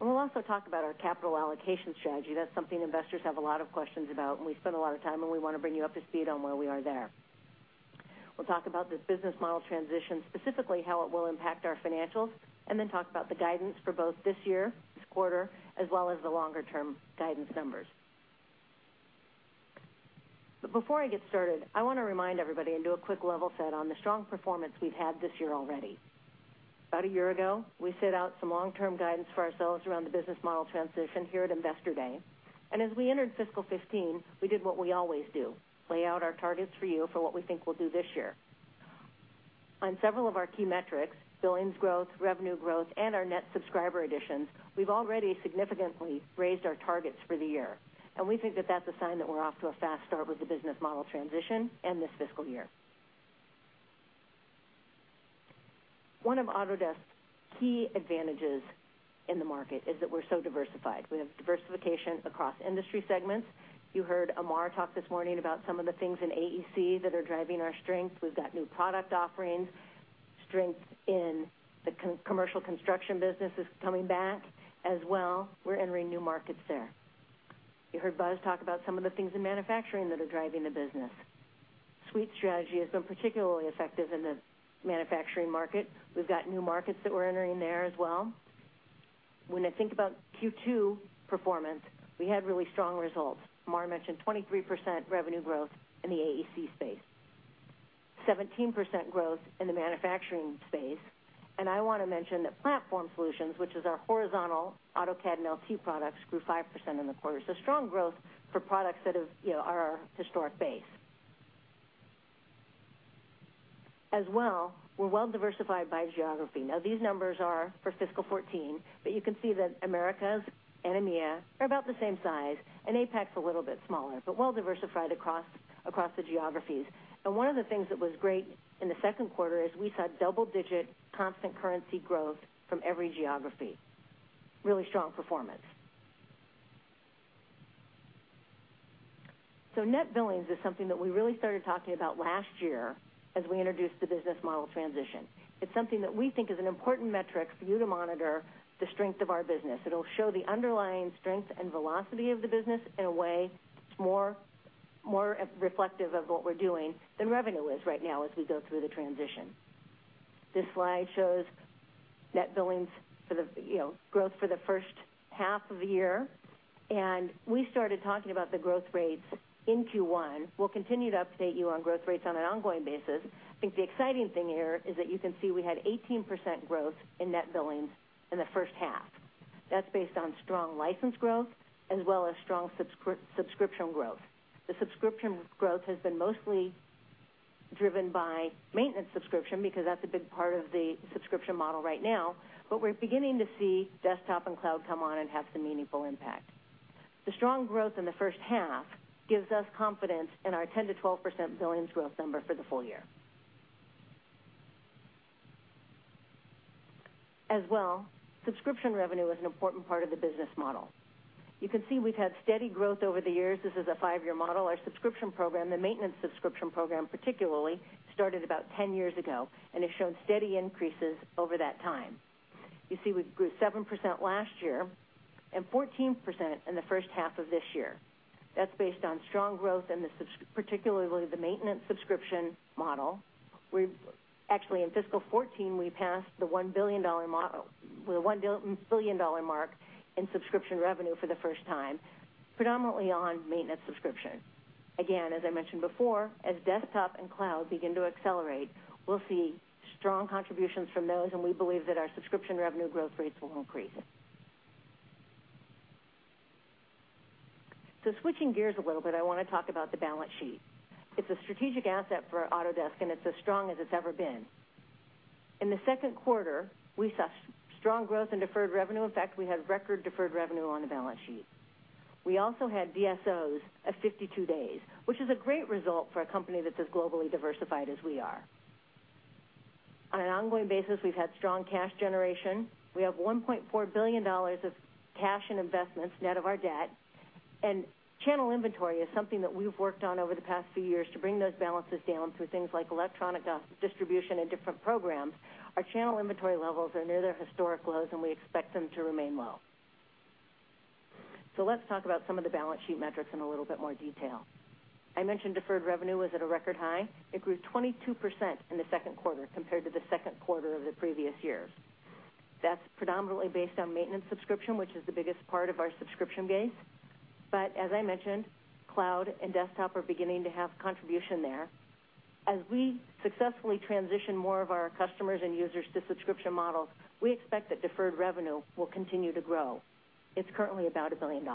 H: We'll also talk about our capital allocation strategy. That's something investors have a lot of questions about. We've spent a lot of time, we want to bring you up to speed on where we are there. We'll talk about this business model transition, specifically how it will impact our financials, then talk about the guidance for both this year, this quarter, as well as the longer-term guidance numbers. Before I get started, I want to remind everybody and do a quick level set on the strong performance we've had this year already. About a year ago, we set out some long-term guidance for ourselves around the business model transition here at Investor Day. As we entered FY 2015, we did what we always do, lay out our targets for you for what we think we'll do this year. On several of our key metrics, billings growth, revenue growth, our net subscriber additions, we've already significantly raised our targets for the year. We think that that's a sign that we're off to a fast start with the business model transition and this fiscal year. One of Autodesk's key advantages in the market is that we're so diversified. We have diversification across industry segments. You heard Amar talk this morning about some of the things in AEC that are driving our strength. We've got new product offerings. Strength in the commercial construction business is coming back as well. We're entering new markets there. You heard Buzz talk about some of the things in manufacturing that are driving the business. Suite strategy has been particularly effective in the manufacturing market. We've got new markets that we're entering there as well. When I think about Q2 performance, we had really strong results. Amar mentioned 23% revenue growth in the AEC space, 17% growth in the manufacturing space. I want to mention that platform solutions, which is our horizontal AutoCAD and LT products, grew 5% in the quarter. Strong growth for products that are our historic base. As well, we're well-diversified by geography. Now, these numbers are for FY 2014, but you can see that Americas and EMEA are about the same size, APAC's a little bit smaller, but well-diversified across the geographies. One of the things that was great in the second quarter is we saw double-digit constant currency growth from every geography. Really strong performance. Net billings is something that we really started talking about last year as we introduced the business model transition. It's something that we think is an important metric for you to monitor the strength of our business. It'll show the underlying strength and velocity of the business in a way that's more reflective of what we're doing than revenue is right now as we go through the transition. This slide shows net billings for the growth for the first half of the year. We started talking about the growth rates in Q1. We'll continue to update you on growth rates on an ongoing basis. I think the exciting thing here is that you can see we had 18% growth in net billings in the first half. That's based on strong license growth as well as strong subscription growth. The subscription growth has been mostly driven by maintenance subscription because that's a big part of the subscription model right now. We're beginning to see desktop and cloud come on and have some meaningful impact. The strong growth in the first half gives us confidence in our 10%-12% billings growth number for the full year. Subscription revenue is an important part of the business model. You can see we've had steady growth over the years. This is a five-year model. Our subscription program, the maintenance subscription program particularly, started about 10 years ago and has shown steady increases over that time. You see we grew 7% last year and 14% in the first half of this year. That's based on strong growth in, particularly, the maintenance subscription model. Actually, in fiscal 2014, we passed the $1 billion mark in subscription revenue for the first time, predominantly on maintenance subscription. As I mentioned before, as desktop and cloud begin to accelerate, we'll see strong contributions from those, and we believe that our subscription revenue growth rates will increase. Switching gears a little bit, I want to talk about the balance sheet. It's a strategic asset for Autodesk, and it's as strong as it's ever been. In the second quarter, we saw strong growth in deferred revenue. In fact, we had record deferred revenue on the balance sheet. We also had DSOs of 52 days, which is a great result for a company that's as globally diversified as we are. On an ongoing basis, we've had strong cash generation. We have $1.4 billion of cash and investments net of our debt. Channel inventory is something that we've worked on over the past few years to bring those balances down through things like electronic distribution and different programs. Our channel inventory levels are near their historic lows, and we expect them to remain low. Let's talk about some of the balance sheet metrics in a little bit more detail. I mentioned deferred revenue was at a record high. It grew 22% in the second quarter compared to the second quarter of the previous year. That's predominantly based on maintenance subscription, which is the biggest part of our subscription base. As I mentioned, cloud and desktop are beginning to have contribution there. As we successfully transition more of our customers and users to subscription models, we expect that deferred revenue will continue to grow. It's currently about $1 billion.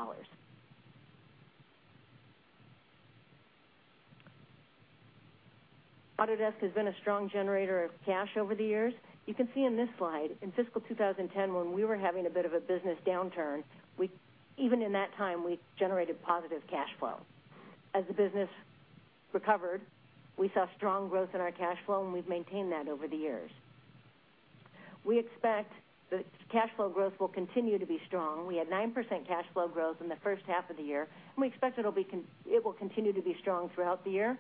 H: Autodesk has been a strong generator of cash over the years. You can see in this slide, in fiscal 2010, when we were having a bit of a business downturn, even in that time, we generated positive cash flow. As the business recovered, we saw strong growth in our cash flow, and we've maintained that over the years. We expect the cash flow growth will continue to be strong. We had 9% cash flow growth in the first half of the year, and we expect it will continue to be strong throughout the year.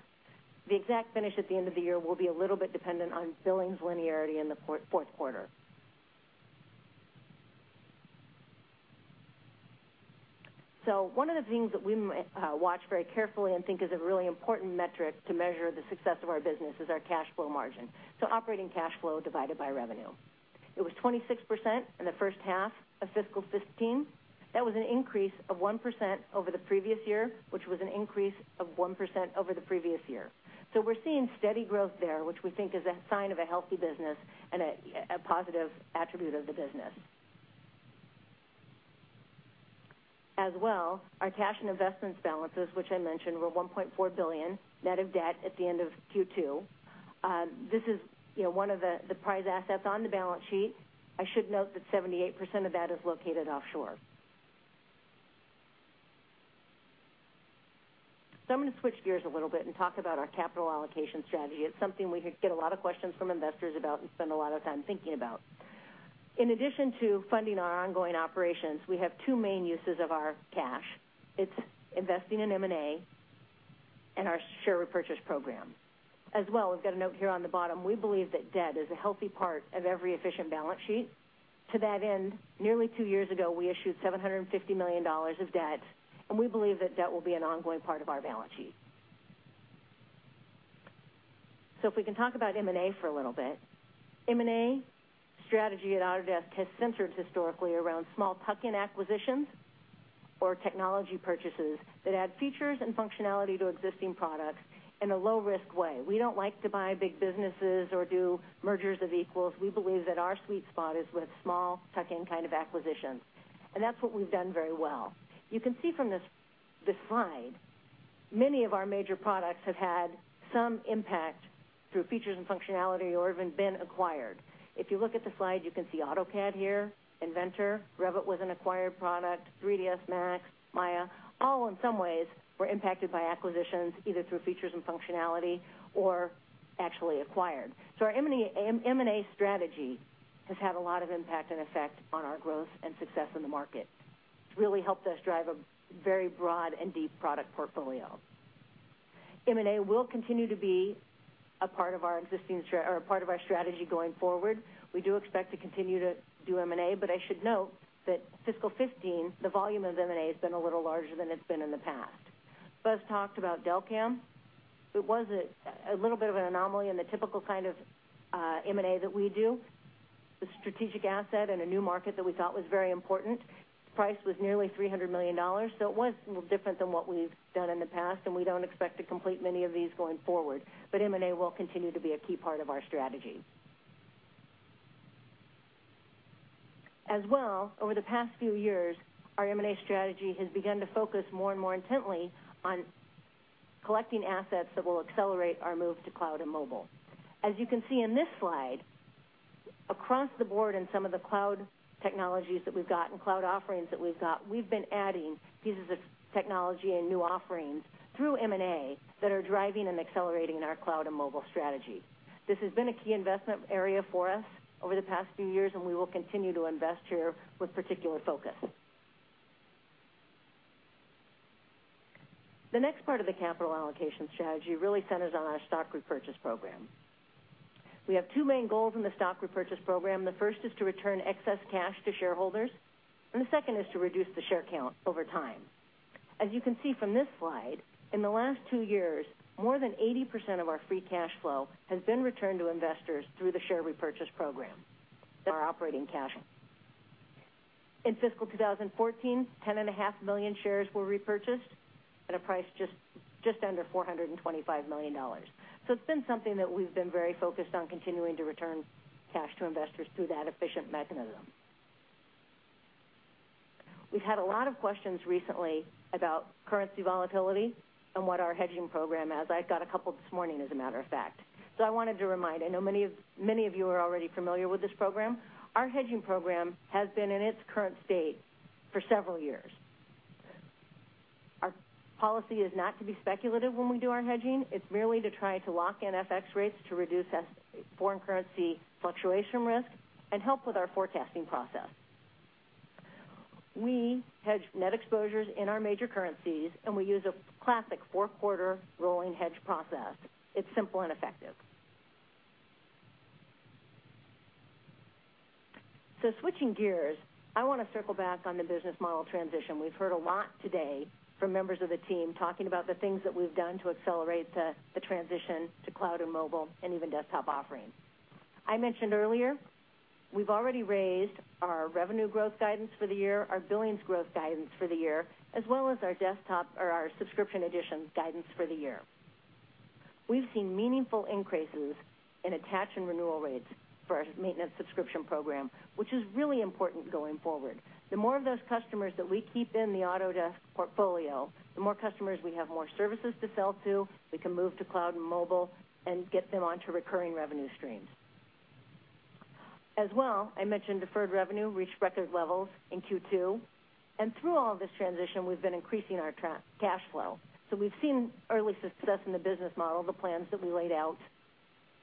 H: The exact finish at the end of the year will be a little bit dependent on billings linearity in the fourth quarter. One of the things that we watch very carefully and think is a really important metric to measure the success of our business is our cash flow margin. Operating cash flow divided by revenue. It was 26% in the first half of fiscal 2015. That was an increase of 1% over the previous year, which was an increase of 1% over the previous year. We're seeing steady growth there, which we think is a sign of a healthy business and a positive attribute of the business. As well, our cash and investments balances, which I mentioned, were $1.4 billion net of debt at the end of Q2. This is one of the prize assets on the balance sheet. I should note that 78% of that is located offshore. I'm going to switch gears a little bit and talk about our capital allocation strategy. It's something we get a lot of questions from investors about and spend a lot of time thinking about. In addition to funding our ongoing operations, we have two main uses of our cash. It's investing in M&A and our share repurchase program. As well, we've got a note here on the bottom. We believe that debt is a healthy part of every efficient balance sheet. To that end, nearly two years ago, we issued $750 million of debt, and we believe that debt will be an ongoing part of our balance sheet. If we can talk about M&A for a little bit. M&A strategy at Autodesk has centered historically around small tuck-in acquisitions or technology purchases that add features and functionality to existing products in a low-risk way. We don't like to buy big businesses or do mergers of equals. We believe that our sweet spot is with small tuck-in kind of acquisitions, and that's what we've done very well. You can see from this slide, many of our major products have had some impact through features and functionality or even been acquired. If you look at the slide, you can see AutoCAD here, Inventor. Revit was an acquired product, 3ds Max, Maya, all in some ways were impacted by acquisitions, either through features and functionality or actually acquired. Our M&A strategy has had a lot of impact and effect on our growth and success in the market. It's really helped us drive a very broad and deep product portfolio. M&A will continue to be a part of our strategy going forward. We do expect to continue to do M&A, but I should note that fiscal 2015, the volume of M&A has been a little larger than it's been in the past. Buzz talked about Delcam. It was a little bit of an anomaly in the typical kind of M&A that we do. It's a strategic asset in a new market that we thought was very important. Price was nearly $300 million. It was a little different than what we've done in the past, and we don't expect to complete many of these going forward. M&A will continue to be a key part of our strategy. As well, over the past few years, our M&A strategy has begun to focus more and more intently on collecting assets that will accelerate our move to cloud and mobile. As you can see in this slide, across the board in some of the cloud technologies that we've got and cloud offerings that we've got, we've been adding pieces of technology and new offerings through M&A that are driving and accelerating our cloud and mobile strategy. This has been a key investment area for us over the past few years, and we will continue to invest here with particular focus. The next part of the capital allocation strategy really centers on our stock repurchase program. We have two main goals in the stock repurchase program. The first is to return excess cash to shareholders, and the second is to reduce the share count over time. As you can see from this slide, in the last two years, more than 80% of our free cash flow has been returned to investors through the share repurchase program than our operating cash. In fiscal 2014, 10.5 million shares were repurchased at a price just under $425 million. It's been something that we've been very focused on continuing to return cash to investors through that efficient mechanism. We've had a lot of questions recently about currency volatility and what our hedging program is. I've got a couple this morning as a matter of fact. I wanted to remind, I know many of you are already familiar with this program. Our hedging program has been in its current state for several years. Our policy is not to be speculative when we do our hedging. It's merely to try to lock in FX rates to reduce foreign currency fluctuation risk and help with our forecasting process. We hedge net exposures in our major currencies, and we use a classic four-quarter rolling hedge process. It's simple and effective. Switching gears, I want to circle back on the business model transition. We've heard a lot today from members of the team talking about the things that we've done to accelerate the transition to cloud and mobile and even desktop offerings. I mentioned earlier, we've already raised our revenue growth guidance for the year, our billings growth guidance for the year, as well as our subscription additions guidance for the year. We've seen meaningful increases in attach and renewal rates for our maintenance subscription program, which is really important going forward. The more of those customers that we keep in the Autodesk portfolio, the more customers we have, more services to sell to, we can move to cloud and mobile and get them onto recurring revenue streams. As well, I mentioned deferred revenue reached record levels in Q2, through all of this transition, we've been increasing our cash flow. We've seen early success in the business model, the plans that we laid out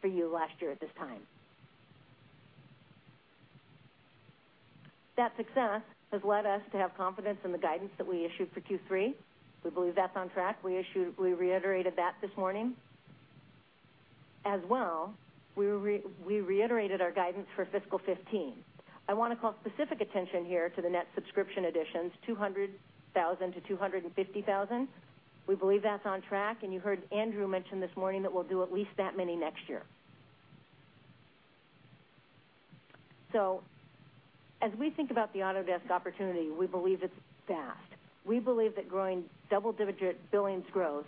H: for you last year at this time. That success has led us to have confidence in the guidance that we issued for Q3. We believe that's on track. We reiterated that this morning. As well, we reiterated our guidance for fiscal 2015. I want to call specific attention here to the net subscription additions, 200,000 to 250,000. We believe that's on track, and you heard Andrew mention this morning that we'll do at least that many next year. As we think about the Autodesk opportunity, we believe it's vast. We believe that growing double-digit billings growth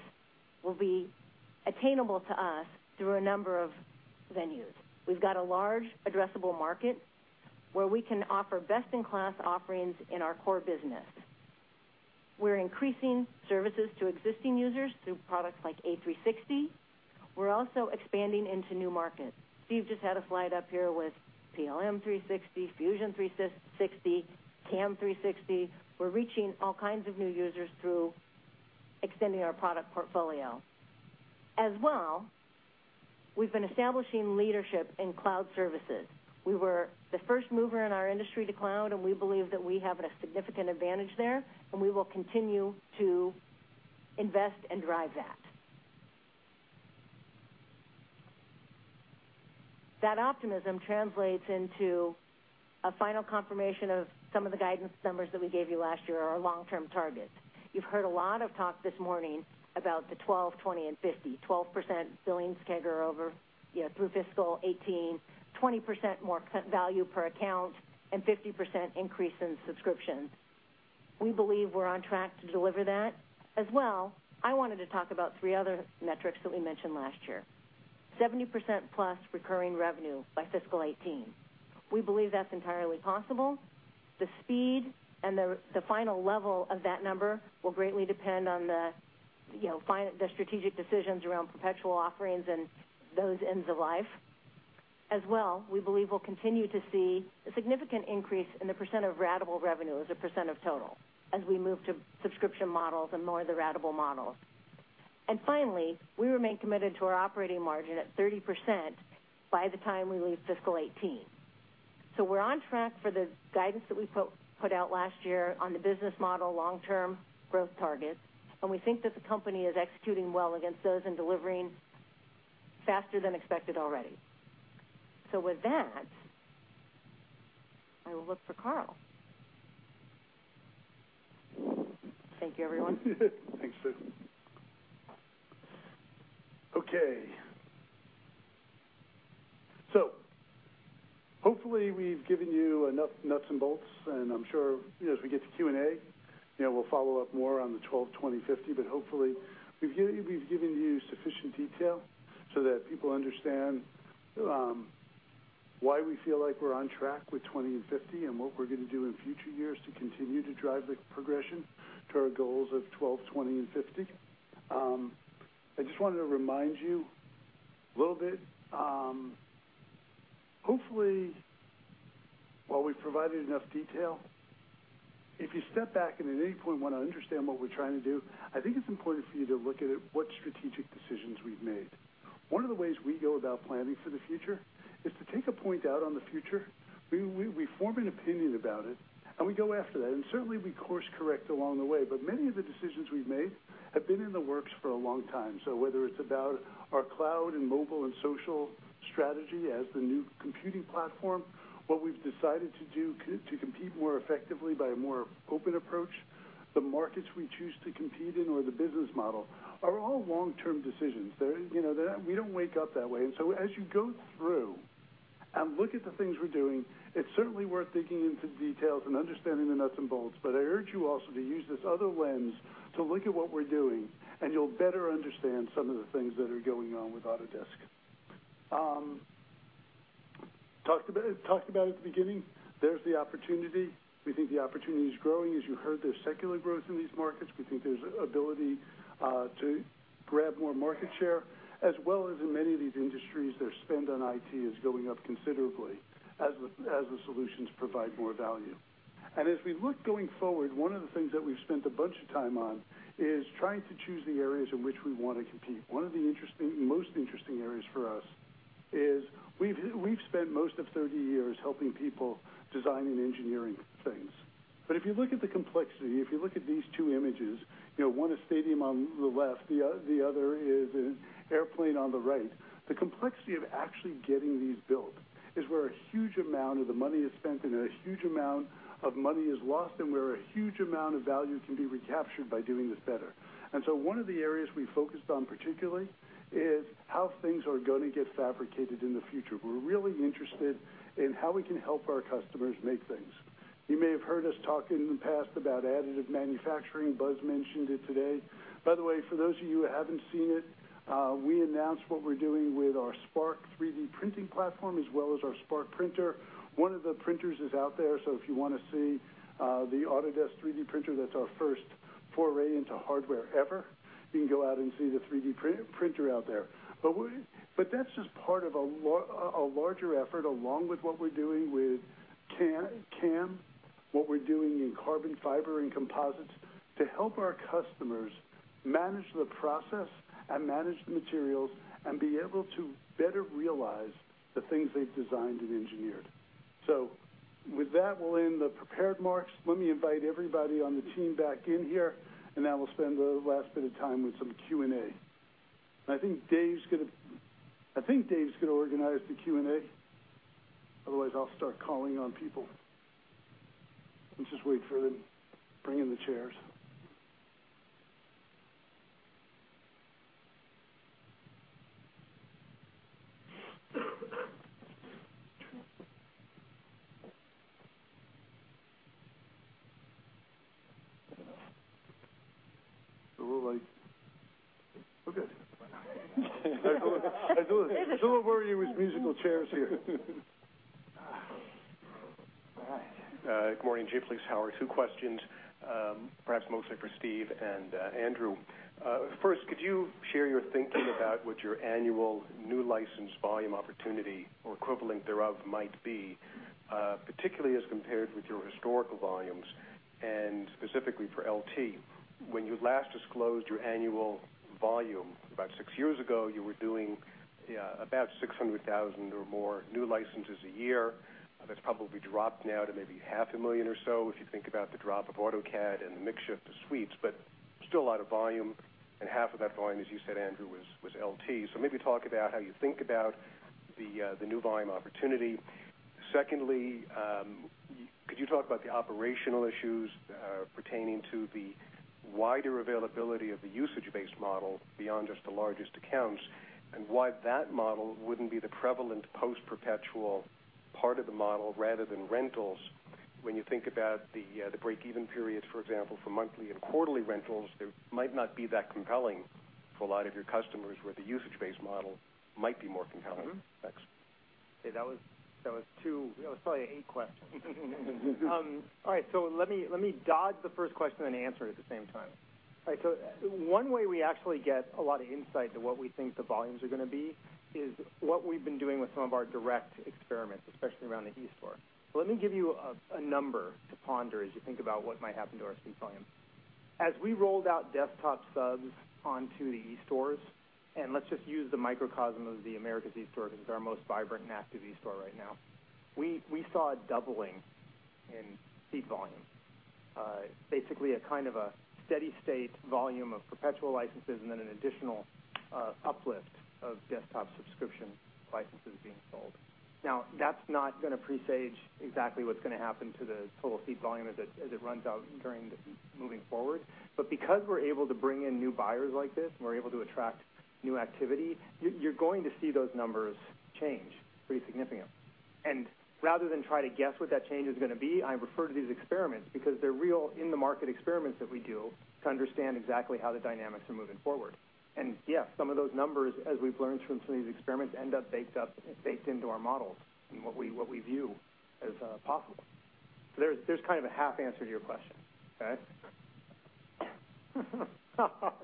H: will be attainable to us through a number of venues. We've got a large addressable market where we can offer best-in-class offerings in our core business. We're increasing services to existing users through products like A360. We're also expanding into new markets. Steve just had a slide up here with PLM 360, Fusion 360, CAM 360. We're reaching all kinds of new users through extending our product portfolio. As well, we've been establishing leadership in cloud services. We were the first mover in our industry to cloud, and we believe that we have a significant advantage there, and we will continue to invest and drive that. That optimism translates into a final confirmation of some of the guidance numbers that we gave you last year, our long-term targets. You've heard a lot of talk this morning about the 12, 20, and 50, 12% billings CAGR through fiscal 2018, 20% more value per account, and 50% increase in subscriptions. We believe we're on track to deliver that. As well, I wanted to talk about three other metrics that we mentioned last year. 70% plus recurring revenue by fiscal 2018. We believe that's entirely possible. The speed and the final level of that number will greatly depend on the strategic decisions around perpetual offerings and those ends of life. As well, we believe we'll continue to see a significant increase in the percent of ratable revenue as a percent of total as we move to subscription models and more of the ratable models. Finally, we remain committed to our operating margin at 30% by the time we leave fiscal 2018.
B: We're on track for the guidance that we put out last year on the business model long-term growth targets. We think that the company is executing well against those and delivering faster than expected already. With that, I will look for Carl. Thank you, everyone.
A: Thanks, Sue. Okay. Hopefully, we've given you enough nuts and bolts, and I'm sure as we get to Q&A, we'll follow up more on the 12, 20, 50. Hopefully, we've given you sufficient detail so that people understand why we feel like we're on track with 20 and 50 and what we're going to do in future years to continue to drive the progression to our goals of 12, 20, and 50. I just wanted to remind you a little bit. Hopefully, while we've provided enough detail, if you step back and at any point want to understand what we're trying to do, I think it's important for you to look at what strategic decisions we've made. One of the ways we go about planning for the future is to take a point out on the future. We form an opinion about it, and we go after that. Certainly, we course-correct along the way. Many of the decisions we've made have been in the works for a long time. Whether it's about our cloud and mobile and social strategy as the new computing platform, what we've decided to do to compete more effectively by a more open approach, the markets we choose to compete in or the business model are all long-term decisions. We don't wake up that way. As you go through and look at the things we're doing, it's certainly worth digging into details and understanding the nuts and bolts. I urge you also to use this other lens to look at what we're doing, and you'll better understand some of the things that are going on with Autodesk. Talked about at the beginning, there's the opportunity. We think the opportunity is growing. As you heard, there's secular growth in these markets. We think there's ability to grab more market share, as well as in many of these industries, their spend on IT is going up considerably as the solutions provide more value. As we look going forward, one of the things that we've spent a bunch of time on is trying to choose the areas in which we want to compete. One of the most interesting areas for us is we've spent most of 30 years helping people design and engineer things. If you look at the complexity, if you look at these two images, one, a stadium on the left, the other is an airplane on the right. The complexity of actually getting these built is where a huge amount of the money is spent and where a huge amount of money is lost and where a huge amount of value can be recaptured by doing this better. One of the areas we focused on particularly is how things are going to get fabricated in the future. We're really interested in how we can help our customers make things. You may have heard us talk in the past about additive manufacturing. Buzz mentioned it today. By the way, for those of you who haven't seen it, we announced what we're doing with our Spark 3D printing platform, as well as our Spark printer. One of the printers is out there, so if you want to see the Autodesk 3D printer, that's our first foray into hardware ever. You can go out and see the 3D printer out there. That's just part of a larger effort, along with what we're doing with CAM, what we're doing in carbon fiber and composites to help our customers manage the process and manage the materials and be able to better realize the things they've designed and engineered. With that, we'll end the prepared remarks. Let me invite everybody on the team back in here, and now we'll spend the last bit of time with some Q&A. I think Dave's going to organize the Q&A. Otherwise, I'll start calling on people. Let's just wait for them to bring in the chairs. A little late. We're good. It's a little worrying with musical chairs here.
I: All right. Good morning. Jay Vleeschhouwer. Two questions, perhaps mostly for Steve and Andrew. First, could you share your thinking about what your annual new license volume opportunity or equivalent thereof might be, particularly as compared with your historical volumes and specifically for LT? When you last disclosed your annual volume about 6 years ago, you were doing about 600,000 or more new licenses a year. That's probably dropped now to maybe 500,000 or so if you think about the drop of AutoCAD and the mix shift to Suites, but still a lot of volume, and half of that volume, as you said, Andrew, was LT. Maybe talk about how you think about the new volume opportunity. Secondly, could you talk about the operational issues pertaining to the wider availability of the usage-based model beyond just the largest accounts, and why that model wouldn't be the prevalent post-perpetual part of the model rather than rentals? When you think about the break-even periods, for example, for monthly and quarterly rentals, they might not be that compelling for a lot of your customers where the usage-based model might be more compelling. Thanks.
B: Okay. That was probably eight questions. All right, let me dodge the first question and answer it at the same time. One way we actually get a lot of insight to what we think the volumes are going to be is what we've been doing with some of our direct experiments, especially around the eStore. Let me give you a number to ponder as you think about what might happen to our seat volume. As we rolled out desktop subs onto the eStores, and let's just use the microcosm of the Americas eStore because it's our most vibrant and active eStore right now. We saw a doubling in seat volume. Basically, a kind of a steady state volume of perpetual licenses, and then an additional uplift of desktop subscription licenses being sold. That's not going to presage exactly what's going to happen to the total seat volume as it runs out moving forward. Because we're able to bring in new buyers like this, and we're able to attract new activity, you're going to see those numbers change pretty significantly. Rather than try to guess what that change is going to be, I refer to these experiments because they're real in-the-market experiments that we do to understand exactly how the dynamics are moving forward. Yeah, some of those numbers, as we've learned from some of these experiments, end up baked into our models and what we view as possible. There's kind of a half answer to your question. Okay?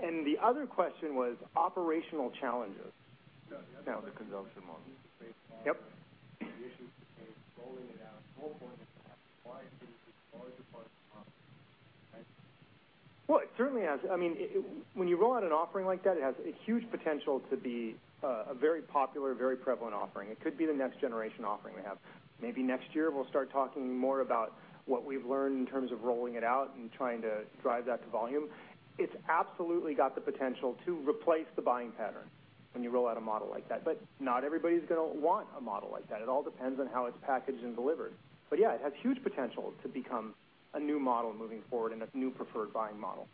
B: The other question was operational challenges around the consumption model.
A: Yeah, the other question was.
B: Yep.
A: The issues between rolling it out and what point does that buying pattern become the larger part of the model?
B: Well, it certainly has. When you roll out an offering like that, it has a huge potential to be a very popular, very prevalent offering. It could be the next generation offering we have. Maybe next year, we'll start talking more about what we've learned in terms of rolling it out and trying to drive that to volume. It's absolutely got the potential to replace the buying pattern when you roll out a model like that. Not everybody's going to want a model like that. It all depends on how it's packaged and delivered. Yeah, it has huge potential to become a new model moving forward and a new preferred buying model.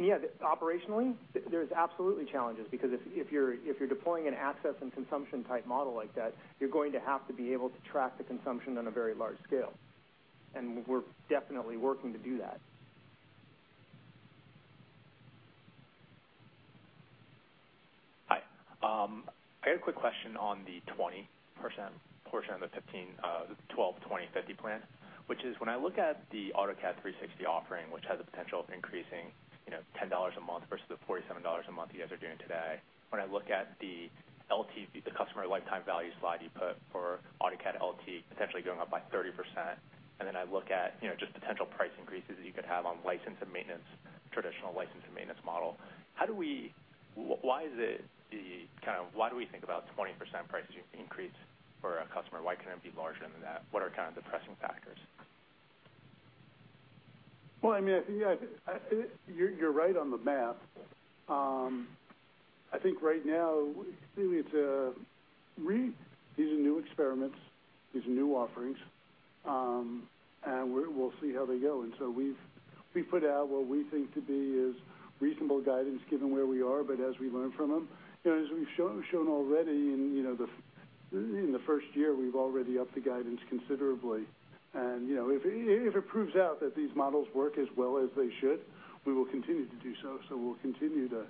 B: Yeah, operationally, there's absolutely challenges because if you're deploying an access and consumption-type model like that, you're going to have to be able to track the consumption on a very large scale. We're definitely working to do that.
J: Hi. I got a quick question on the 20% portion of the 12/20/50 plan, which is when I look at the AutoCAD 360 offering, which has a potential of increasing $10 a month versus the $47 a month you guys are doing today. When I look at the customer lifetime value slide you put for AutoCAD LT potentially going up by 30%, then I look at just potential price increases that you could have on traditional license and maintenance model. Why do we think about 20% price increase for a customer? Why can't it be larger than that? What are kind of the pressing factors?
A: You're right on the math. I think right now, these are new experiments, these are new offerings, and we'll see how they go. We've put out what we think to be as reasonable guidance given where we are, but as we learn from them, as we've shown already in the first year, we've already upped the guidance considerably. If it proves out that these models work as well as they should, we will continue to do so. We'll continue to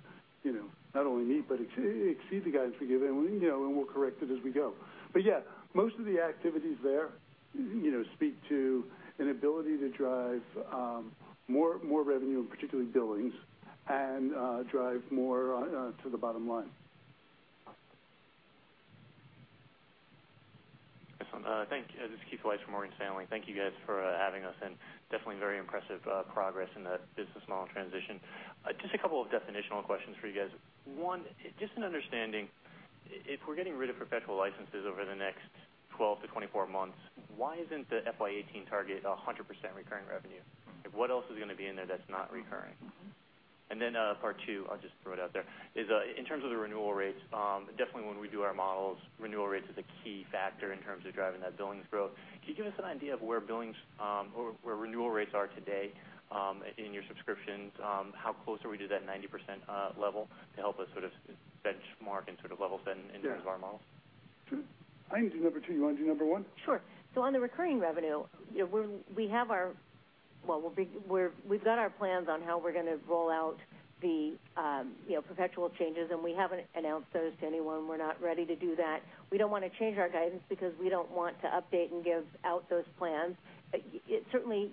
A: not only meet but exceed the guidance we give, and we'll correct it as we go. But yeah, most of the activities there speak to an ability to drive more revenue, in particular billings, and drive more to the bottom line.
K: Awesome. Thank you. This is Keith Weiss from Morgan Stanley. Thank you guys for having us, and definitely very impressive progress in the business model transition. Just a couple of definitional questions for you guys. One, just an understanding, if we're getting rid of perpetual licenses over the next 12-24 months, why isn't the FY 2018 target 100% recurring revenue? What else is going to be in there that's not recurring? Part 2, I'll just throw it out there, is in terms of the renewal rates, definitely when we do our models, renewal rates is a key factor in terms of driving that billings growth. Can you give us an idea of where renewal rates are today in your subscriptions? How close are we to that 90% level to help us sort of benchmark and sort of level set in terms of our models?
A: Sure. I can do number 2. You want to do number 1?
H: On the recurring revenue, we've got our plans on how we're going to roll out the perpetual changes, and we haven't announced those to anyone. We're not ready to do that. We don't want to change our guidance because we don't want to update and give out those plans. Certainly,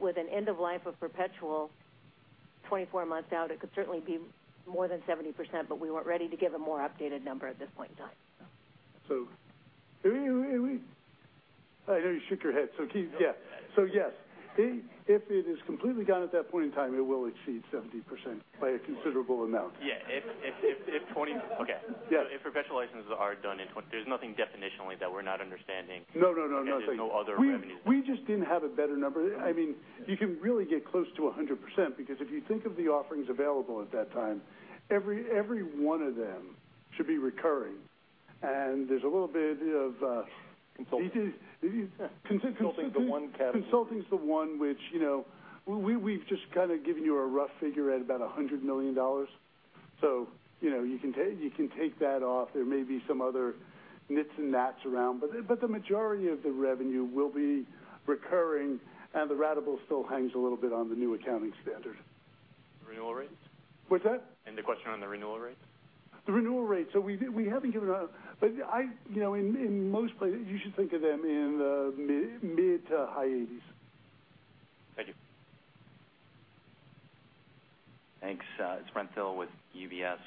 H: with an end of life of perpetual 24 months out, it could certainly be more than 70%, but we weren't ready to give a more updated number at this point in time.
A: I know you shook your head, so Keith, yeah. Yes. If it is completely gone at that point in time, it will exceed 70% by a considerable amount.
K: Yeah. Okay.
A: Yeah.
K: If perpetual licenses are done in 20-- There's nothing definitionally that we're not understanding.
A: No.
K: There's no other revenues.
A: We just didn't have a better number. You can really get close to 100%, because if you think of the offerings available at that time, every one of them should be recurring.
K: Consulting.
A: Consulting's the one which we've just kind of given you a rough figure at about $100 million. You can take that off. There may be some other nits and nats around, the majority of the revenue will be recurring, the ratable still hangs a little bit on the new accounting standard.
K: Renewal rates?
A: What's that?
K: The question on the renewal rates?
A: The renewal rates. We haven't given out, but in most places, you should think of them in the mid to high 80s.
K: Thank you.
L: Thanks. It is Brent Thill with UBS.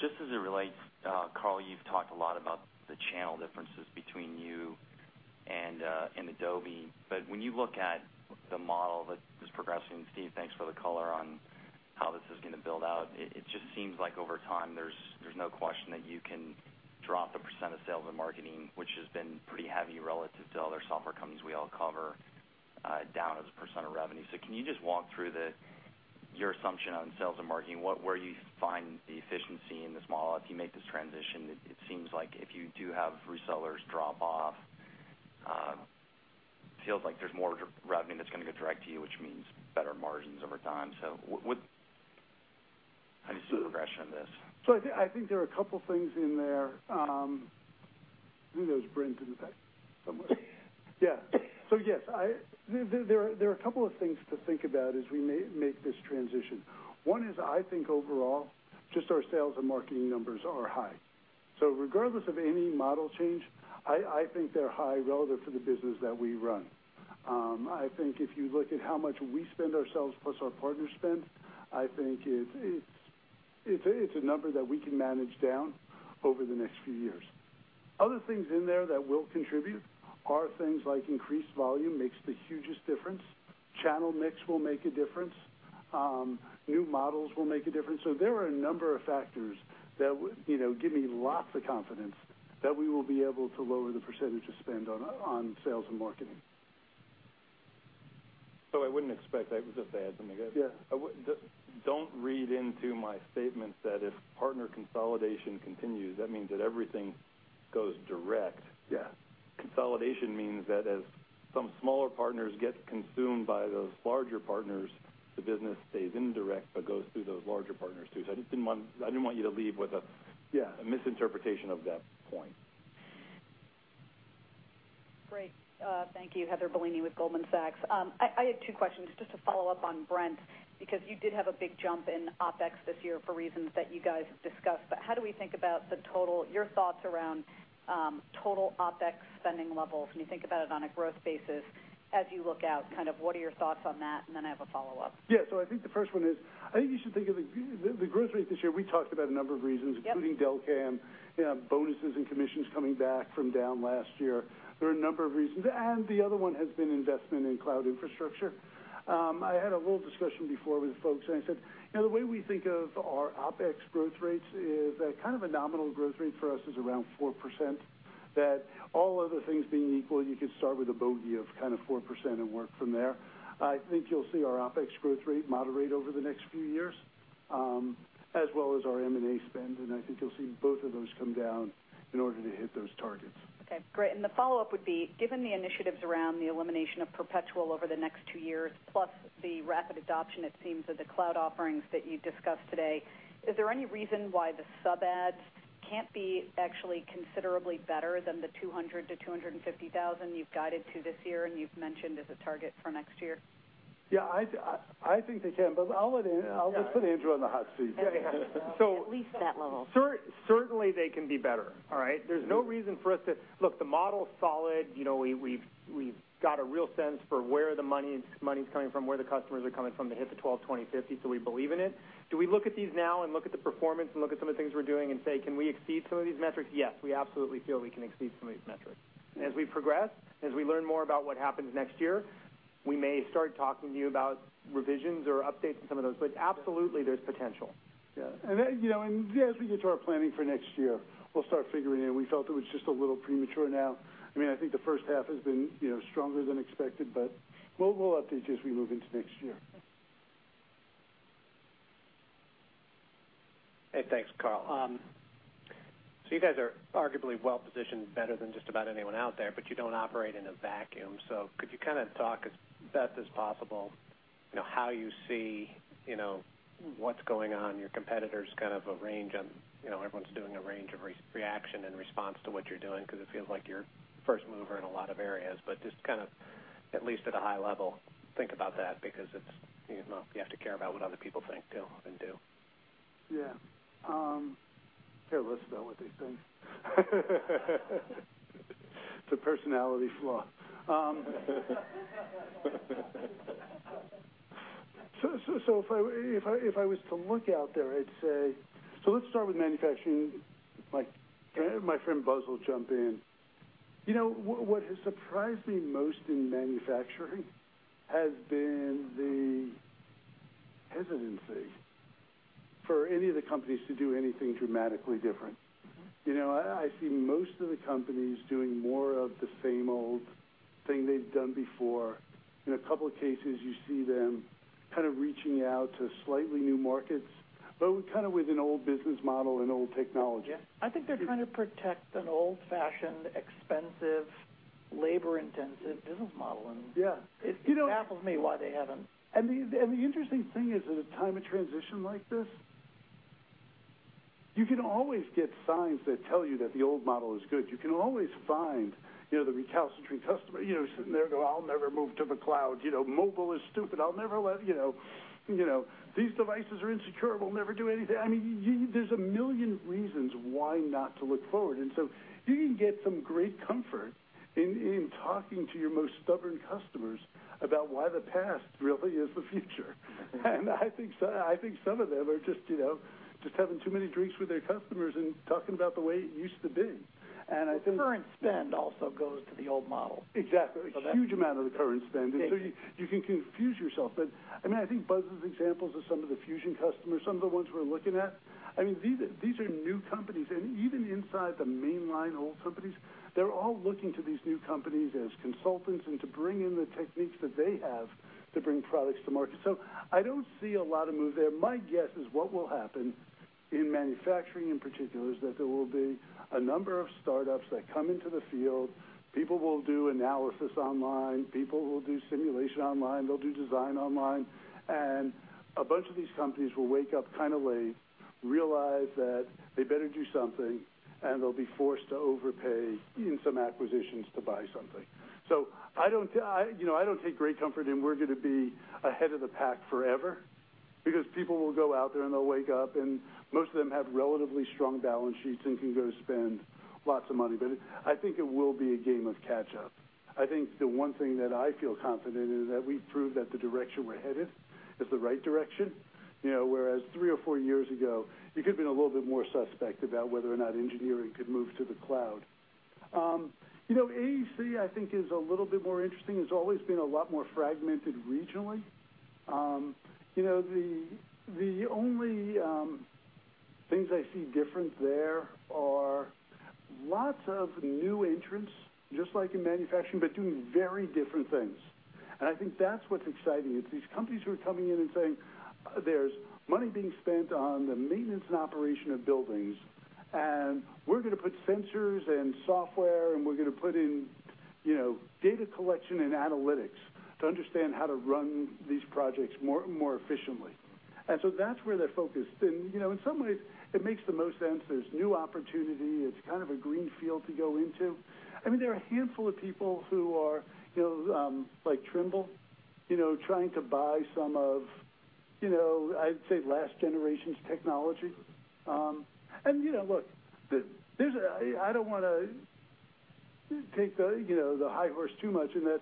L: Just as it relates, Carl, you have talked a lot about the channel differences between you and Adobe. When you look at the model that is progressing, Steve, thanks for the color on how this is going to build out. It just seems like over time, there is no question that you can drop the % of sales and marketing, which has been pretty heavy relative to other software companies we all cover, down as a % of revenue. Can you just walk through your assumption on sales and marketing, where you find the efficiency in this model as you make this transition? It seems like if you do have resellers drop off, it feels like there is more revenue that is going to go direct to you, which means better margins over time. How do you see the progression of this?
A: I think there are a couple things in there. I think that was Brent who was asking somewhere. Yeah. Yes, there are a couple of things to think about as we make this transition. One is I think overall, just our sales and marketing numbers are high. Regardless of any model change, I think they are high relative to the business that we run. I think if you look at how much we spend ourselves plus our partners spend, I think it is a number that we can manage down over the next few years. Other things in there that will contribute are things like increased volume makes the hugest difference. Channel mix will make a difference. New models will make a difference. There are a number of factors that give me lots of confidence that we will be able to lower the % of spend on sales and marketing.
G: I would not expect I was just going to add something.
A: Yeah.
G: Don't read into my statement that if partner consolidation continues, that means that everything goes direct.
A: Yeah.
G: Consolidation means that as some smaller partners get consumed by those larger partners, the business stays indirect but goes through those larger partners, too. I didn't want you to leave with.
A: Yeah
G: A misinterpretation of that point.
M: Great. Thank you. Heather Bellini with Goldman Sachs. I had two questions just to follow up on Brent, because you did have a big jump in OpEx this year for reasons that you guys have discussed. How do we think about the total, your thoughts around total OpEx spending levels when you think about it on a growth basis as you look out, what are your thoughts on that? I have a follow-up.
A: I think the first one is, I think you should think of the growth rate this year, we talked about a number of reasons. Yep Including Delcam, bonuses and commissions coming back from down last year. There are a number of reasons. The other one has been investment in cloud infrastructure. I had a little discussion before with folks, and I said, the way we think of our OpEx growth rates is that kind of a nominal growth rate for us is around 4%, that all other things being equal, you could start with a bogey of 4% and work from there. I think you'll see our OpEx growth rate moderate over the next few years, as well as our M&A spend. I think you'll see both of those come down in order to hit those targets.
M: Okay, great. The follow-up would be, given the initiatives around the elimination of perpetual over the next two years, plus the rapid adoption, it seems of the cloud offerings that you discussed today, is there any reason why the sub adds can't be actually considerably better than the 200,000 to 250,000 you've guided to this year and you've mentioned as a target for next year?
B: I think they can. I'll let Andrew on the hot seat.
G: Okay.
M: At least that level.
G: Certainly, they can be better. All right? There's no reason for us to Look, the model's solid. We've got a real sense for where the money's coming from, where the customers are coming from, the hit to 12.20.50, so we believe in it. Do we look at these now and look at the performance and look at some of the things we're doing and say, "Can we exceed some of these metrics?" Yes, we absolutely feel we can exceed some of these metrics. As we progress, as we learn more about what happens next year, we may start talking to you about revisions or updates to some of those. Absolutely, there's potential.
A: Yeah. As we get to our planning for next year, we'll start figuring in. We felt it was just a little premature now. I think the first half has been stronger than expected, we'll update you as we move into next year.
M: Okay.
J: Hey, thanks, Carl. You guys are arguably well-positioned better than just about anyone out there, but you don't operate in a vacuum. Could you talk as best as possible, how you see what's going on, your competitors kind of a range on, everyone's doing a range of reaction and response to what you're doing because it feels like you're first mover in a lot of areas. Just at least at a high level, think about that because you have to care about what other people think too, and do.
A: Yeah. Tell us about what they think. It's a personality flaw. If I was to look out there, I'd say let's start with manufacturing. My friend Buzz will jump in. What has surprised me most in manufacturing has been the hesitancy for any of the companies to do anything dramatically different. I see most of the companies doing more of the same old thing they've done before. In a couple of cases, you see them reaching out to slightly new markets, but with an old business model and old technology.
D: Yeah. I think they're trying to protect an old-fashioned, expensive, labor-intensive business model.
A: Yeah
D: It baffles me why they haven't.
A: The interesting thing is at a time of transition like this, you can always get signs that tell you that the old model is good. You can always find the recalcitrant customer sitting there going, "I'll never move to the cloud. Mobile is stupid. These devices are insecure. We'll never do anything." There's a million reasons why not to look forward. You can get some great comfort in talking to your most stubborn customers about why the past really is the future. I think some of them are just having too many drinks with their customers and talking about the way it used to be.
H: Current spend also goes to the old model.
A: Exactly. A huge amount of the current spend. You can confuse yourself. I think Buzz's examples of some of the Fusion customers, some of the ones we're looking at, these are new companies. Even inside the mainline old companies, they're all looking to these new companies as consultants and to bring in the techniques that they have to bring products to market. I don't see a lot of move there. My guess is what will happen in manufacturing, in particular, is that there will be a number of startups that come into the field. People will do analysis online, people will do simulation online, they'll do design online. A bunch of these companies will wake up kind of late, realize that they better do something, and they'll be forced to overpay in some acquisitions to buy something. I don't take great comfort in we're going to be ahead of the pack forever because people will go out there, and they'll wake up, and most of them have relatively strong balance sheets and can go spend lots of money. I think it will be a game of catch-up. I think the one thing that I feel confident in is that we've proved that the direction we're headed is the right direction. Whereas three or four years ago, you could've been a little bit more suspect about whether or not engineering could move to the cloud. AEC, I think, is a little bit more interesting. It's always been a lot more fragmented regionally. The only things I see different there are lots of new entrants, just like in manufacturing, but doing very different things. I think that's what's exciting. It's these companies who are coming in and saying, "There's money being spent on the maintenance and operation of buildings, and we're going to put sensors and software, and we're going to put in data collection and analytics to understand how to run these projects more efficiently." That's where they're focused. In some ways, it makes the most sense. There's new opportunity. It's kind of a green field to go into. There are a handful of people like Trimble, trying to buy some of, I'd say, last generation's technology. Look, I don't want to take the high horse too much in that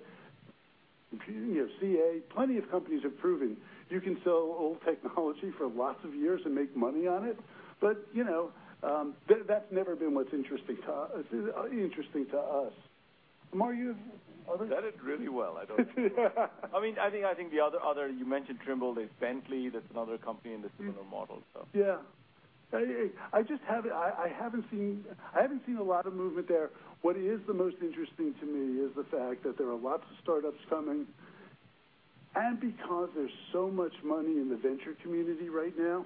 A: case, plenty of companies have proven you can sell old technology for lots of years and make money on it. That's never been what's interesting to us. Amar, you have others?
C: You said it really well. I don't have more. I think the other, you mentioned Trimble, there's Bentley, that's another company. That's another model. Yeah. I haven't seen a lot of movement there. What is the most interesting to me is the fact that there are lots of startups coming, because there's so much money in the venture community right now.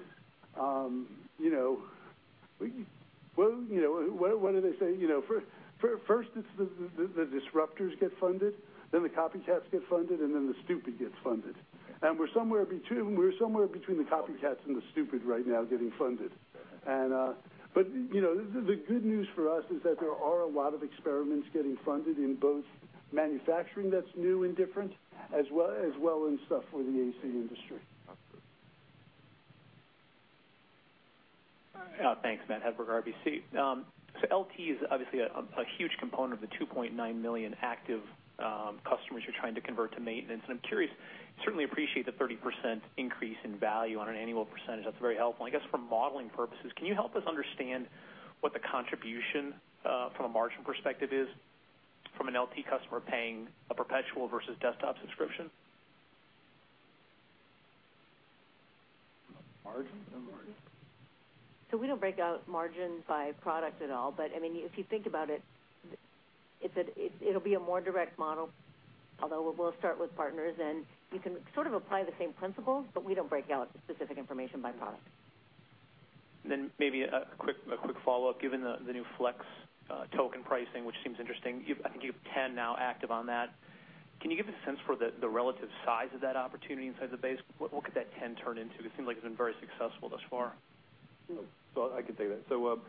C: What do they say? First, it's the disruptors get funded, then the copycats get funded, and then the stupid gets funded. We're somewhere between the copycats and the stupid right now getting funded. The good news for us is that there are a lot of experiments getting funded in both manufacturing that's new and different, as well in stuff for the AEC industry.
A: That's good.
N: Thanks, Matt Hedberg, RBC. LT is obviously a huge component of the 2.9 million active customers you're trying to convert to maintenance. I'm curious, certainly appreciate the 30% increase in value on an annual percentage. That's very helpful. I guess from modeling purposes, can you help us understand what the contribution, from a margin perspective is from an LT customer paying a perpetual versus desktop subscription?
A: Margin?
G: Margin.
H: We don't break out margin by product at all. If you think about it'll be a more direct model, although we'll start with partners, you can sort of apply the same principles, we don't break out specific information by product.
N: Maybe a quick follow-up, given the new Token Flex pricing, which seems interesting. I think you have 10 now active on that. Can you give a sense for the relative size of that opportunity inside the base? What could that 10 turn into? It seems like it's been very successful thus far.
G: I can take that.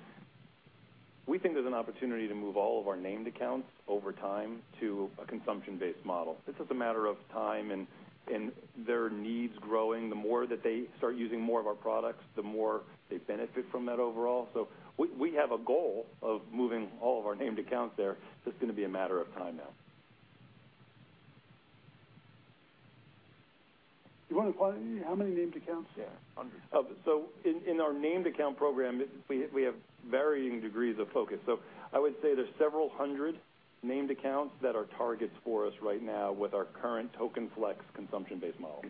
G: We think there's an opportunity to move all of our named accounts over time to a consumption-based model. It's just a matter of time and their needs growing. The more that they start using more of our products, the more they benefit from that overall. We have a goal of moving all of our named accounts there. It's just going to be a matter of time now.
A: You want to quantify how many named accounts?
G: Yeah.
A: Hundreds.
G: In our named account program, we have varying degrees of focus. I would say there's several hundred named accounts that are targets for us right now with our current Token Flex consumption-based model.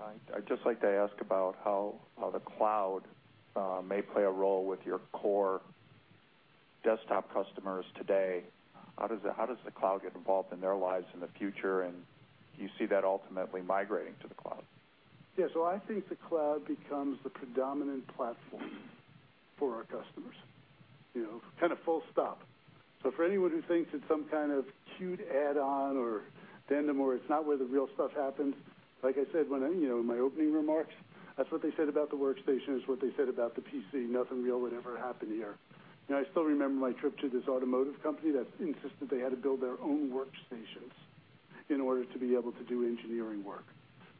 O: All right. I'd just like to ask about how the cloud may play a role with your core desktop customers today. How does the cloud get involved in their lives in the future, and do you see that ultimately migrating to the cloud?
A: Yeah. I think the cloud becomes the predominant platform for our customers. Kind of full stop. For anyone who thinks it's some kind of cute add-on or addendum, or it's not where the real stuff happens, like I said in my opening remarks, that's what they said about the workstation, it's what they said about the PC, nothing real would ever happen here. I still remember my trip to this automotive company that insisted they had to build their own workstations in order to be able to do engineering work.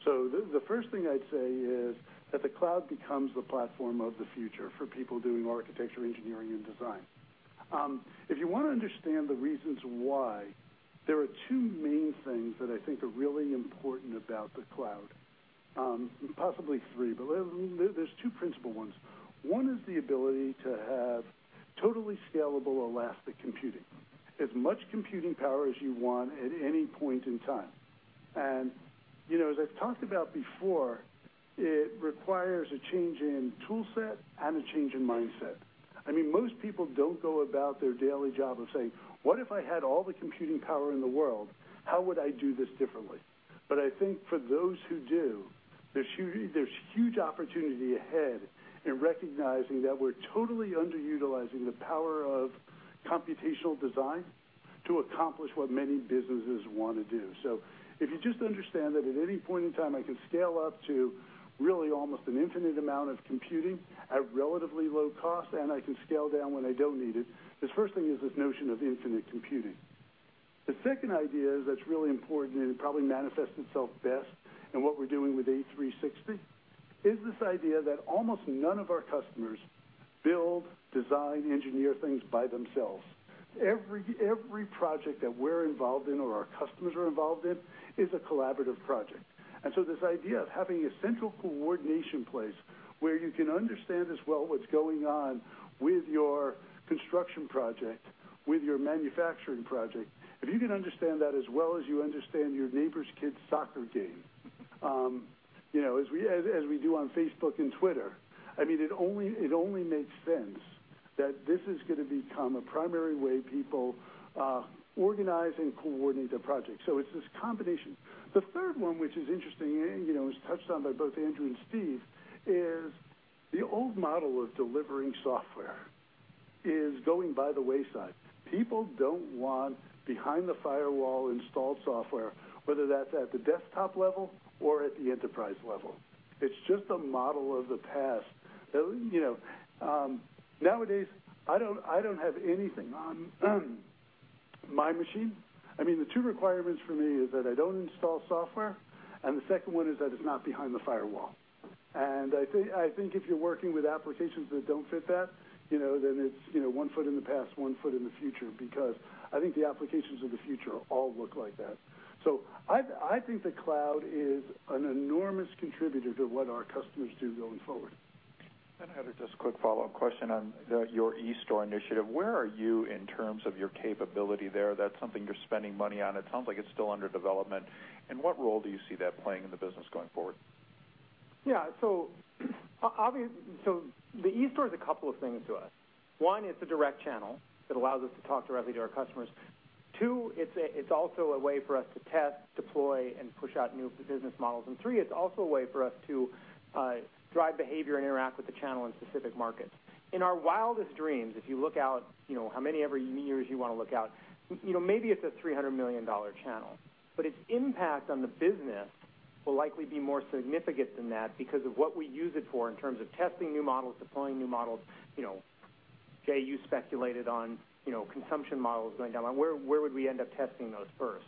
A: The first thing I'd say is that the cloud becomes the platform of the future for people doing architecture, engineering, and design. If you want to understand the reasons why, there are two main things that I think are really important about the cloud. Possibly three, but there's two principal ones. One is the ability to have totally scalable, elastic computing. As much computing power as you want at any point in time. As I've talked about before, it requires a change in tool set and a change in mindset. Most people don't go about their daily job of saying, "What if I had all the computing power in the world? How would I do this differently?" I think for those who do, there's huge opportunity ahead in recognizing that we're totally underutilizing the power of computational design to accomplish what many businesses want to do. If you just understand that at any point in time, I can scale up to really almost an infinite amount of computing at relatively low cost, and I can scale down when I don't need it. This first thing is this notion of infinite computing. The second idea that's really important, it probably manifests itself best in what we're doing with A360, is this idea that almost none of our customers build, design, engineer things by themselves. Every project that we're involved in or our customers are involved in is a collaborative project. This idea of having a central coordination place where you can understand as well what's going on with your construction project, with your manufacturing project. If you can understand that as well as you understand your neighbor's kid's soccer game, as we do on Facebook and Twitter. It only makes sense that this is going to become a primary way people organize and coordinate their projects. It's this combination. The third one, which is interesting, was touched on by both Andrew and Steve, is the old model of delivering software is going by the wayside. People don't want behind-the-firewall installed software, whether that's at the desktop level or at the enterprise level. It's just a model of the past. Nowadays, I don't have anything on my machine. The two requirements for me is that I don't install software, and the second one is that it's not behind the firewall. I think if you're working with applications that don't fit that, then it's one foot in the past, one foot in the future, because I think the applications of the future all look like that. I think the cloud is an enormous contributor to what our customers do going forward.
P: I have just a quick follow-up question on your eStore initiative. Where are you in terms of your capability there? That's something you're spending money on. It sounds like it's still under development. What role do you see that playing in the business going forward?
B: Yeah. The eStore is a couple of things to us. One, it's a direct channel that allows us to talk directly to our customers. Two, it's also a way for us to test, deploy, and push out new business models. Three, it's also a way for us to drive behavior and interact with the channel in specific markets. In our wildest dreams, if you look out, how many ever years you want to look out, maybe it's a $300 million channel. Its impact on the business will likely be more significant than that because of what we use it for in terms of testing new models, deploying new models. Jay, you speculated on consumption models going down the line. Where would we end up testing those first?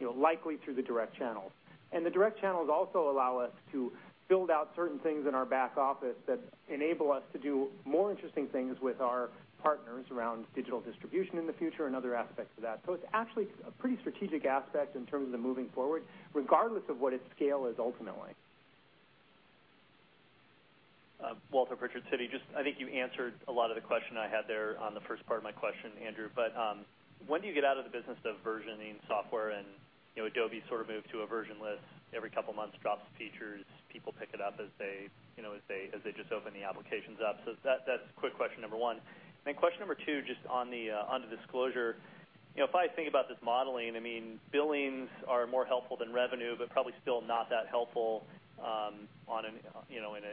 B: Likely through the direct channels. The direct channels also allow us to build out certain things in our back office that enable us to do more interesting things with our partners around digital distribution in the future and other aspects of that. It's actually a pretty strategic aspect in terms of the moving forward, regardless of what its scale is ultimately.
Q: Walter Pritchard, Citi. I think you answered a lot of the question I had there on the first part of my question, Andrew. When do you get out of the business of versioning software and Adobe sort of moved to a version-less, every couple of months drops features, people pick it up as they just open the applications up. That's quick question number one. Question number two, just on the disclosure. If I think about this modeling, billings are more helpful than revenue, probably still not that helpful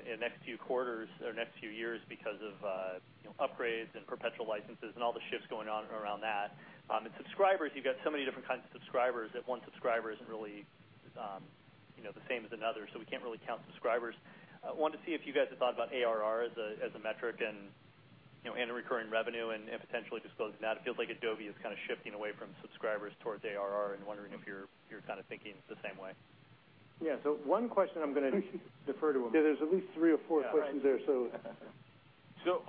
Q: in next few quarters or next few years because of upgrades and perpetual licenses and all the shifts going on around that. Subscribers, you've got so many different kinds of subscribers that one subscriber isn't really the same as another, we can't really count subscribers. I wanted to see if you guys have thought about ARR as a metric and recurring revenue and potentially disclosing that. It feels like Adobe is kind of shifting away from subscribers towards ARR and wondering if you're kind of thinking the same way.
B: Yeah. One question I'm going to defer to.
A: Yeah, there's at least three or four questions there.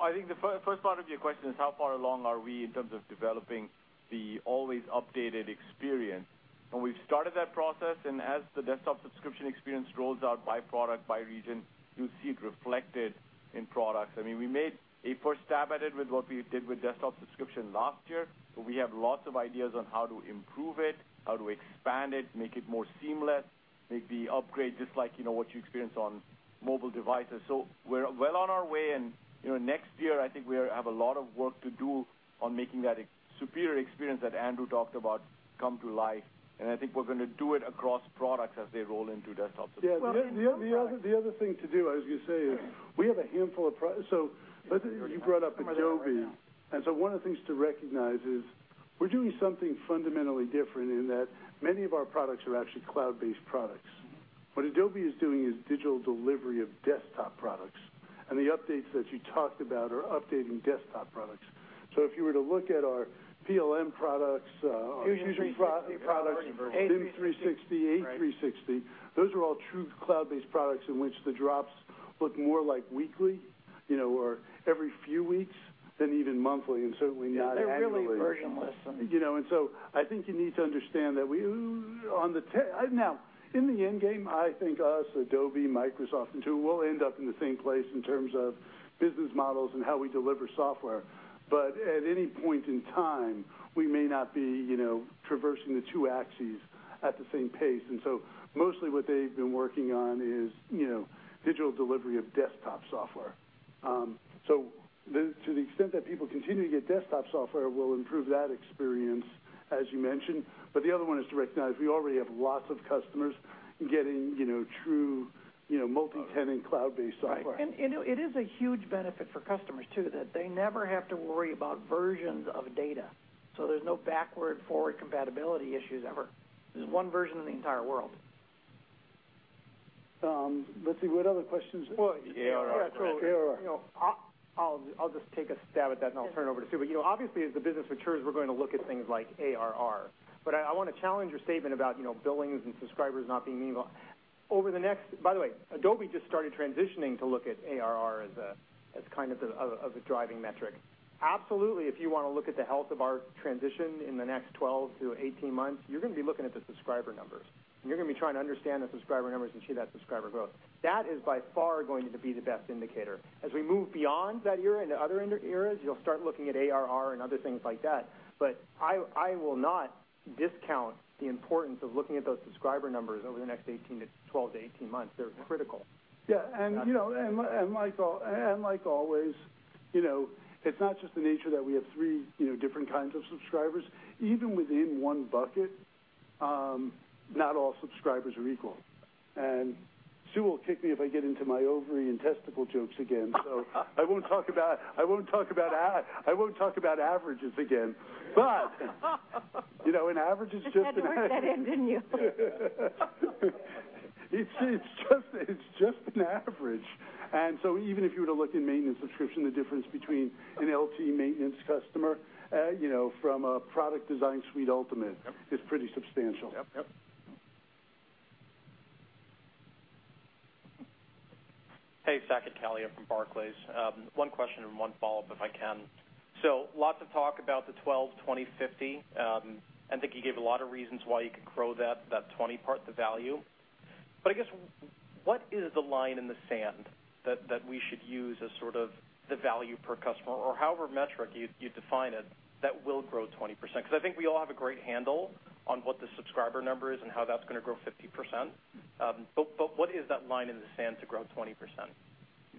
C: I think the first part of your question is how far along are we in terms of developing the always updated experience. We've started that process, and as the desktop subscription experience rolls out by product, by region, you'll see it reflected in products. We made a first stab at it with what we did with desktop subscription last year. We have lots of ideas on how to improve it, how to expand it, make it more seamless, make the upgrade just like what you experience on mobile devices. We're well on our way, and next year, I think we have a lot of work to do on making that a superior experience that Andrew talked about come to life. I think we're going to do it across products as they roll into desktop subscription.
A: The other thing to do, I was going to say, is we have a handful of products. You brought up Adobe. One of the things to recognize is we're doing something fundamentally different in that many of our products are actually cloud-based products. What Adobe is doing is digital delivery of desktop products, and the updates that you talked about are updating desktop products. If you were to look at our PLM products.
B: Autodesk Fusion products
A: Autodesk Fusion products
B: A360.
A: A360.
B: Right.
A: Those are all true cloud-based products in which the drops look more like weekly, or every few weeks than even monthly, and certainly not annually.
B: They're really version-less.
A: I think you need to understand that. Now, in the end game, I think us, Adobe, Microsoft, Intuit, we'll end up in the same place in terms of business models and how we deliver software. At any point in time, we may not be traversing the two axes at the same pace. Mostly what they've been working on is digital delivery of desktop software. To the extent that people continue to get desktop software, we'll improve that experience, as you mentioned. The other one is to recognize we already have lots of customers getting true multi-tenant cloud-based software.
B: Right. It is a huge benefit for customers, too, that they never have to worry about versions of data. There's no backward/forward compatibility issues ever. There's one version in the entire world.
A: Let's see, what other questions?
B: Well-
A: ARR.
B: Yeah.
A: ARR.
B: I'll just take a stab at that, and I'll turn it over to Sue. Obviously, as the business matures, we're going to look at things like ARR. I want to challenge your statement about billings and subscribers not being meaningful. By the way, Adobe just started transitioning to look at ARR as a driving metric. Absolutely, if you want to look at the health of our transition in the next 12 to 18 months, you're going to be looking at the subscriber numbers, and you're going to be trying to understand the subscriber numbers and see that subscriber growth. That is by far going to be the best indicator. As we move beyond that era into other eras, you'll start looking at ARR and other things like that. I will not discount the importance of looking at those subscriber numbers over the next 12 to 18 months. They're critical.
A: Yeah, like always, it's not just the nature that we have three different kinds of subscribers. Even within one bucket, not all subscribers are equal. Sue will kick me if I get into my ovary and testicle jokes again. I won't talk about averages again.
H: Just had to work that in, didn't you?
A: It's just an average. Even if you were to look in maintenance subscription, the difference between an LT maintenance customer from a Product Design Suite Ultimate, Yep, is pretty substantial. Yep.
R: Hey, Saket Kalia from Barclays. One question and one follow-up, if I can. Lots of talk about the 12/20/50. I think you gave a lot of reasons why you could grow that 20 part, the value. I guess, what is the line in the sand that we should use as the value per customer, or however metric you define it, that will grow 20%? Because I think we all have a great handle on what the subscriber number is and how that's going to grow 50%. What is that line in the sand to grow 20%?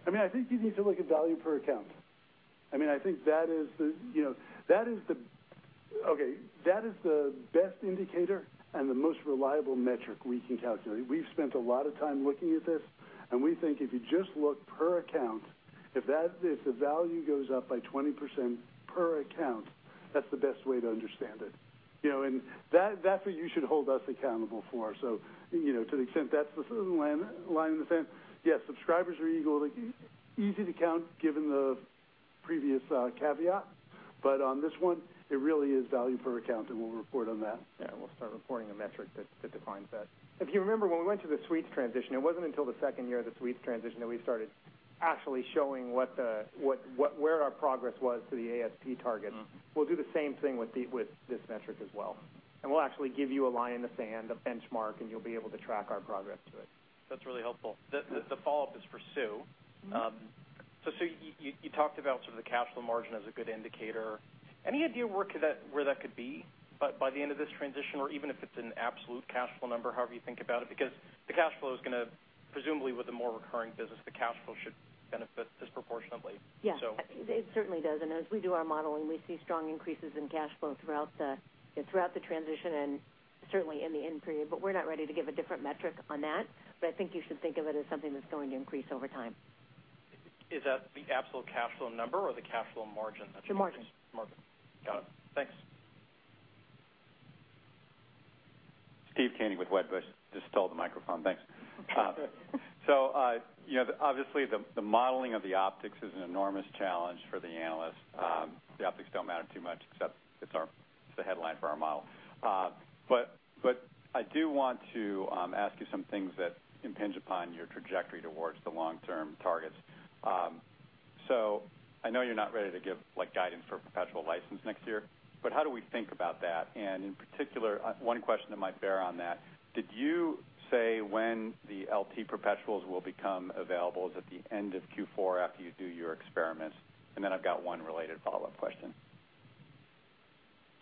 A: I think you need to look at value per account. That is the best indicator and the most reliable metric we can calculate. We've spent a lot of time looking at this, we think if you just look per account, if the value goes up by 20% per account, that's the best way to understand it. That's what you should hold us accountable for. To the extent that's the line in the sand, yeah, subscribers are equal, easy to count given the previous caveat. On this one, it really is value per account, and we'll report on that.
B: Yeah, we'll start reporting a metric that defines that. If you remember when we went through the Suites transition, it wasn't until the second year of the Suites transition that we started actually showing where our progress was to the ASP targets. We'll do the same thing with this metric as well, and we'll actually give you a line in the sand, a benchmark, and you'll be able to track our progress to it.
R: That's really helpful. The follow-up is for Sue. Sue, you talked about the cash flow margin as a good indicator. Any idea where that could be by the end of this transition, or even if it's an absolute cash flow number, however you think about it, because presumably with the more recurring business, the cash flow should benefit disproportionately.
H: Yeah. It certainly does, and as we do our modeling, we see strong increases in cash flow throughout the transition and certainly in the end period. We're not ready to give a different metric on that. I think you should think of it as something that's going to increase over time.
R: Is that the absolute cash flow number or the cash flow margin that-
B: It's your margin.
R: Margin. Got it. Thanks.
E: Steve Koenig with Wedbush. Just stole the microphone, thanks.
S: Obviously the modeling of the optics is an enormous challenge for the analyst. The optics don't matter too much, except it's the headline for our model. I do want to ask you some things that impinge upon your trajectory towards the long-term targets. I know you're not ready to give guidance for perpetual license next year, but how do we think about that? In particular, one question that might bear on that, did you say when the LT perpetuals will become available? Is that the end of Q4 after you do your experiments? Then I've got one related follow-up question.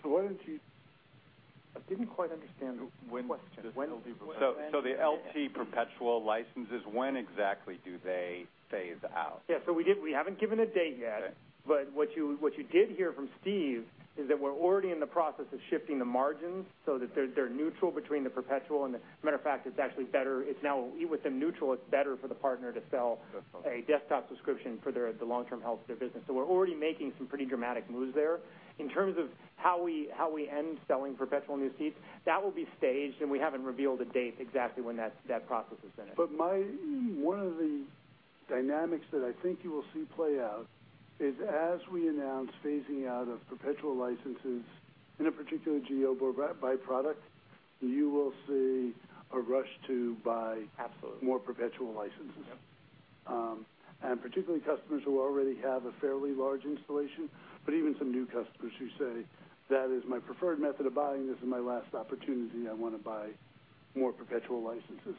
A: I didn't quite understand the question.
S: The LT perpetual licenses, when exactly do they phase out?
B: Yeah, we haven't given a date yet.
S: Okay.
B: What you did hear from Steve is that we're already in the process of shifting the margins so that they're neutral between the perpetual and the Matter of fact, it's actually better. Within neutral, it's better for the partner.
S: Desktop
B: a desktop subscription for the long-term health of their business. We're already making some pretty dramatic moves there. In terms of how we end selling perpetual new seats, that will be staged, and we haven't revealed a date exactly when that process has finished.
A: One of the Dynamics that I think you will see play out is as we announce phasing out of perpetual licenses in a particular geo or by product, you will see a rush to buy.
S: Absolutely
A: more perpetual licenses.
S: Yep.
A: Particularly customers who already have a fairly large installation, but even some new customers who say, "That is my preferred method of buying. This is my last opportunity. I want to buy more perpetual licenses."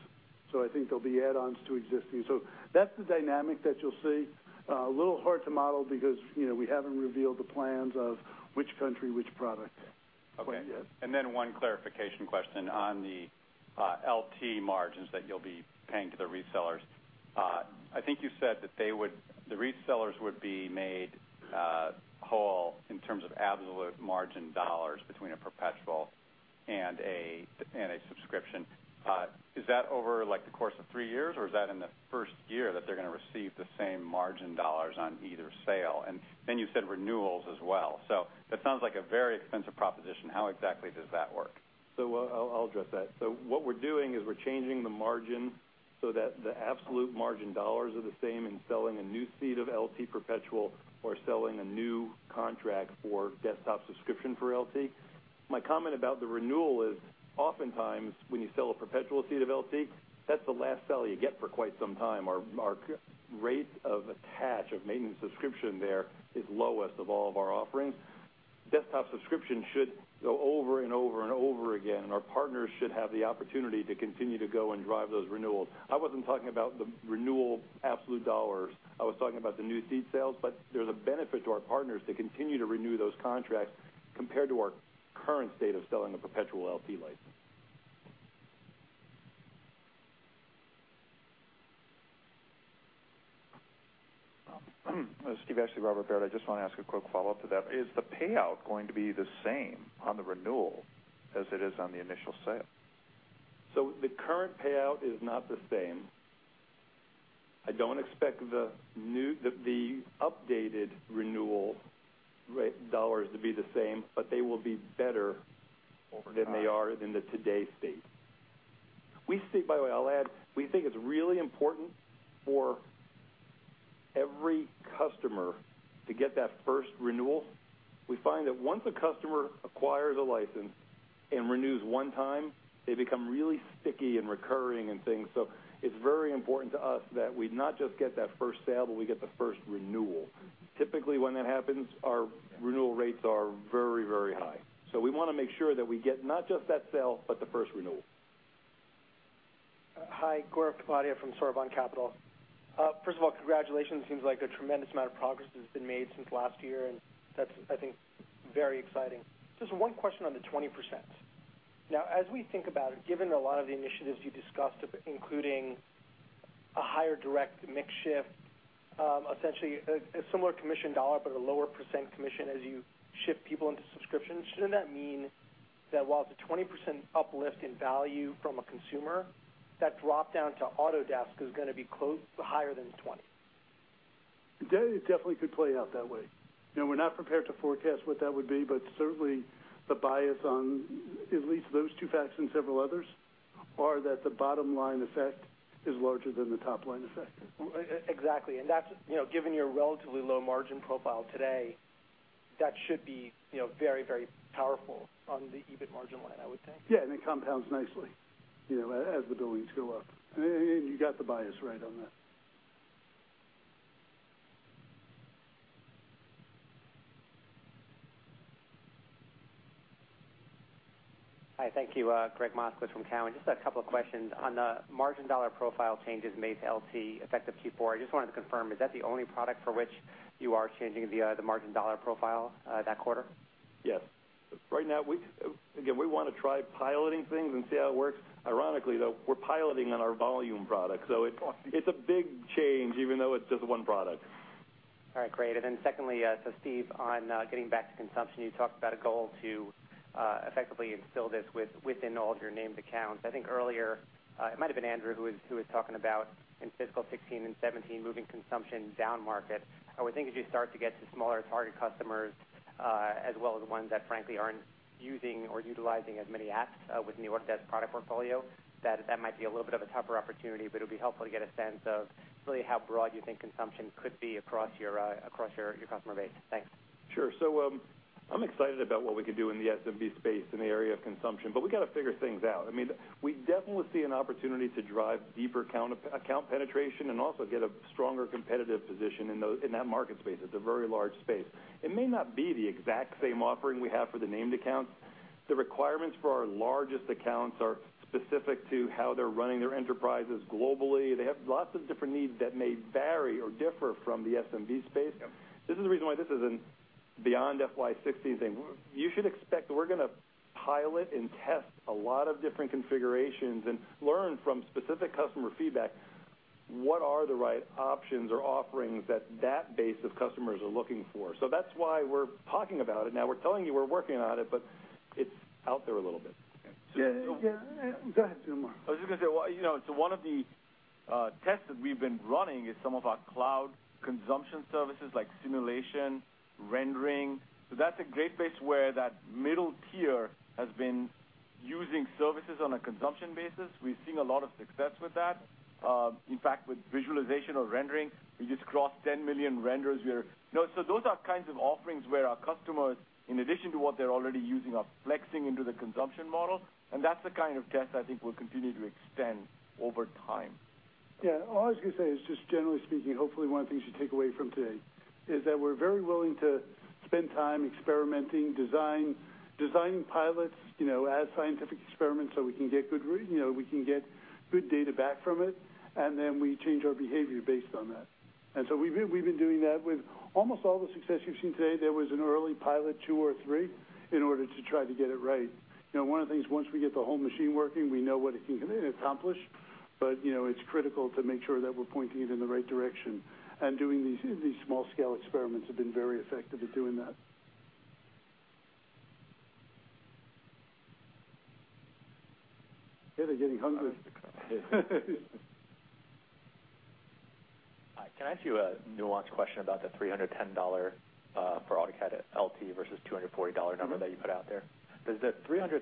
A: I think there'll be add-ons to existing. That's the dynamic that you'll see. A little hard to model because we haven't revealed the plans of which country, which product quite yet.
S: Okay. One clarification question on the LT margins that you'll be paying to the resellers. I think you said that the resellers would be made whole in terms of absolute margin dollars between a perpetual and a subscription. Is that over the course of three years, or is that in the first year that they're going to receive the same margin dollars on either sale? Then you said renewals as well. That sounds like a very expensive proposition. How exactly does that work?
G: I'll address that. What we're doing is we're changing the margin so that the absolute margin dollars are the same in selling a new seat of LT perpetual or selling a new contract for desktop subscription for LT. My comment about the renewal is oftentimes, when you sell a perpetual seat of LT, that's the last sell you get for quite some time. Our rate of attach of maintenance subscription there is lowest of all of our offerings. Desktop subscription should go over and over again. Our partners should have the opportunity to continue to go and drive those renewals. I wasn't talking about the renewal absolute dollars. I was talking about the new seat sales. There's a benefit to our partners to continue to renew those contracts compared to our current state of selling a perpetual LT license.
P: Steve Ashley, Robert Baird. I just want to ask a quick follow-up to that. Is the payout going to be the same on the renewal as it is on the initial sale?
G: The current payout is not the same. I don't expect the updated renewal rate dollars to be the same, they will be better than they are in the today state. By the way, I'll add, we think it's really important for every customer to get that first renewal. We find that once a customer acquires a license and renews one time, they become really sticky and recurring and things. It's very important to us that we not just get that first sale, but we get the first renewal. Typically, when that happens, our renewal rates are very high. We want to make sure that we get not just that sale, but the first renewal.
T: Hi, Gaurav Kapadia from Soroban Capital. First of all, congratulations. Seems like a tremendous amount of progress has been made since last year, that's, I think, very exciting. Just one question on the 20%. Now, as we think about it, given a lot of the initiatives you discussed, including a higher direct mix shift, essentially a similar commission dollar, but a lower percent commission as you shift people into subscriptions, shouldn't that mean that while it's a 20% uplift in value from a consumer, that drop-down to Autodesk is going to be higher than 20%?
A: It definitely could play out that way. We're not prepared to forecast what that would be, certainly the bias on at least those two facts and several others are that the bottom-line effect is larger than the top-line effect.
T: Exactly. Given your relatively low margin profile today, that should be very powerful on the EBIT margin line, I would think.
A: Yeah, it compounds nicely as the billings go up. You got the bias right on that.
U: Hi, thank you. Gregg Moskowitz from Cowen. Just a couple of questions. On the margin dollar profile changes made to LT effective Q4, I just wanted to confirm, is that the only product for which you are changing the margin dollar profile that quarter?
G: Yes. Right now, again, we want to try piloting things and see how it works. Ironically, though, we're piloting on our volume product. It's a big change, even though it's just one product.
U: All right, great. Secondly, Steve, on getting back to consumption, you talked about a goal to effectively instill this within all of your named accounts. I think earlier, it might've been Andrew who was talking about in fiscal 2016 and 2017, moving consumption down market. I would think as you start to get to smaller target customers, as well as ones that frankly aren't using or utilizing as many apps within Autodesk product portfolio, that that might be a little bit of a tougher opportunity. It'll be helpful to get a sense of really how broad you think consumption could be across your customer base. Thanks.
G: Sure. I'm excited about what we can do in the SMB space in the area of consumption, but we got to figure things out. We definitely see an opportunity to drive deeper account penetration and also get a stronger competitive position in that market space. It's a very large space. It may not be the exact same offering we have for the named accounts. The requirements for our largest accounts are specific to how they're running their enterprises globally. They have lots of different needs that may vary or differ from the SMB space.
U: Yeah.
G: This is the reason why this is a beyond FY 2016 thing. You should expect that we're going to pilot and test a lot of different configurations and learn from specific customer feedback what are the right options or offerings that that base of customers are looking for. That's why we're talking about it now. We're telling you we're working on it, but it's out there a little bit.
A: Yeah. Go ahead, Amar.
C: I was just going to say, One of the tests that we've been running is some of our cloud consumption services like simulation, rendering. That's a great place where that middle tier has been Using services on a consumption basis, we've seen a lot of success with that. In fact, with visualization or rendering, we just crossed 10 million renders. Those are kinds of offerings where our customers, in addition to what they're already using, are flexing into the consumption model. That's the kind of test I think we'll continue to extend over time.
A: All I was going to say is just generally speaking, hopefully one of the things you take away from today is that we're very willing to spend time experimenting, design pilots, as scientific experiments, so we can get good data back from it, then we change our behavior based on that. We've been doing that with almost all the success you've seen today. There was an early pilot, two or three, in order to try to get it right. One of the things, once we get the whole machine working, we know what it can accomplish. It's critical to make sure that we're pointing it in the right direction and doing these small-scale experiments have been very effective at doing that. They're getting hungry.
J: Hi, can I ask you a nuanced question about the $310 for AutoCAD LT versus $240 number that you put out there? Does the $310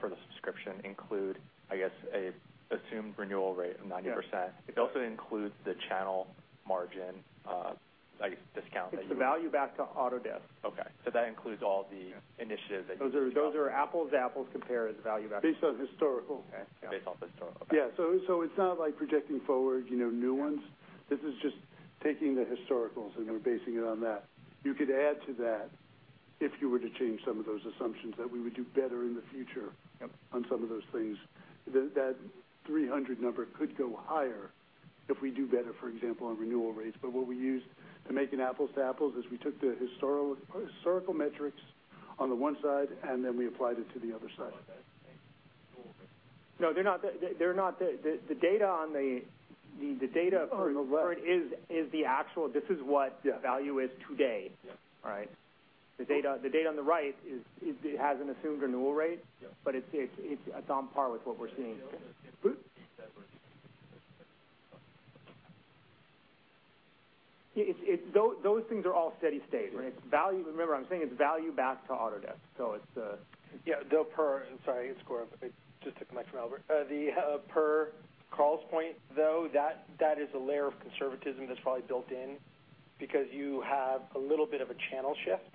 J: for the subscription include, I guess, a assumed renewal rate of 90%?
A: Yes.
J: It also includes the channel margin, I guess, discount that you-
B: It's the value back to Autodesk.
J: Okay. That includes all the initiatives.
B: Those are apples-to-apples compare as value back.
A: Based on historical.
J: Okay. Based off historical. Okay.
A: Yeah. It's not like projecting forward new ones. This is just taking the historicals and then basing it on that. You could add to that if you were to change some of those assumptions that we would do better in the future-
J: Yep
A: on some of those things. That 300 number could go higher if we do better, for example, on renewal rates. What we used to make an apples-to-apples is we took the historical metrics on the one side, and then we applied it to the other side.
J: Okay, thanks.
B: No, they're not. The data on the left is the actual, this is what-
A: Yeah
B: the value is today.
J: Yeah.
B: All right? The data on the right has an assumed renewal rate.
J: Yeah.
B: It's on par with what we're seeing. Those things are all steady state.
J: Right.
B: Remember, I'm saying it's value back to Autodesk.
J: Yeah, I'm sorry, it's Carl. Just to connect from Albert. Per Carl's point, though, that is a layer of conservatism that's probably built in because you have a little bit of a channel shift,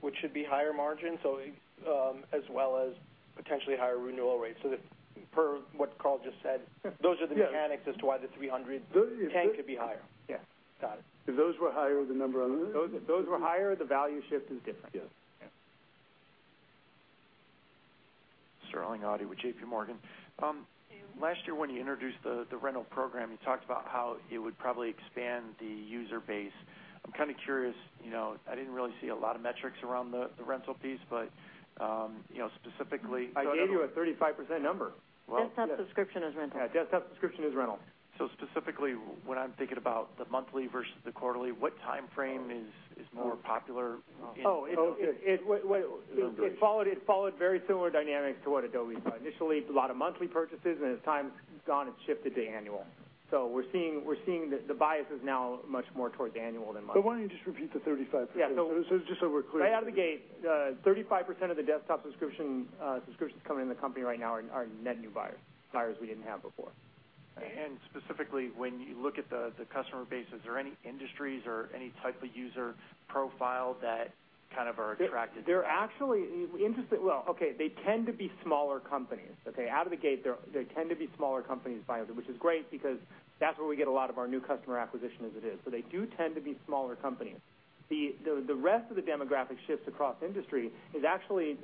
J: which should be higher margin, as well as potentially higher renewal rates. Per what Carl just said.
A: Yeah
J: Those are the mechanics as to why the 310 could be higher.
B: Yeah. Got it.
A: If those were higher, the number on the.
B: If those were higher, the value shift is different.
A: Yes.
B: Yeah.
V: Sterling Auty with JPMorgan. Last year when you introduced the rental program, you talked about how it would probably expand the user base. I'm curious, I didn't really see a lot of metrics around the rental piece, but specifically.
B: I gave you a 35% number. Well- Desktop subscription is rental. Yeah, desktop subscription is rental.
V: Specifically, when I'm thinking about the monthly versus the quarterly, what timeframe is more popular?
B: It followed very similar dynamics to what Adobe saw. Initially, a lot of monthly purchases, and as time's gone, it's shifted to annual. We're seeing that the bias is now much more towards annual than monthly.
A: Why don't you just repeat the 35%?
B: Yeah.
A: Just so we're clear.
B: Right out of the gate, 35% of the desktop subscriptions coming into the company right now are net new buyers. Buyers we didn't have before.
V: Specifically, when you look at the customer base, is there any industries or any type of user profile that are attracted to that?
B: Well, okay, they tend to be smaller companies. Out of the gate, they tend to be smaller companies buyers, which is great because that's where we get a lot of our new customer acquisition as it is. They do tend to be smaller companies. The rest of the demographic shifts across industry is actually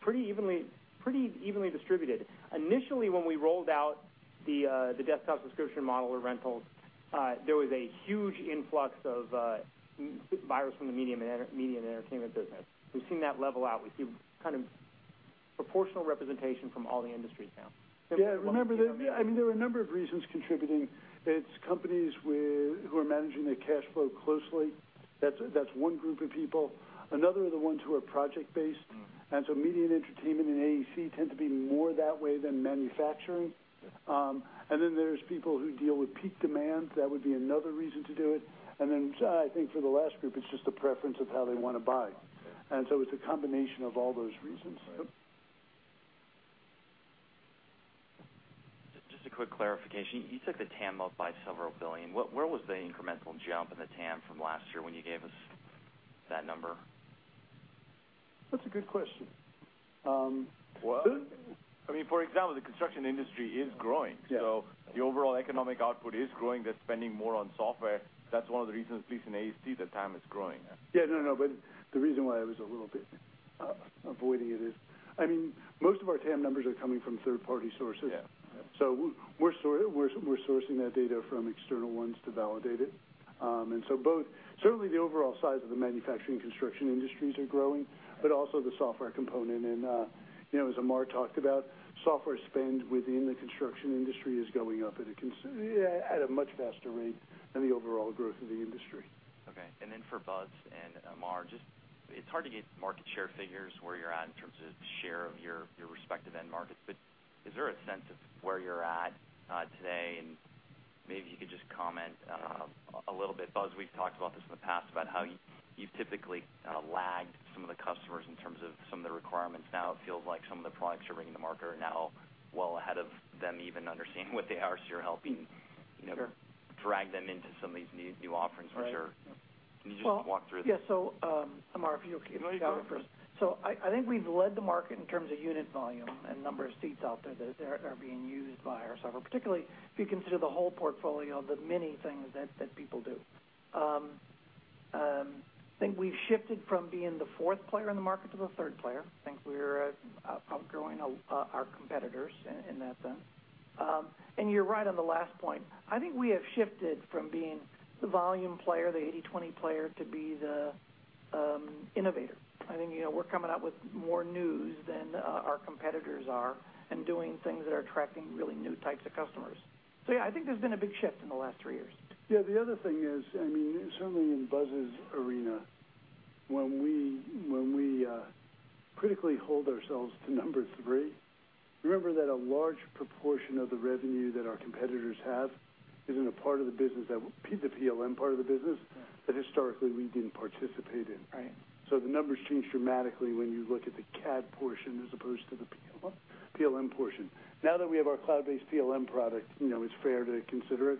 B: pretty evenly distributed. Initially, when we rolled out the desktop subscription model or rentals, there was a huge influx of buyers from the media and entertainment business. We've seen that level out. We see proportional representation from all the industries now.
A: Yeah, remember, there are a number of reasons contributing. It's companies who are managing their cash flow closely. That's one group of people. Another are the ones who are project-based. Media and entertainment and AEC tend to be more that way than manufacturing.
V: Yeah.
A: There's people who deal with peak demand. That would be another reason to do it. I think for the last group, it's just a preference of how they want to buy.
V: Yeah.
A: It's a combination of all those reasons.
L: Right. Just a quick clarification. You took the TAM up by several billion. Where was the incremental jump in the TAM from last year when you gave us that number?
A: That's a good question.
C: Well- For example, the construction industry is growing.
A: Yeah.
C: The overall economic output is growing. They're spending more on software. That's one of the reasons, at least in AEC, that TAM is growing.
A: Yeah. No, the reason why I was a little bit avoiding it is, most of our TAM numbers are coming from third-party sources.
C: Yeah.
A: We're sourcing that data from external ones to validate it. Both, certainly the overall size of the manufacturing construction industries are growing, but also the software component. As Amar talked about, software spend within the construction industry is going up at a much faster rate than the overall growth of the industry.
I: For Buzz and Amar, it's hard to get market share figures where you're at in terms of share of your respective end markets, but is there a sense of where you're at today and Maybe you could just comment a little bit. Buzz, we've talked about this in the past about how you've typically lagged some of the customers in terms of some of the requirements. Now it feels like some of the products you're bringing to market are now well ahead of them even understanding what they are. You're helping.
D: Sure
I: drag them into some of these new offerings, which are.
D: Right. Can you just walk through that? Yeah. Amar, if you could first. I think we've led the market in terms of unit volume and number of seats out there that are being used by our software, particularly if you consider the whole portfolio of the many things that people do. I think we've shifted from being the fourth player in the market to the third player. I think we're outgrowing our competitors in that sense. You're right on the last point. I think we have shifted from being the volume player, the 80/20 player, to be the innovator. I think we're coming out with more news than our competitors are and doing things that are attracting really new types of customers. Yeah, I think there's been a big shift in the last three years.
A: Yeah, the other thing is, certainly in Buzz's arena, when we critically hold ourselves to number three, remember that a large proportion of the revenue that our competitors have is in a part of the business, the PLM part of the business, that historically we didn't participate in.
D: Right.
A: The numbers change dramatically when you look at the CAD portion as opposed to the PLM portion. Now that we have our cloud-based PLM product, it's fair to consider it.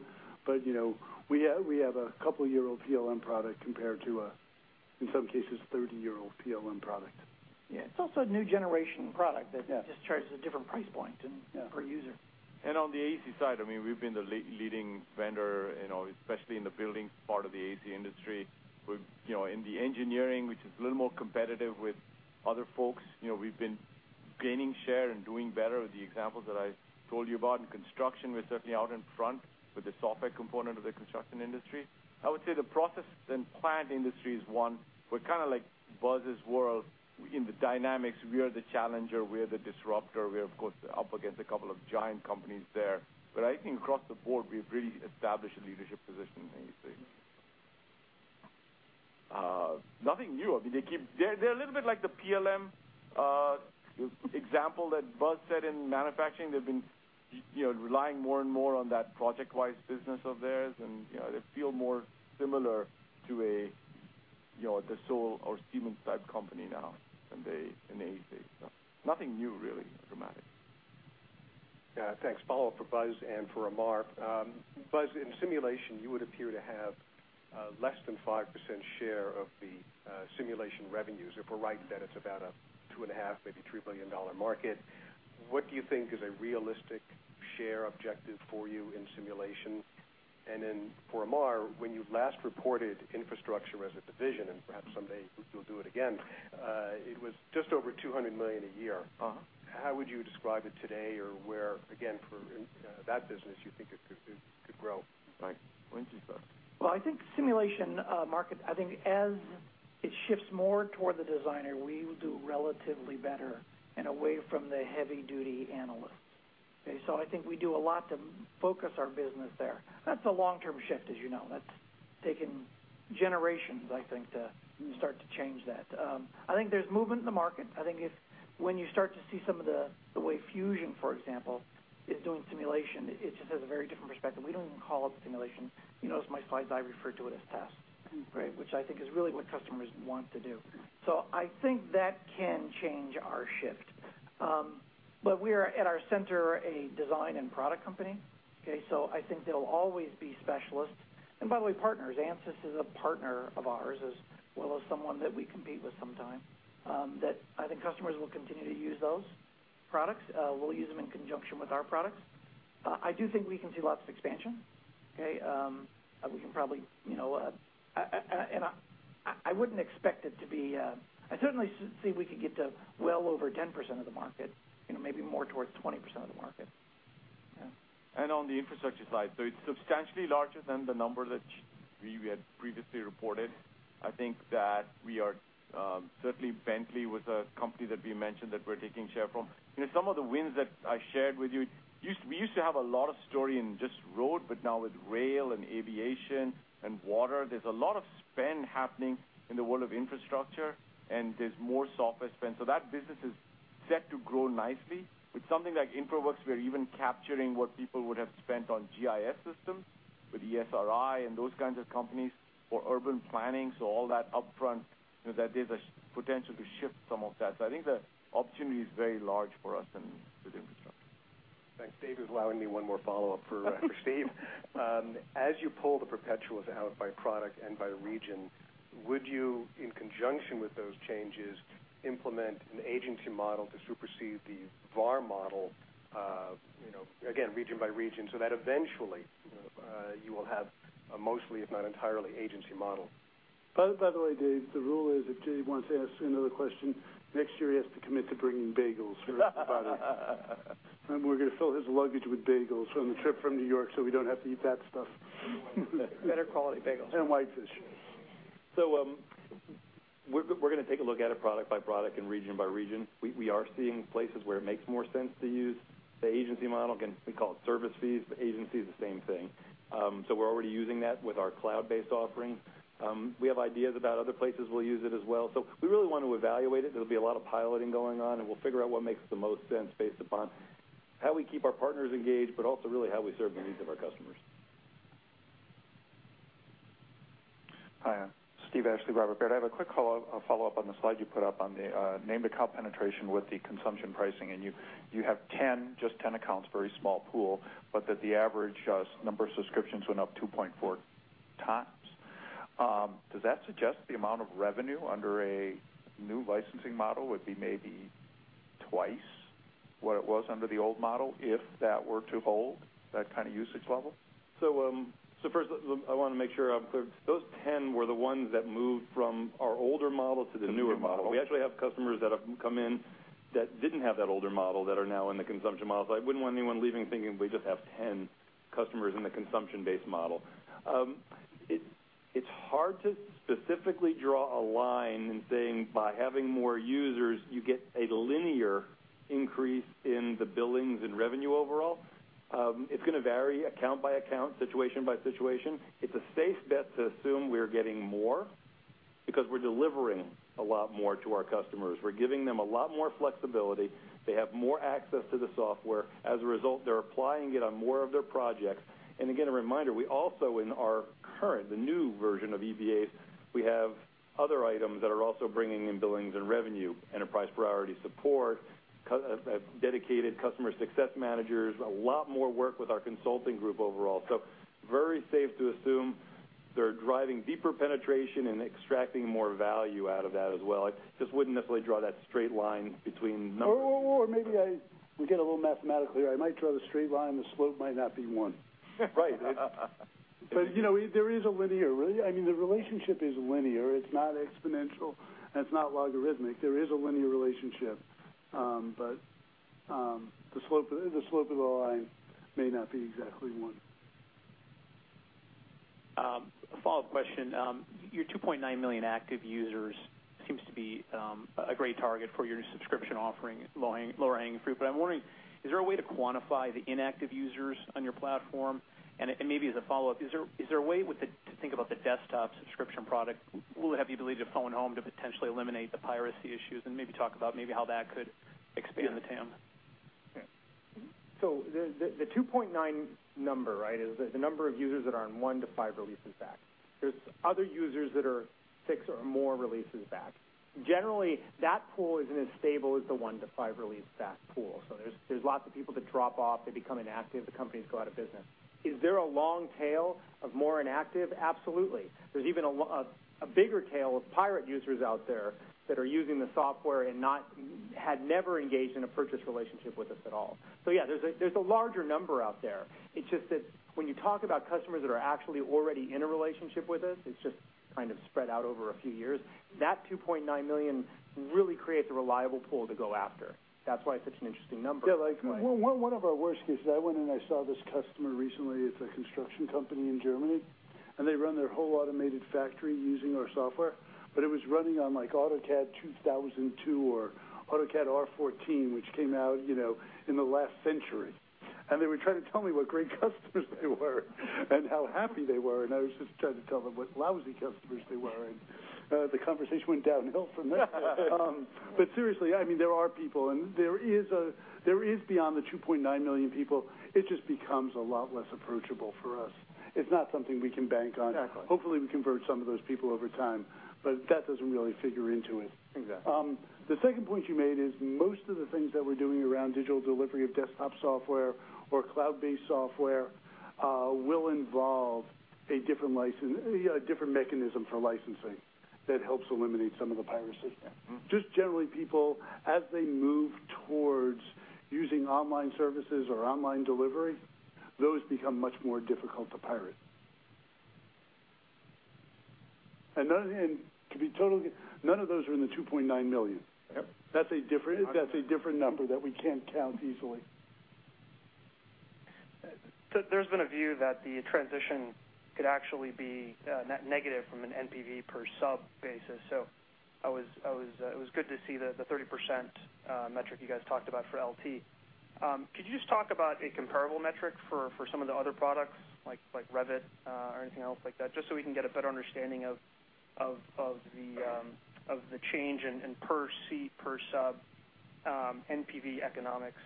A: We have a couple-year-old PLM product compared to a, in some cases, 30-year-old PLM product.
D: Yeah. It's also a new generation product that just charges a different price point per user.
C: On the AEC side, we've been the leading vendor, especially in the buildings part of the AEC industry. In the engineering, which is a little more competitive with other folks, we've been gaining share and doing better with the examples that I told you about. In construction, we're certainly out in front with the software component of the construction industry. I would say the process and plant industry is one, but kind of like Buzz's world in the dynamics, we are the challenger, we are the disruptor. We are, of course, up against a couple of giant companies there. I think across the board, we've really established a leadership position in AEC. Nothing new. They're a little bit like the PLM example that Buzz said in manufacturing. They've been relying more and more on that ProjectWise business of theirs, and they feel more similar to a Dassault or Siemens-type company now in AEC. Nothing new, really dramatic.
I: Yeah, thanks. Follow-up for Buzz and for Amar. Buzz, in simulation, you would appear to have less than 5% share of the simulation revenues. If we're right that it's about a $2.5 billion, maybe $3 billion market, what do you think is a realistic share objective for you in simulation? Then for Amar, when you last reported infrastructure as a division, and perhaps someday you'll do it again, it was just over $200 million a year. How would you describe it today or where, again, for that business, you think it could grow?
C: Right. Why don't you, Buzz?
D: Well, I think simulation market, I think as it shifts more toward the designer, we will do relatively better and away from the heavy-duty analyst. Okay? I think we do a lot to focus our business there. That's a long-term shift, as you know. That's taken generations, I think, to start to change that. I think there's movement in the market. I think if when you start to see some of the way Fusion, for example, is doing simulation, it just has a very different perspective. We don't even call it simulation. You notice in my slides, I refer to it as task. Which I think is really what customers want to do. I think that can change our shift. We are, at our center, a design and product company. Okay? I think there'll always be specialists. By the way, partners. Ansys is a partner of ours, as well as someone that we compete with sometimes, that I think customers will continue to use those products. Will use them in conjunction with our products. I do think we can see lots of expansion. Okay? I certainly see we could get to well over 10% of the market, maybe more towards 20% of the market. Yeah.
C: On the infrastructure side, it's substantially larger than the number that we had previously reported. Certainly Bentley was a company that we mentioned that we're taking share from. Some of the wins that I shared with you, we used to have a lot of story in just road, but now with rail and aviation and water, there's a lot of spend happening in the world of infrastructure, and there's more software spend. That business is set to grow nicely. With something like InfraWorks, we're even capturing what people would have spent on GIS systems with Esri and those kinds of companies, or urban planning, all that upfront, there's a potential to shift some of that. I think the opportunity is very large for us with infrastructure.
I: Thanks. Dave is allowing me one more follow-up for Steve. As you pull the perpetuals out by product and by region, would you, in conjunction with those changes, implement an agency model to supersede the VAR model, again, region by region, so that eventually, you will have a mostly, if not entirely, agency model?
A: By the way, Dave, the rule is if Dave wants to ask another question, next year he has to commit to bringing bagels for everybody. We're going to fill his luggage with bagels on the trip from New York so we don't have to eat that stuff.
D: Better quality bagels.
A: White fish.
G: We're going to take a look at it product by product and region by region. We are seeing places where it makes more sense to use the agency model. Again, we call it service fees. The agency is the same thing. We're already using that with our cloud-based offering. We have ideas about other places we'll use it as well. We really want to evaluate it. There'll be a lot of piloting going on, and we'll figure out what makes the most sense based upon how we keep our partners engaged, but also really how we serve the needs of our customers.
P: Hi. Steve Ashley, Robert W. Baird. I have a quick follow-up on the slide you put up on the name-account penetration with the consumption pricing. You have 10, just 10 accounts, very small pool, but that the average number of subscriptions went up 2.4 times. Does that suggest the amount of revenue under a new licensing model would be maybe twice what it was under the old model, if that were to hold that kind of usage level?
G: First, I want to make sure I'm clear. Those 10 were the ones that moved from our older model to the newer model. We actually have customers that have come in that didn't have that older model that are now in the consumption model. I wouldn't want anyone leaving thinking we just have 10 customers in the consumption-based model. It's hard to specifically draw a line in saying by having more users, you get a linear increase in the billings and revenue overall. It's going to vary account by account, situation by situation. It's a safe bet to assume we are getting more because we're delivering a lot more to our customers. We're giving them a lot more flexibility. They have more access to the software. As a result, they're applying it on more of their projects. Again, a reminder, we also in our current, the new version of EBA, we have other items that are also bringing in billings and revenue, enterprise priority support, dedicated customer success managers, a lot more work with our consulting group overall. Very safe to assume they're driving deeper penetration and extracting more value out of that as well. I just wouldn't necessarily draw that straight line between numbers.
A: maybe I would get a little mathematically, I might draw the straight line, the slope might not be one.
G: Right.
A: There is a linear relationship. I mean, the relationship is linear. It's not exponential, and it's not logarithmic. There is a linear relationship. The slope of the line may not be exactly one.
J: A follow-up question. Your 2.9 million active users seems to be a great target for your subscription offering, lower hanging fruit. I'm wondering, is there a way to quantify the inactive users on your platform? Maybe as a follow-up, is there a way to think about the desktop subscription product? Will it have the ability to phone home to potentially eliminate the piracy issues, and maybe talk about maybe how that could expand the TAM?
G: The 2.9 number is the number of users that are on 1 to 5 releases back. There's other users that are 6 or more releases back. Generally, that pool isn't as stable as the 1 to 5 release back pool. There's lots of people that drop off. They become inactive. The companies go out of business. Is there a long tail of more inactive? Absolutely. There's even a bigger tail of pirate users out there that are using the software and had never engaged in a purchase relationship with us at all. Yeah, there's a larger number out there. It's just that when you talk about customers that are actually already in a relationship with us, it's just kind of spread out over a few years. That 2.9 million really creates a reliable pool to go after. That's why it's such an interesting number.
A: Yeah, one of our worst cases, I went in, I saw this customer recently, it's a construction company in Germany. They run their whole automated factory using our software. It was running on AutoCAD 2002 or AutoCAD R14, which came out in the last century. They were trying to tell me what great customers they were and how happy they were, and I was just trying to tell them what lousy customers they were, and the conversation went downhill from there. Seriously, there are people, and there is beyond the 2.9 million people. It just becomes a lot less approachable for us. It's not something we can bank on.
B: Exactly.
A: Hopefully, we convert some of those people over time, but that doesn't really figure into it.
B: Exactly.
A: The second point you made is most of the things that we're doing around digital delivery of desktop software or cloud-based software will involve a different mechanism for licensing that helps eliminate some of the piracy. Just generally people, as they move towards using online services or online delivery, those become much more difficult to pirate. To be totally, none of those are in the 2.9 million.
B: Yep. That's a different number that we can't count easily.
J: There's been a view that the transition could actually be negative from an NPV per sub basis. It was good to see the 30% metric you guys talked about for LT. Could you just talk about a comparable metric for some of the other products like Revit or anything else like that, just so we can get a better understanding of the change in per seat, per sub NPV economics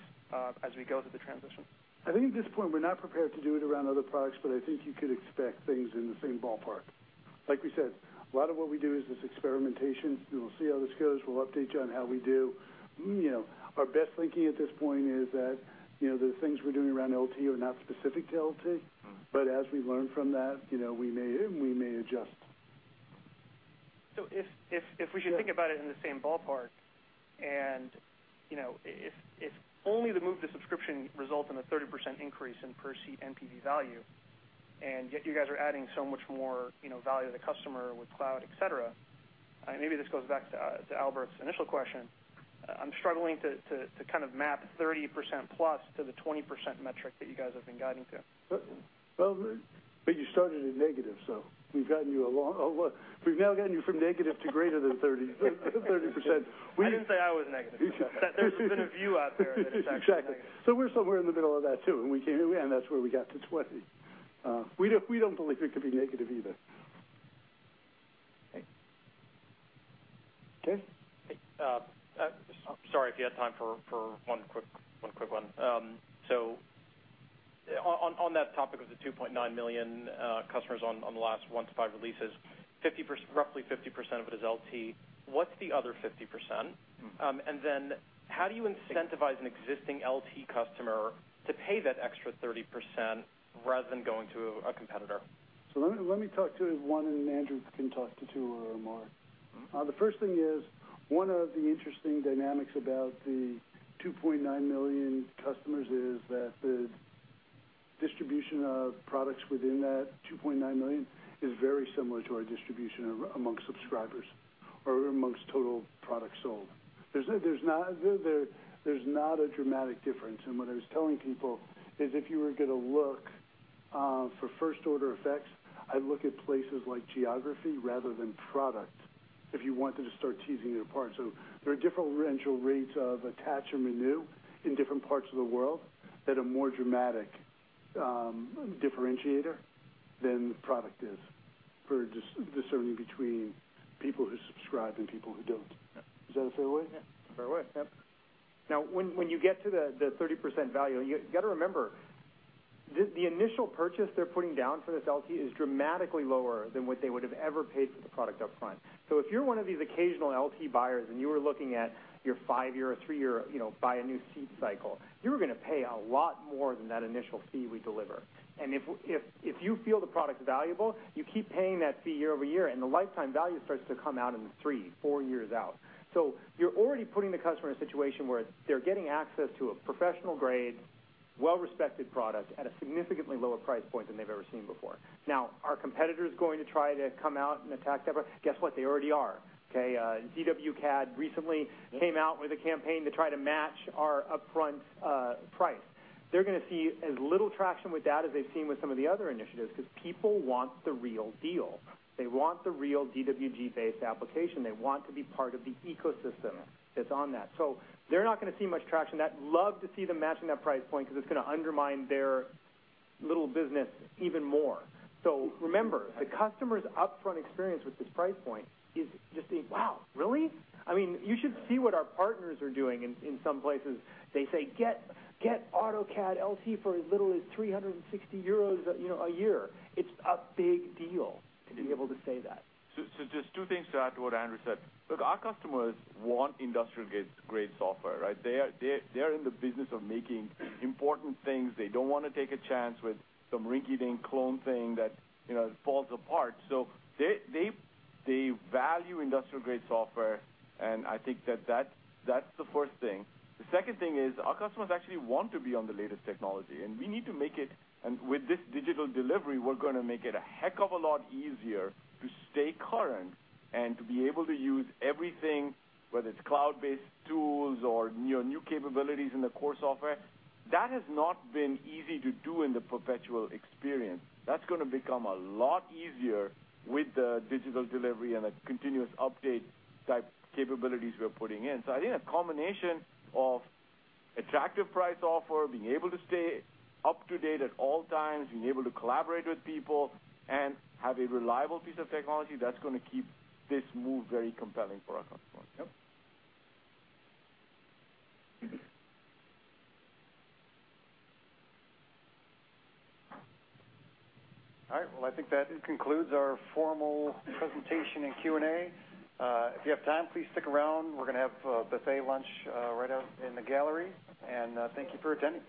J: as we go through the transition.
A: I think at this point, we're not prepared to do it around other products. I think you could expect things in the same ballpark. We said, a lot of what we do is this experimentation. We'll see how this goes. We'll update you on how we do. Our best thinking at this point is that the things we're doing around LT are not specific to LT. As we learn from that, we may adjust.
J: If we should think about it in the same ballpark, if only the move to subscription results in a 30% increase in per seat NPV value, yet you guys are adding so much more value to the customer with cloud, et cetera. Maybe this goes back to Albert's initial question. I'm struggling to map 30% plus to the 20% metric that you guys have been guiding to.
A: You started at negative, so we've now gotten you from negative to greater than 30%.
J: I didn't say I was negative. There's been a view out there that it's actually negative.
A: Exactly. We're somewhere in the middle of that too, and that's where we got to 20. We don't believe it could be negative either.
J: Okay.
A: Dave?
F: Sorry, if you have time for one quick one. On that topic of the 2.9 million customers on the last one to five releases, roughly 50% of it is LT. What's the other 50%? How do you incentivize an existing LT customer to pay that extra 30% rather than going to a competitor?
A: Let me talk to one, and Andrew can talk to two or more. The first thing is, one of the interesting dynamics about the 2.9 million customers is that the distribution of products within that 2.9 million is very similar to our distribution amongst subscribers or amongst total products sold. There's not a dramatic difference. What I was telling people is if you were going to look for first-order effects, I'd look at places like geography rather than product, if you wanted to start teasing it apart. There are differential rates of attach and renew in different parts of the world that are more dramatic differentiator than the product is for discerning between people who subscribe and people who don't. Is that a fair way?
B: Yeah. Fair way. Yep. When you get to the 30% value, you got to remember, the initial purchase they're putting down for this LT is dramatically lower than what they would have ever paid for the product up front. If you're one of these occasional LT buyers and you were looking at your five-year or three-year buy a new seat cycle, you were going to pay a lot more than that initial fee we deliver. If you feel the product's valuable, you keep paying that fee year over year, and the lifetime value starts to come out in three, four years out. You're already putting the customer in a situation where they're getting access to a professional-grade, well-respected product at a significantly lower price point than they've ever seen before. Are competitors going to try to come out and attack that price? Guess what? They already are. Okay? ZWCAD recently came out with a campaign to try to match our upfront price. They're going to see as little traction with that as they've seen with some of the other initiatives, because people want the real deal. They want the real DWG-based application. They want to be part of the ecosystem that's on that. They're not going to see much traction. I'd love to see them matching that price point because it's going to undermine their little business even more. Remember, the customer's upfront experience with this price point is just saying, "Wow, really?" You should see what our partners are doing in some places. They say, "Get AutoCAD LT for as little as €360 a year." It's a big deal to be able to say that. Just two things to add to what Andrew said.
C: Our customers want industrial-grade software, right? They are in the business of making important things. They don't want to take a chance with some rinky-dink clone thing that falls apart. They value industrial-grade software, and I think that's the first thing. The second thing is our customers actually want to be on the latest technology, and we need to make it, and with this digital delivery, we're going to make it a heck of a lot easier to stay current and to be able to use everything, whether it's cloud-based tools or new capabilities in the core software. That has not been easy to do in the perpetual experience. That's going to become a lot easier with the digital delivery and the continuous update-type capabilities we're putting in.
B: I think a combination of attractive price offer, being able to stay up to date at all times, being able to collaborate with people, and have a reliable piece of technology, that's going to keep this move very compelling for our customers.
A: Yep.
F: All right. Well, I think that concludes our formal presentation and Q&A. If you have time, please stick around. We're going to have a buffet lunch right out in the gallery. Thank you for attending